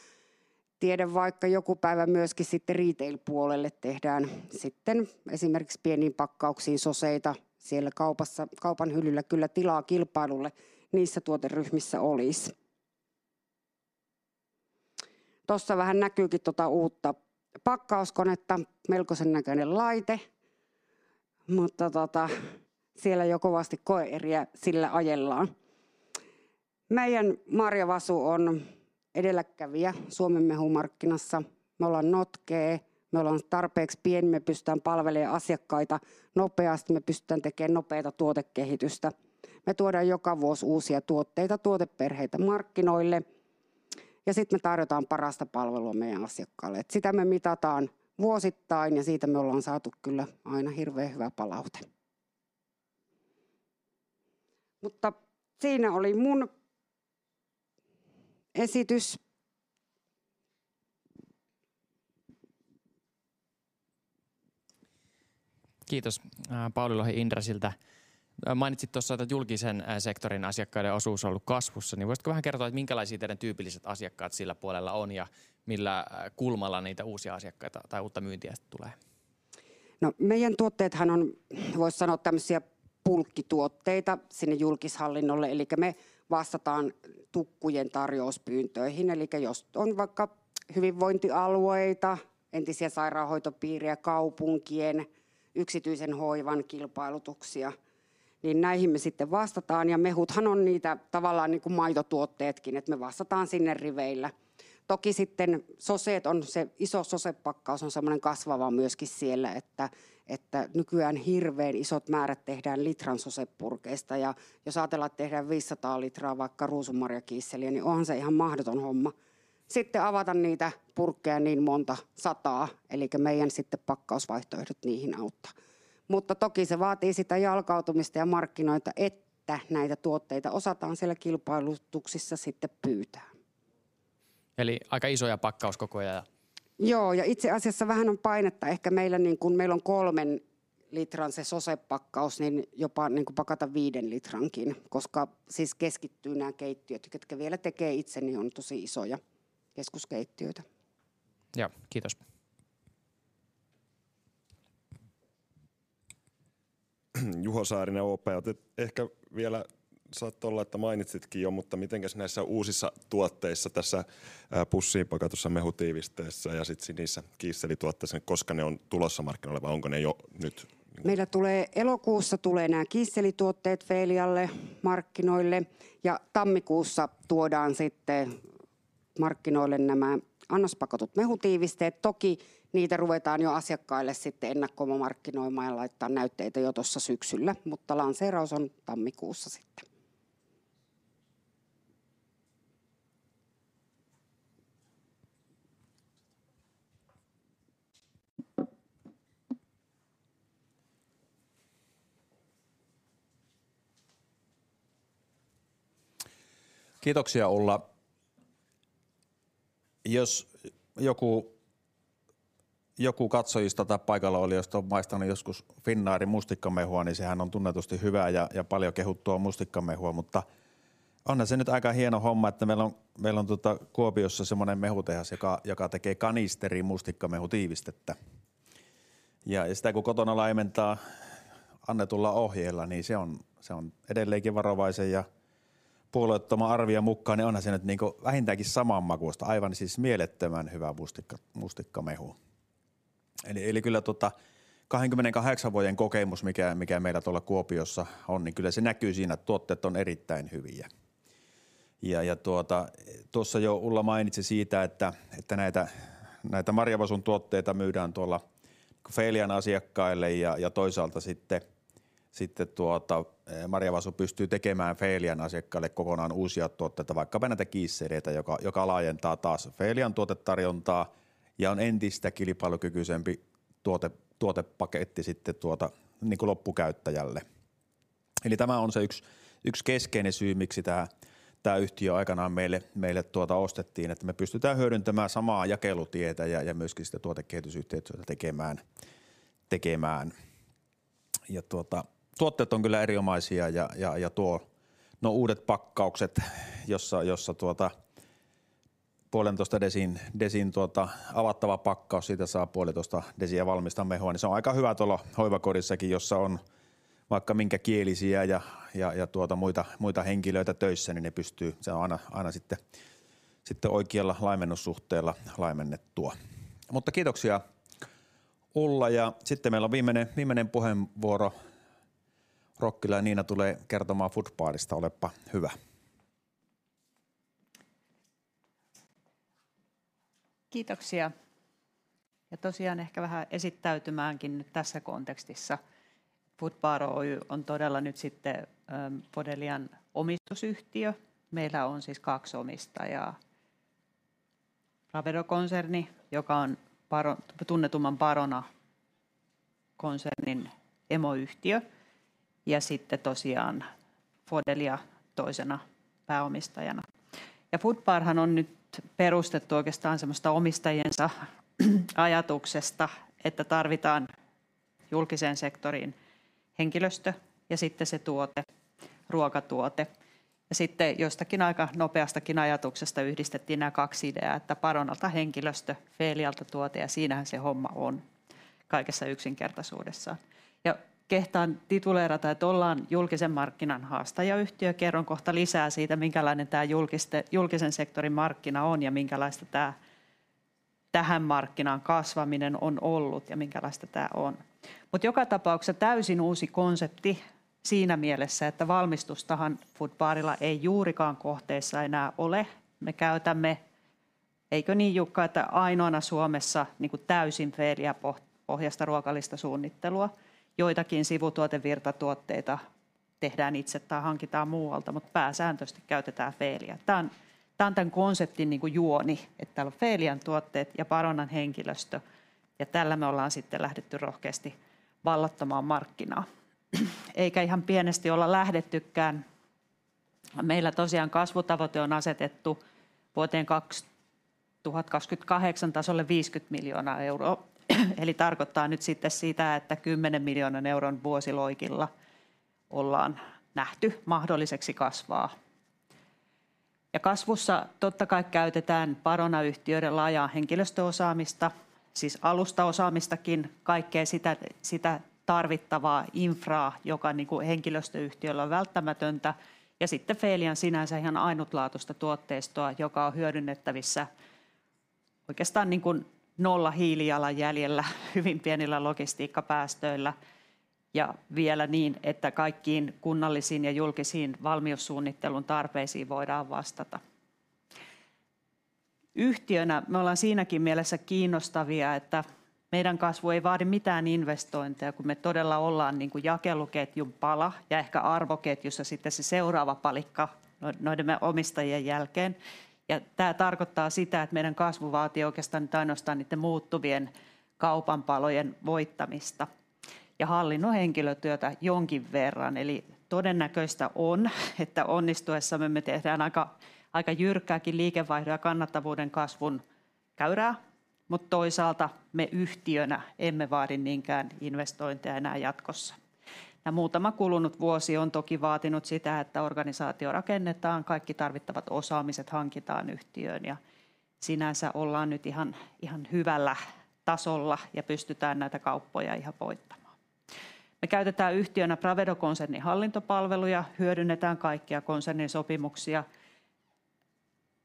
tiedä vaikka joku päivä myöskin sitten retail-puolelle tehdään sitten esimerkiksi pieniin pakkauksiin soseita. Siellä kaupassa kaupan hyllyllä kyllä tilaa kilpailulle niissä tuoteryhmissä olisi. Tuossa vähän näkyykin tuota uutta pakkauskonetta. Melkoisen näköinen laite, mutta siellä jo kovasti koe-eriä sillä ajellaan. Meidän Marja Vasu on edelläkävijä Suomen mehumarkkinassa. Me ollaan notkee. Me ollaan tarpeeksi pieni. Me pystytään palvelemaan asiakkaita nopeasti. Me pystytään tekemään nopeata tuotekehitystä. Me tuodaan joka vuosi uusia tuotteita, tuoteperheitä markkinoille, ja sitten me tarjotaan parasta palvelua meidän asiakkaalle. Sitä me mitataan vuosittain ja siitä me ollaan saatu kyllä aina hirveän hyvä palaute. Mutta siinä oli mun esitys. Kiitos! Pauli Lohi Indresiltä. Mainitsit tuossa, että julkisen sektorin asiakkaiden osuus on ollut kasvussa, niin voisitko vähän kertoa, että minkälaisia teidän tyypilliset asiakkaat sillä puolella on ja millä kulmalla niitä uusia asiakkaita tai uutta myyntiä sitten tulee? Meidän tuotteethan on, voisi sanoa, tämmöisiä bulkkituotteita sinne julkishallinnolle. Me vastataan tukkujen tarjouspyyntöihin. Jos on vaikka hyvinvointialueita, entisiä sairaanhoitopiirejä, kaupunkien yksityisen hoivan kilpailutuksia, niin näihin me sitten vastataan. Mehuthan on niitä tavallaan niin kuin maitotuotteetkin, että me vastataan sinne riveillä. Toki sitten soseet on se iso sosepakkaus on semmoinen kasvava myöskin siellä, että nykyään hirveän isot määrät tehdään litran sosepurkeista. Jos ajatellaan, että tehdään 500 litraa vaikka ruusunmarjakiisseliä, niin onhan se ihan mahdoton homma sitten avata niitä purkkeja niin monta sataa. Meidän sitten pakkausvaihtoehdot niihin auttaa, mutta toki se vaatii sitä jalkautumista ja markkinoita, että näitä tuotteita osataan siellä kilpailutuksissa sitten pyytää. Eli aika isoja pakkauskokoja. Joo, ja itse asiassa vähän on painetta. Ehkä meillä, niin kun meillä on kolmen litran se sosepakkaus, niin jopa niinku pakata viiden litrankin, koska siis keskittyy nämä keittiöt. Ketkä vielä tekee itse, niin on tosi isoja keskuskeittiöitä. Joo, kiitos. Juho Saarinen, OP. Et ehkä vielä saattoi olla, että mainitsitkin jo, mutta miten näissä uusissa tuotteissa, tässä pussiin pakatussa mehutiivisteessä ja sitten niissä kiisselituotteissa, niin koska ne on tulossa markkinoille vai onko ne jo nyt? Meillä tulee elokuussa tulee nämä kiisselituotteet Feelialle markkinoille ja tammikuussa tuodaan sitten markkinoille nämä annospakatut mehutiivisteet. Toki niitä ruvetaan jo asiakkaille sitten ennakkomarkkinoimaan ja laittamaan näytteitä jo tuossa syksyllä, mutta lanseeraus on tammikuussa sitten. Kiitoksia Ulla! Jos joku katsojista tai paikallaolijoista on maistanut joskus Finnairin mustikkamehua, niin sehän on tunnetusti hyvää ja paljon kehuttua mustikkamehua. Mutta onhan se nyt aika hieno homma, että meillä on. Meillä on Kuopiossa semmoinen mehuntehdas, joka tekee kanisteriin mustikkamehutiivistettä, ja sitä kun kotona laimentaa annetulla ohjeella, niin se on. Se on edelleenkin varovaisen ja puolueettoman arvion mukaan vähintäänkin saman makuista. Aivan mielettömän hyvää mustikkamehua. Kyllä kahdenkymmenenkahdeksan vuoden kokemus, mikä meillä tuolla Kuopiossa on, niin kyllä se näkyy siinä, että tuotteet on erittäin hyviä. Ja, tuossa jo Ulla mainitsi siitä, että näitä Marja Vasun tuotteita myydään Feelian asiakkaille ja toisaalta sitten Marja Vasu pystyy tekemään Feelian asiakkaille kokonaan uusia tuotteita, vaikkapa näitä kiisseleitä, joka laajentaa taas Feelian tuotetarjontaa ja on entistä kilpailukykyisempi tuotepaketti sitten loppukäyttäjälle. Eli tämä on se yksi keskeinen syy, miksi tämä yhtiö aikanaan meille ostettiin, että me pystytään hyödyntämään samaa jakelutietä ja myöskin sitä tuotekehitysyhteistyötä tekemään. Tuotteet on kyllä erinomaisia ja nuo uudet pakkaukset, jossa puolentoista desilitran avattava pakkaus, siitä saa puolitoista desiä valmista mehua, niin se on aika hyvä tuolla hoivakodissakin, jossa on vaikka minkä kielisiä ja muita henkilöitä töissä, niin ne pystyy. Se on aina sitten oikealla laimennossuhteella laimennettua. Mutta kiitoksia Ulla! Ja sitten meillä on viimeinen puheenvuoro. Rokkila Niina tulee kertomaan Foodbaristasta. Olepa hyvä. Kiitoksia! Ja tosiaan ehkä vähän esittäytymäänkin tässä kontekstissa. Foodbar Oy on todella nyt sitten Bodelian omistusyhtiö. Meillä on siis kaksi omistajaa: Pravedo-konserni, joka on Baronan tunnetumman Barona-konsernin emoyhtiö, ja sitten tosiaan Bodelia toisena pääomistajana. Foodbar on nyt perustettu oikeastaan semmoisesta omistajiensa ajatuksesta, että tarvitaan julkiseen sektoriin henkilöstö ja sitten se tuote, ruokatuote. Sitten jostakin aika nopeastakin ajatuksesta yhdistettiin nämä kaksi ideaa, että Baronalta henkilöstö, Belialta tuote. Siinä se homma on kaikessa yksinkertaisuudessaan. Kehtaan tituleerata, että ollaan julkisen markkinan haastajayhtiö. Kerron kohta lisää siitä, millainen tämä julkisen sektorin markkina on ja millaista tähän markkinaan kasvaminen on ollut ja millaista tämä on. Mutta joka tapauksessa täysin uusi konsepti siinä mielessä, että valmistusta Foodbarilla ei juurikaan kohteissa enää ole. Me käytämme, eikö niin, Jukka, ainoana Suomessa täysin Belia-pohjaista ruokalistasuunnittelua. Joitakin sivutuotevirtatuotteita tehdään itse tai hankitaan muualta, mutta pääsääntöisesti käytetään Beliaa. Tämä on tämän konseptin niinkuin juoni, että täällä on Felian tuotteet ja Baronan henkilöstö, ja tällä me ollaan sitten lähdetty rohkeasti vallattomaan markkinaan. Eikä ihan pienesti olla lähdettykään. Meillä tosiaan kasvutavoite on asetettu vuoteen 2028 tasolle 50 miljoonaa euroa. Eli tarkoittaa nyt sitten sitä, että 10 miljoonan euron vuosiloikilla ollaan nähty mahdolliseksi kasvaa. Ja kasvussa totta kai käytetään Barona-yhtiöiden laajaa henkilöstöosaamista, siis alustaosaamistakin, kaikkea sitä tarvittavaa infraa, joka niinkuin henkilöstöyhtiöillä on välttämätöntä. Ja sitten Felian sinänsä ihan ainutlaatuista tuotteistoa, joka on hyödynnettävissä oikeastaan niinkuin nolla hiilijalanjäljellä, hyvin pienillä logistiikkapäästöillä ja vielä niin, että kaikkiin kunnallisiin ja julkisiin valmiussuunnittelun tarpeisiin voidaan vastata. Yhtiönä me ollaan siinäkin mielessä kiinnostavia, että meidän kasvu ei vaadi mitään investointeja, kun me todella ollaan niinkuin jakeluketjun pala ja ehkä arvoketjussa sitten se seuraava palikka noiden meidän omistajien jälkeen. Ja tää tarkoittaa sitä, että meidän kasvu vaatii oikeastaan nyt ainoastaan niiden muuttuvien kaupan palojen voittamista ja hallinnon henkilötyötä jonkin verran. Eli todennäköistä on, että onnistuessamme me tehdään aika jyrkkääkin liikevaihdon ja kannattavuuden kasvun käyrää, mutta toisaalta me yhtiönä emme vaadi niinkään investointeja enää jatkossa. Ja muutama kulunut vuosi on toki vaatinut sitä, että organisaatiorakenne rakennetaan, kaikki tarvittavat osaamiset hankitaan yhtiöön ja sinänsä ollaan nyt ihan hyvällä tasolla ja pystytään näitä kauppoja ihan voittamaan. Me käytetään yhtiönä Pravedo-konsernin hallintopalveluja, hyödynnetään kaikkia konsernin sopimuksia.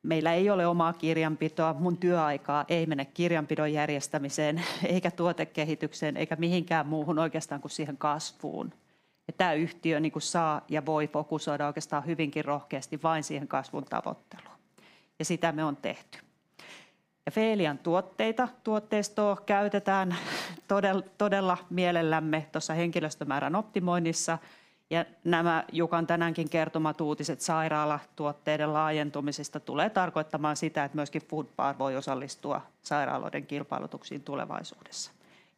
Meillä ei ole omaa kirjanpitoa. Mun työaikaa ei mene kirjanpidon järjestämiseen eikä tuotekehitykseen eikä mihinkään muuhun oikeastaan kuin siihen kasvuun. Ja tää yhtiö saa ja voi fokusoida oikeastaan hyvinkin rohkeasti vain siihen kasvun tavoitteluun, ja sitä me on tehty. Ja Felian tuotteita, tuotteistoa käytetään todella mielellämme tuossa henkilöstömäärän optimoinnissa. Ja nämä Jukan tänäänkin kertomat uutiset sairaalatuotteiden laajentumisesta tulee tarkoittamaan sitä, että myöskin Foodbar voi osallistua sairaaloiden kilpailutuksiin tulevaisuudessa.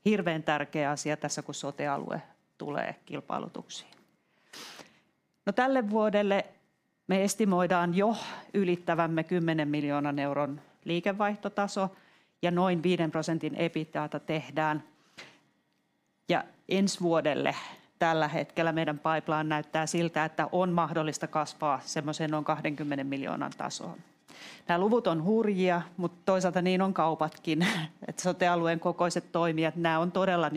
Hirveen tärkeä asia tässä, kun sote-alue tulee kilpailutuksiin. No, tälle vuodelle me estimoidaan jo ylittävämme €10 miljoonan liikevaihtotaso ja noin 5% EBITDAta tehdään. Ensi vuodelle tällä hetkellä meidän pipeline näyttää siltä, että on mahdollista kasvaa semmoiseen noin €20 miljoonan tasoon. Nää luvut on hurjia, mutta toisaalta niin on kaupatkin, että sote-alueen kokoiset toimijat. Nää on todella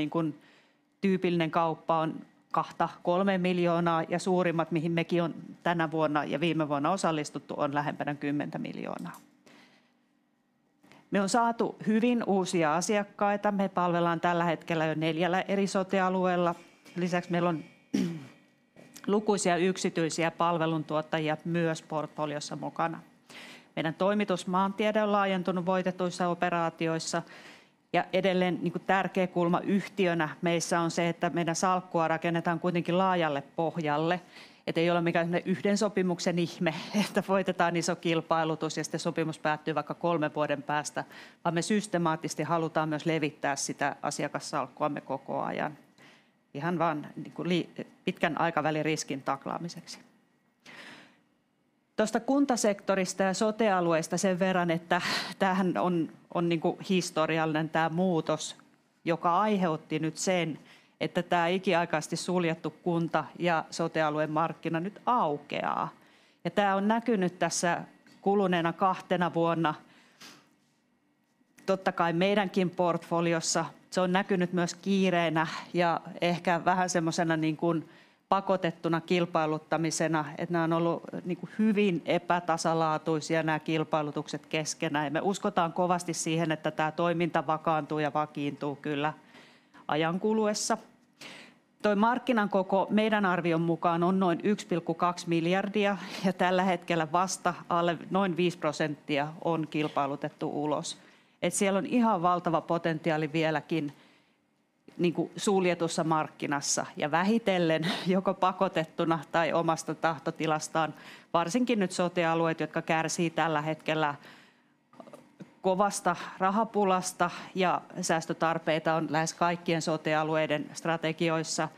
niin kuin tyypillinen kauppa on €2-3 miljoonaa, ja suurimmat, mihin mekin on tänä vuonna ja viime vuonna osallistuttu, on lähempänä €10 miljoonaa. Me on saatu hyvin uusia asiakkaita. Me palvellaan tällä hetkellä jo neljällä eri sote-alueella. Lisäksi meillä on lukuisia yksityisiä palveluntuottajia myös portfoliossa mukana. Meidän toimitusmaantiede on laajentunut voitetuissa operaatioissa, ja edelleen tärkeä kulma yhtiönä meissä on se, että meidän salkkua rakennetaan kuitenkin laajalle pohjalle. Ei ole mikään semmoinen yhden sopimuksen ihme, että voitetaan iso kilpailutus ja sitten sopimus päättyy vaikka kolmen vuoden päästä, vaan me systemaattisesti halutaan myös levittää sitä asiakassalkkuamme koko ajan. Ihan vaan pitkän aikavälin riskin taklaamiseksi. Kuntasektorista ja sote-alueista sen verran, että tämähän on historiallinen tää muutos, joka aiheutti nyt sen, että tää ikiaikaisesti suljettu kunta- ja sote-alueen markkina nyt aukeaa. Ja tää on näkynyt tässä kuluneena kahtena vuonna totta kai meidänkin portfoliossa. Se on näkynyt myös kiireenä ja ehkä vähän semmosena pakotettuna kilpailuttamisena, että nää on ollu hyvin epätasalaatuisia nää kilpailutukset keskenään. Ja me uskotaan kovasti siihen, että tää toiminta vakaantuu ja vakiintuu kyllä ajan kuluessa. Toi markkinan koko meidän arvion mukaan on noin €1,2 miljardia, ja tällä hetkellä vasta alle noin 5% on kilpailutettu ulos. Siellä on ihan valtava potentiaali vieläkin suljetussa markkinassa ja vähitellen, joko pakotettuna tai omasta tahdosta varsinkin nyt sote-alueet, jotka kärsivät tällä hetkellä kovasta rahapulasta ja säästötarpeita on lähes kaikkien sote-alueiden strategioissa,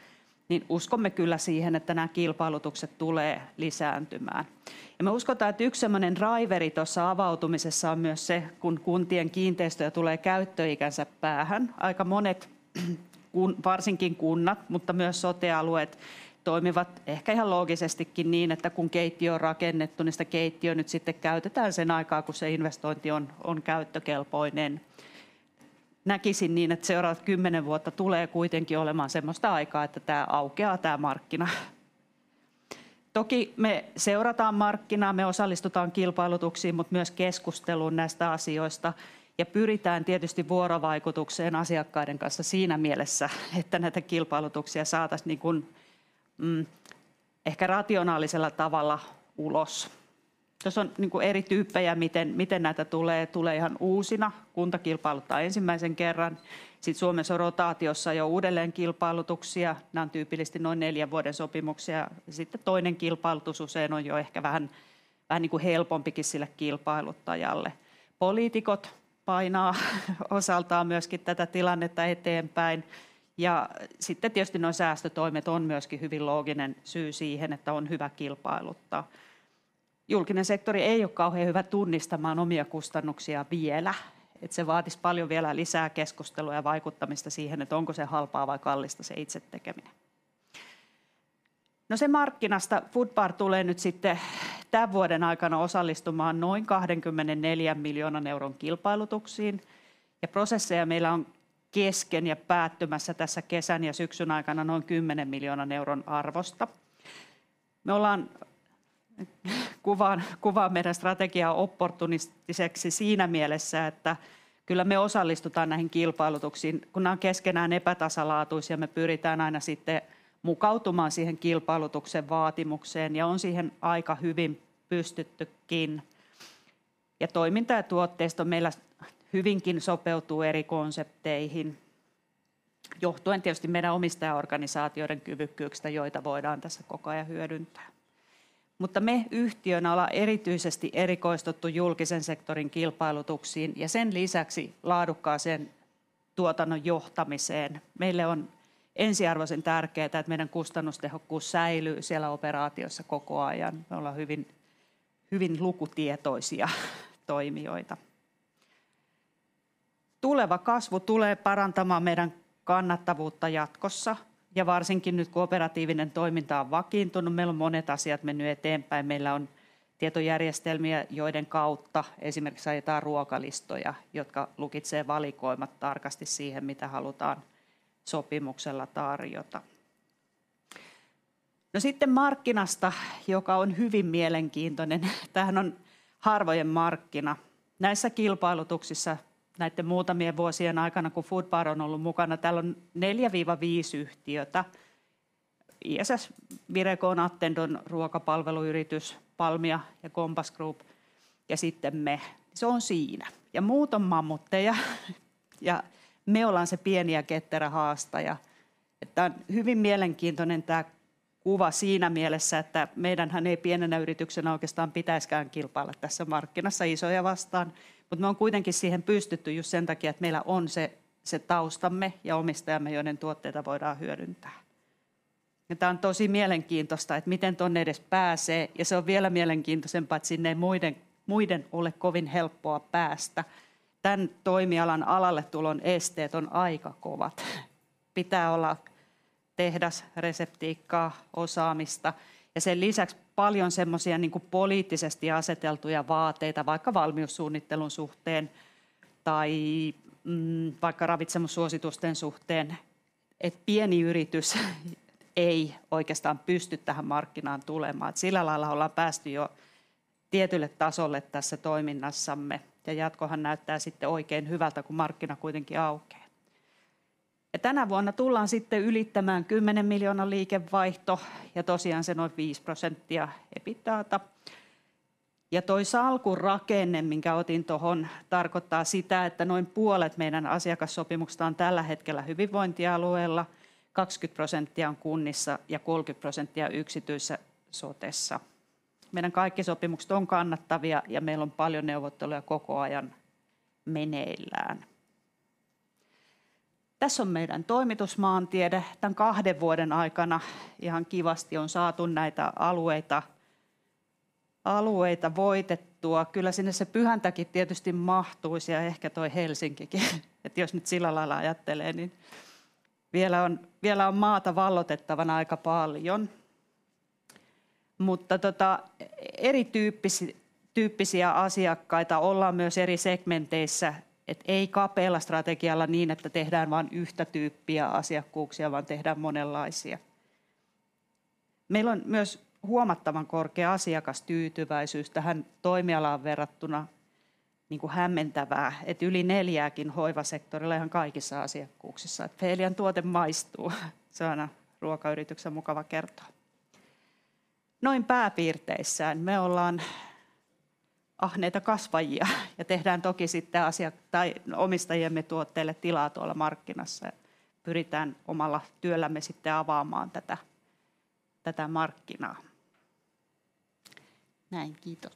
niin uskomme kyllä siihen, että nämä kilpailutukset tulevat lisääntymään. Me uskomme, että yksi sellainen draiveri tuossa avautumisessa on myös se, kun kuntien kiinteistöjä tulee käyttöikänsä päähän. Aika monet, kun varsinkin kunnat, mutta myös sote-alueet toimivat ehkä ihan loogisestikin niin, että kun keittiö on rakennettu, niin sitä keittiötä nyt sitten käytetään sen aikaa, kun se investointi on käyttökelpoinen. Näkisin niin, että seuraavat kymmenen vuotta tulee kuitenkin olemaan sellaista aikaa, että tämä aukeaa tämä markkina. Toki me seuraamme markkinaa. Me osallistumme kilpailutuksiin, mutta myös keskusteluun näistä asioista ja pyrimme tietysti vuorovaikutukseen asiakkaiden kanssa siinä mielessä, että näitä kilpailutuksia saataisiin rationaalisella tavalla ulos. Tuossa on eri tyyppejä, miten näitä tulee. Tulee ihan uusina. Kunta kilpailuttaa ensimmäisen kerran. Sitten Suomessa on rotaatiossa jo uudelleen kilpailutuksia. Nämä on tyypillisesti noin neljän vuoden sopimuksia ja sitten toinen kilpailutus usein on jo ehkä vähän helpompikin sille kilpailuttajalle. Poliitikot painaa osaltaan myöskin tätä tilannetta eteenpäin. Sitten tietysti nuo säästötoimet on myöskin hyvin looginen syy siihen, että on hyvä kilpailuttaa. Julkinen sektori ei ole kauhean hyvä tunnistamaan omia kustannuksia vielä, että se vaatisi paljon vielä lisää keskustelua ja vaikuttamista siihen, että onko se halpaa vai kallista se itse tekeminen. Markkinasta. Foodbar tulee nyt sitten tämän vuoden aikana osallistumaan noin 24 miljoonan euron kilpailutuksiin, ja prosesseja meillä on kesken ja päättymässä tässä kesän ja syksyn aikana noin 10 miljoonan euron arvosta. Me ollaan kuvataan meidän strategiaa opportunistiseksi siinä mielessä, että kyllä me osallistutaan näihin kilpailutuksiin, kun nämä on keskenään epätasalaatuisia. Me pyritään aina sitten mukautumaan siihen kilpailutuksen vaatimukseen ja on siihen aika hyvin pystyttykin. Ja toiminta ja tuotteisto meillä hyvinkin sopeutuu eri konsepteihin, johtuen tietysti meidän omistajaorganisaatioiden kyvykkyyksistä, joita voidaan tässä koko ajan hyödyntää. Mutta me yhtiönä ollaan erityisesti erikoistuttu julkisen sektorin kilpailutuksiin ja sen lisäksi laadukkaaseen tuotannon johtamiseen. Meille on ensiarvoisen tärkeää, että meidän kustannustehokkuus säilyy siellä operaatiossa koko ajan. Me ollaan hyvin, hyvin lukutietoisia toimijoita. Tuleva kasvu tulee parantamaan meidän kannattavuutta jatkossa ja varsinkin nyt, kun operatiivinen toiminta on vakiintunut. Meillä on monet asiat mennyt eteenpäin. Meillä on tietojärjestelmiä, joiden kautta esimerkiksi ajetaan ruokalistoja, jotka lukitsee valikoimat tarkasti siihen, mitä halutaan sopimuksella tarjota. Sitten markkinasta, joka on hyvin mielenkiintoinen. Tämähän on harvojen markkina. Näissä kilpailutuksissa näitten muutamien vuosien aikana, kun Foodbar on ollut mukana, täällä on neljä viiva viisi yhtiötä: ISS, Vireo on Attendon ruokapalveluyritys, Palmia ja Compass Group ja sitten me. Se on siinä ja muut on mammutteja. Ja me ollaan se pieni ja ketterä haastaja. Tää on hyvin mielenkiintoinen tää kuva siinä mielessä, että meidänhän ei pienenä yrityksenä oikeastaan pitäiskään kilpailla tässä markkinassa isoja vastaan, mutta me on kuitenkin siihen pystytty just sen takia, että meillä on se taustamme ja omistajamme, joiden tuotteita voidaan hyödyntää. Tää on tosi mielenkiintoista, että miten tuonne edes pääsee, ja se on vielä mielenkiintoisempaa, että sinne ei muiden ole kovin helppoa päästä. Tän toimialan alalle tulon esteet on aika kovat. Pitää olla tehdas, reseptiikkaa, osaamista ja sen lisäksi paljon semmosia poliittisesti aseteltuja vaateita vaikka valmiussuunnittelun suhteen tai vaikka ravitsemussuositusten suhteen. Pieni yritys ei oikeastaan pysty tähän markkinaan tulemaan. Sillä lailla ollaan päästy jo tietylle tasolle tässä toiminnassamme. Ja jatko näyttää sitten oikein hyvältä, kun markkina kuitenkin aukeaa. Tänä vuonna tullaan sitten ylittämään kymmenen miljoonan liikevaihto ja tosiaan se noin 5% EBITDAta. Ja toi salkun rakenne, minkä otin tohon, tarkoittaa sitä, että noin puolet meidän asiakassopimuksista on tällä hetkellä hyvinvointialueilla, 20% on kunnissa ja 30% yksityisessä sotessa. Meidän kaikki sopimukset on kannattavia, ja meillä on paljon neuvotteluja koko ajan meneillään. Tässä on meidän toimitusmaantiede. Tän kahden vuoden aikana ihan kivasti on saatu näitä alueita voitettua. Kyllä sinne se Pyhäntäki tietysti mahtuis ja ehkä toi Helsinkikin, että jos nyt sillä lailla ajattelee, niin vielä on maata valloitettavana aika paljon. Mutta erityyppisiä asiakkaita ollaan myös eri segmenteissä, että ei kapealla strategialla niin, että tehdään vaan yhtä tyyppiä asiakkuuksia, vaan tehdään monenlaisia. Meillä on myös huomattavan korkea asiakastyytyväisyys tähän toimialaan verrattuna, niinku hämmentävää, että yli neljääkin hoivasektorilla ihan kaikissa asiakkuuksissa. Että Felian tuote maistuu. Se on aina ruokayrityksen mukava kertoa. Noin pääpiirteissään. Me ollaan ahneita kasvajia ja tehdään toki sitten asiakkaidemme tai omistajiemme tuotteille tilaa tuolla markkinassa ja pyritään omalla työllämme sitten avaamaan tätä markkinaa. Näin, kiitos!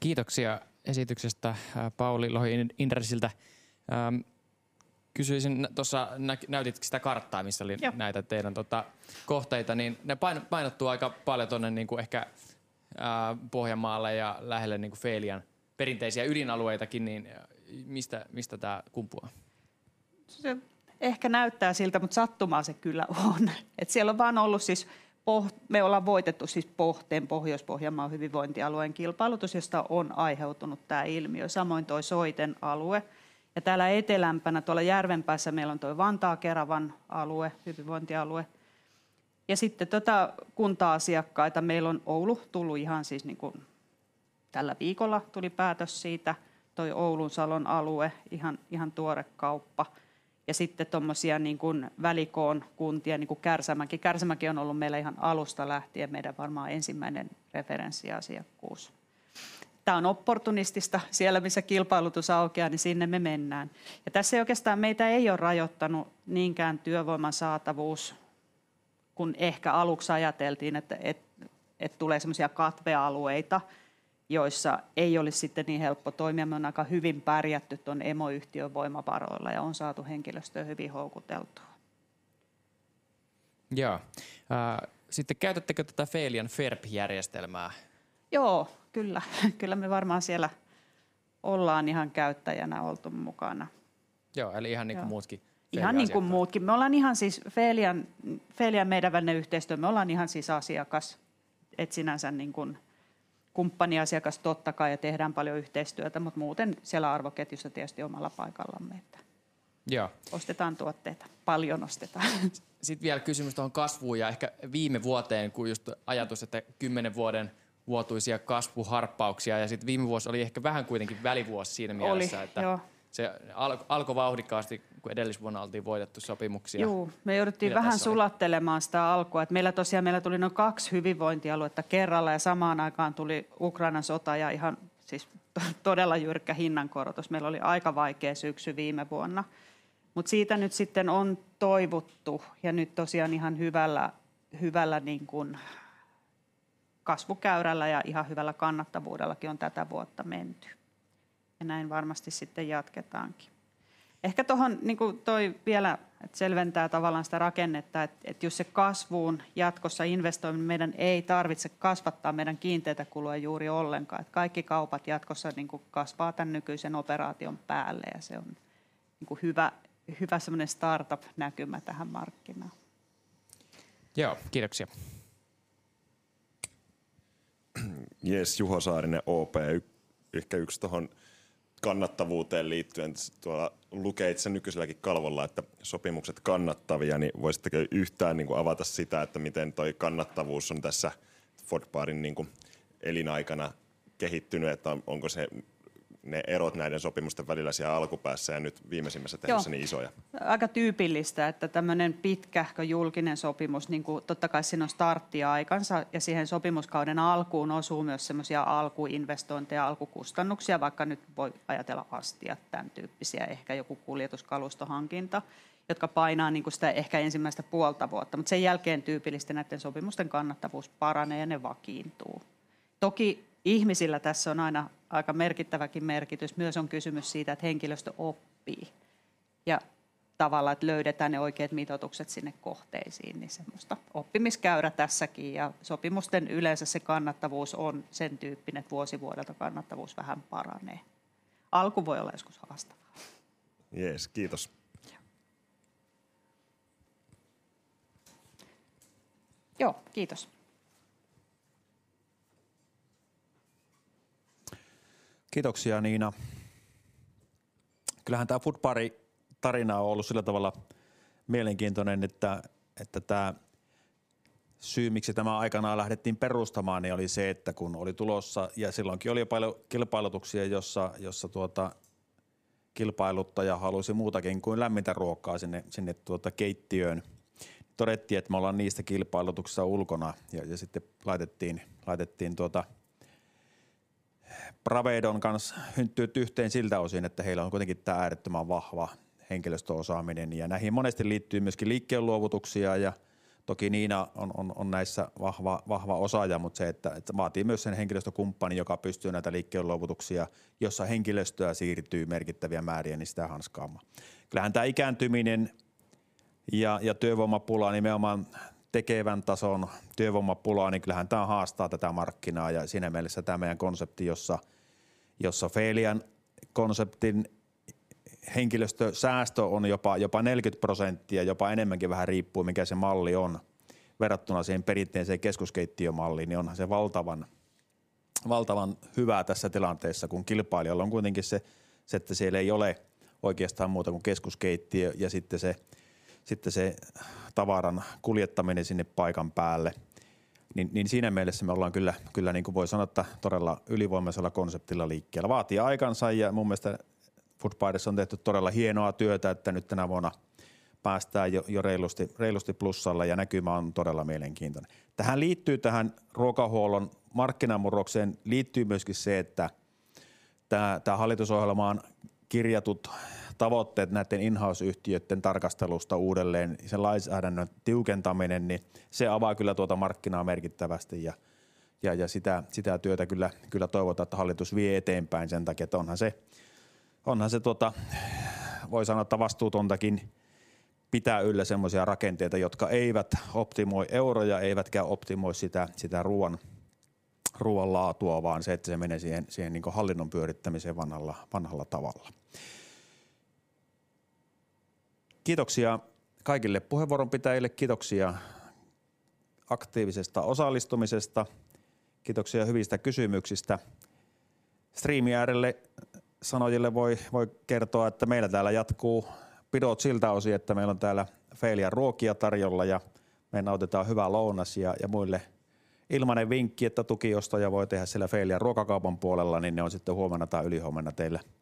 Kiitoksia esityksestä, Pauli Lohi Indresiltä. Kysyisin, tuossa näytit sitä karttaa, missä oli- Joo Näitä teidän kohteita, niin ne painottuu aika paljon tuonne Pohjanmaalle ja lähelle Felian perinteisiä ydinalueitakin, niin mistä tää kumpuaa? Se ehkä näyttää siltä, mutta sattumaa se kyllä on, että siellä on vaan ollut siis Pohjanmaa. Me ollaan voitettu siis Pohteen, Pohjois-Pohjanmaan hyvinvointialueen kilpailutus, josta on aiheutunut tämä ilmiö. Samoin tuo Soiten alue, ja täällä etelämpänä, tuolla Järvenpäässä meillä on tuo Vantaa-Keravan alue, hyvinvointialue. Ja sitten kunta-asiakkaita meillä on Oulu tullut ihan siis niin kuin tällä viikolla tuli päätös siitä. Tuo Oulun Salon alue, ihan tuore kauppa. Ja sitten tommosia niin kuin välikoon kuntia, niinkuin Kärsämäki. Kärsämäki on ollut meillä ihan alusta lähtien, meidän varmaan ensimmäinen referenssiasiakkuus. Tämä on opportunistista. Siellä, missä kilpailutus aukeaa, niin sinne me mennään. Ja tässä ei oikeastaan meitä ole rajoittanut niinkään työvoiman saatavuus, kun ehkä aluksi ajateltiin, että tulee semmosia katvealueita, joissa ei olisi sitten niin helppo toimia. Me on aika hyvin pärjätty tuon emoyhtiön voimavaroilla ja on saatu henkilöstöä hyvin houkuteltua. Jaa, sitten käytättekö tätä Felian Ferp-järjestelmää? Joo, kyllä, kyllä me varmaan siellä ollaan ihan käyttäjänä oltu mukana. Joo, eli ihan niinku muutkin. Ihan niinku muutkin. Me ollaan ihan siis Felian, Felian ja meidän välinen yhteistyö, me ollaan ihan siis asiakas. Että sinänsä niinku kumppaniasiakas totta kai, ja tehdään paljon yhteistyötä, mutta muuten siellä arvoketjussa tietysti omalla paikallamme. Joo. Ostetaan tuotteita, paljon ostetaan. Sit vielä kysymys tohon kasvuun ja ehkä viime vuoteen, kun just ajatus, että kymmenen vuoden vuotuisia kasvuharppauksia ja sit viime vuosi oli ehkä vähän kuitenkin välivuosi siinä mielessä. Oli, joo että se alkoi vauhdikkaasti, kun edellisvuonna oltiin voitettu sopimuksia. Juu, me jouduttiin vähän sulattelemaan sitä alkua, että meillä tosiaan tuli noi kaksi hyvinvointialuetta kerralla ja samaan aikaan tuli Ukrainan sota ja ihan siis todella jyrkkä hinnankorotus. Meillä oli aika vaikea syksy viime vuonna, mutta siitä nyt sitten on toivuttu ja nyt tosiaan ihan hyvällä kasvukäyrällä ja ihan hyvällä kannattavuudellakin on tätä vuotta menty, ja näin varmasti sitten jatketaankin. Ehkä tohon vielä, että selventää tavallaan sitä rakennetta, että just se kasvuun jatkossa investoiminen. Meidän ei tarvitse kasvattaa meidän kiinteitä kuluja juuri ollenkaan, että kaikki kaupat jatkossa kasvaa tän nykyisen operaation päälle, ja se on hyvä startup-näkymä tähän markkinaan. Joo, kiitoksia! Jees, Juho Saarinen, OP. Ehkä yks tohon kannattavuuteen liittyen. Tuolla lukee itse asiassa nykyiselläkin kalvolla, että sopimukset kannattavia, niin voisitteko yhtään niinku avata sitä, että miten toi kannattavuus on tässä Foodparin niinku elinaikana kehittynyt, että onko se, ne erot näiden sopimusten välillä siellä alkupäässä ja nyt viimeisimmissä tehdyissä niin isoja? Aika tyypillistä, että tämmöinen pitkähkö julkinen sopimus, totta kai siinä on starttiaikansa, ja siihen sopimuskauden alkuun osuu myös semmoisia alkuinvestointeja, alkukustannuksia, vaikka nyt voi ajatella astiat, tän tyyppisiä, ehkä joku kuljetuskalustohankinta, jotka painaa sitä ehkä ensimmäistä puolta vuotta, mutta sen jälkeen tyypillisesti näiden sopimusten kannattavuus paranee ja ne vakiintuu. Toki ihmisillä tässä on aina aika merkittäväkin merkitys. Myös on kysymys siitä, että henkilöstö oppii, ja tavallaan, että löydetään ne oikeat mitoitukset sinne kohteisiin, niin semmoinen oppimiskäyrä tässäkin. Ja sopimusten yleensä se kannattavuus on sen tyyppinen, että vuosi vuodelta kannattavuus vähän paranee. Alku voi olla joskus haastavaa. Jees, kiitos! Joo. Joo, kiitos. Kiitoksia, Niina! Kyllähän tää Foodpari-tarina on ollut sillä tavalla mielenkiintoinen, että tää syy, miksi tämä aikanaan lähdettiin perustamaan, niin oli se, että kun oli tulossa ja silloinkin oli jo paljon kilpailutuksia, jossa kilpailuttaja halusi muutakin kuin lämmintä ruokaa sinne keittiöön. Todettiin, että me ollaan niistä kilpailutuksissa ulkona ja sitten laitettiin Pravedon kanssa hynttyyt yhteen siltä osin, että heillä on kuitenkin tää äärettömän vahva henkilöstöosaaminen, ja näihin monesti liittyy myöskin liikkeenluovutuksia. Ja toki Niina on näissä vahva osaaja, mutta se, että se vaatii myös sen henkilöstökumppanin, joka pystyy näitä liikkeenluovutuksia, jossa henkilöstöä siirtyy merkittäviä määriä, niin sitä hanskaamaan. Kyllähän tää ikääntyminen ja työvoimapula, nimenomaan tekevän tason työvoimapula, niin kyllähän tää haastaa tätä markkinaa ja siinä mielessä tää meidän konsepti, jossa Failian konseptin henkilöstösäästö on jopa 40%, jopa enemmänkin. Vähän riippuu, mikä se malli on verrattuna siihen perinteiseen keskuskeittiömalliin. Onhan se valtavan hyvä tässä tilanteessa, kun kilpailijoilla on kuitenkin se, että siellä ei ole oikeastaan muuta kuin keskuskeittiö ja sitten se tavaran kuljettaminen sinne paikan päälle. Siinä mielessä me ollaan kyllä voi sanoa, että todella ylivoimaisella konseptilla liikkeellä. Vaatii aikansa ja mun mielestä Foodbyressa on tehty todella hienoa työtä, että nyt tänä vuonna päästään jo reilusti plussalle ja näkymä on todella mielenkiintoinen. Tähän liittyy tähän ruokahuollon markkinamurrokseen liittyy myöskin se, että hallitusohjelmaan kirjatut tavoitteet näiden inhouse-yhtiöiden tarkastelusta uudelleen, se lainsäädännön tiukentaminen, niin se avaa kyllä tuota markkinaa merkittävästi ja sitä työtä kyllä toivotaan, että hallitus vie eteenpäin sen takia, että onhan se vastuutontakin pitää yllä semmoisia rakenteita, jotka eivät optimoi euroja eivätkä optimoi sitä ruoan laatua, vaan se menee siihen hallinnon pyörittämiseen vanhalla tavalla. Kiitoksia kaikille puheenvuoron pitäjille. Kiitoksia aktiivisesta osallistumisesta. Kiitoksia hyvistä kysymyksistä! Striimin äärelle sanojille voi kertoa, että meillä täällä jatkuu pidot siltä osin, että meillä on täällä Failian ruokia tarjolla ja me nautitaan hyvä lounas. Ja muille ilmainen vinkki, että tukiostoja voi tehdä siellä Failian ruokakaupan puolella, niin ne on sitten huomenna tai ylihuomenna teillä tuota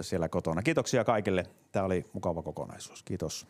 siellä kotona. Kiitoksia kaikille, tää oli mukava kokonaisuus. Kiitos!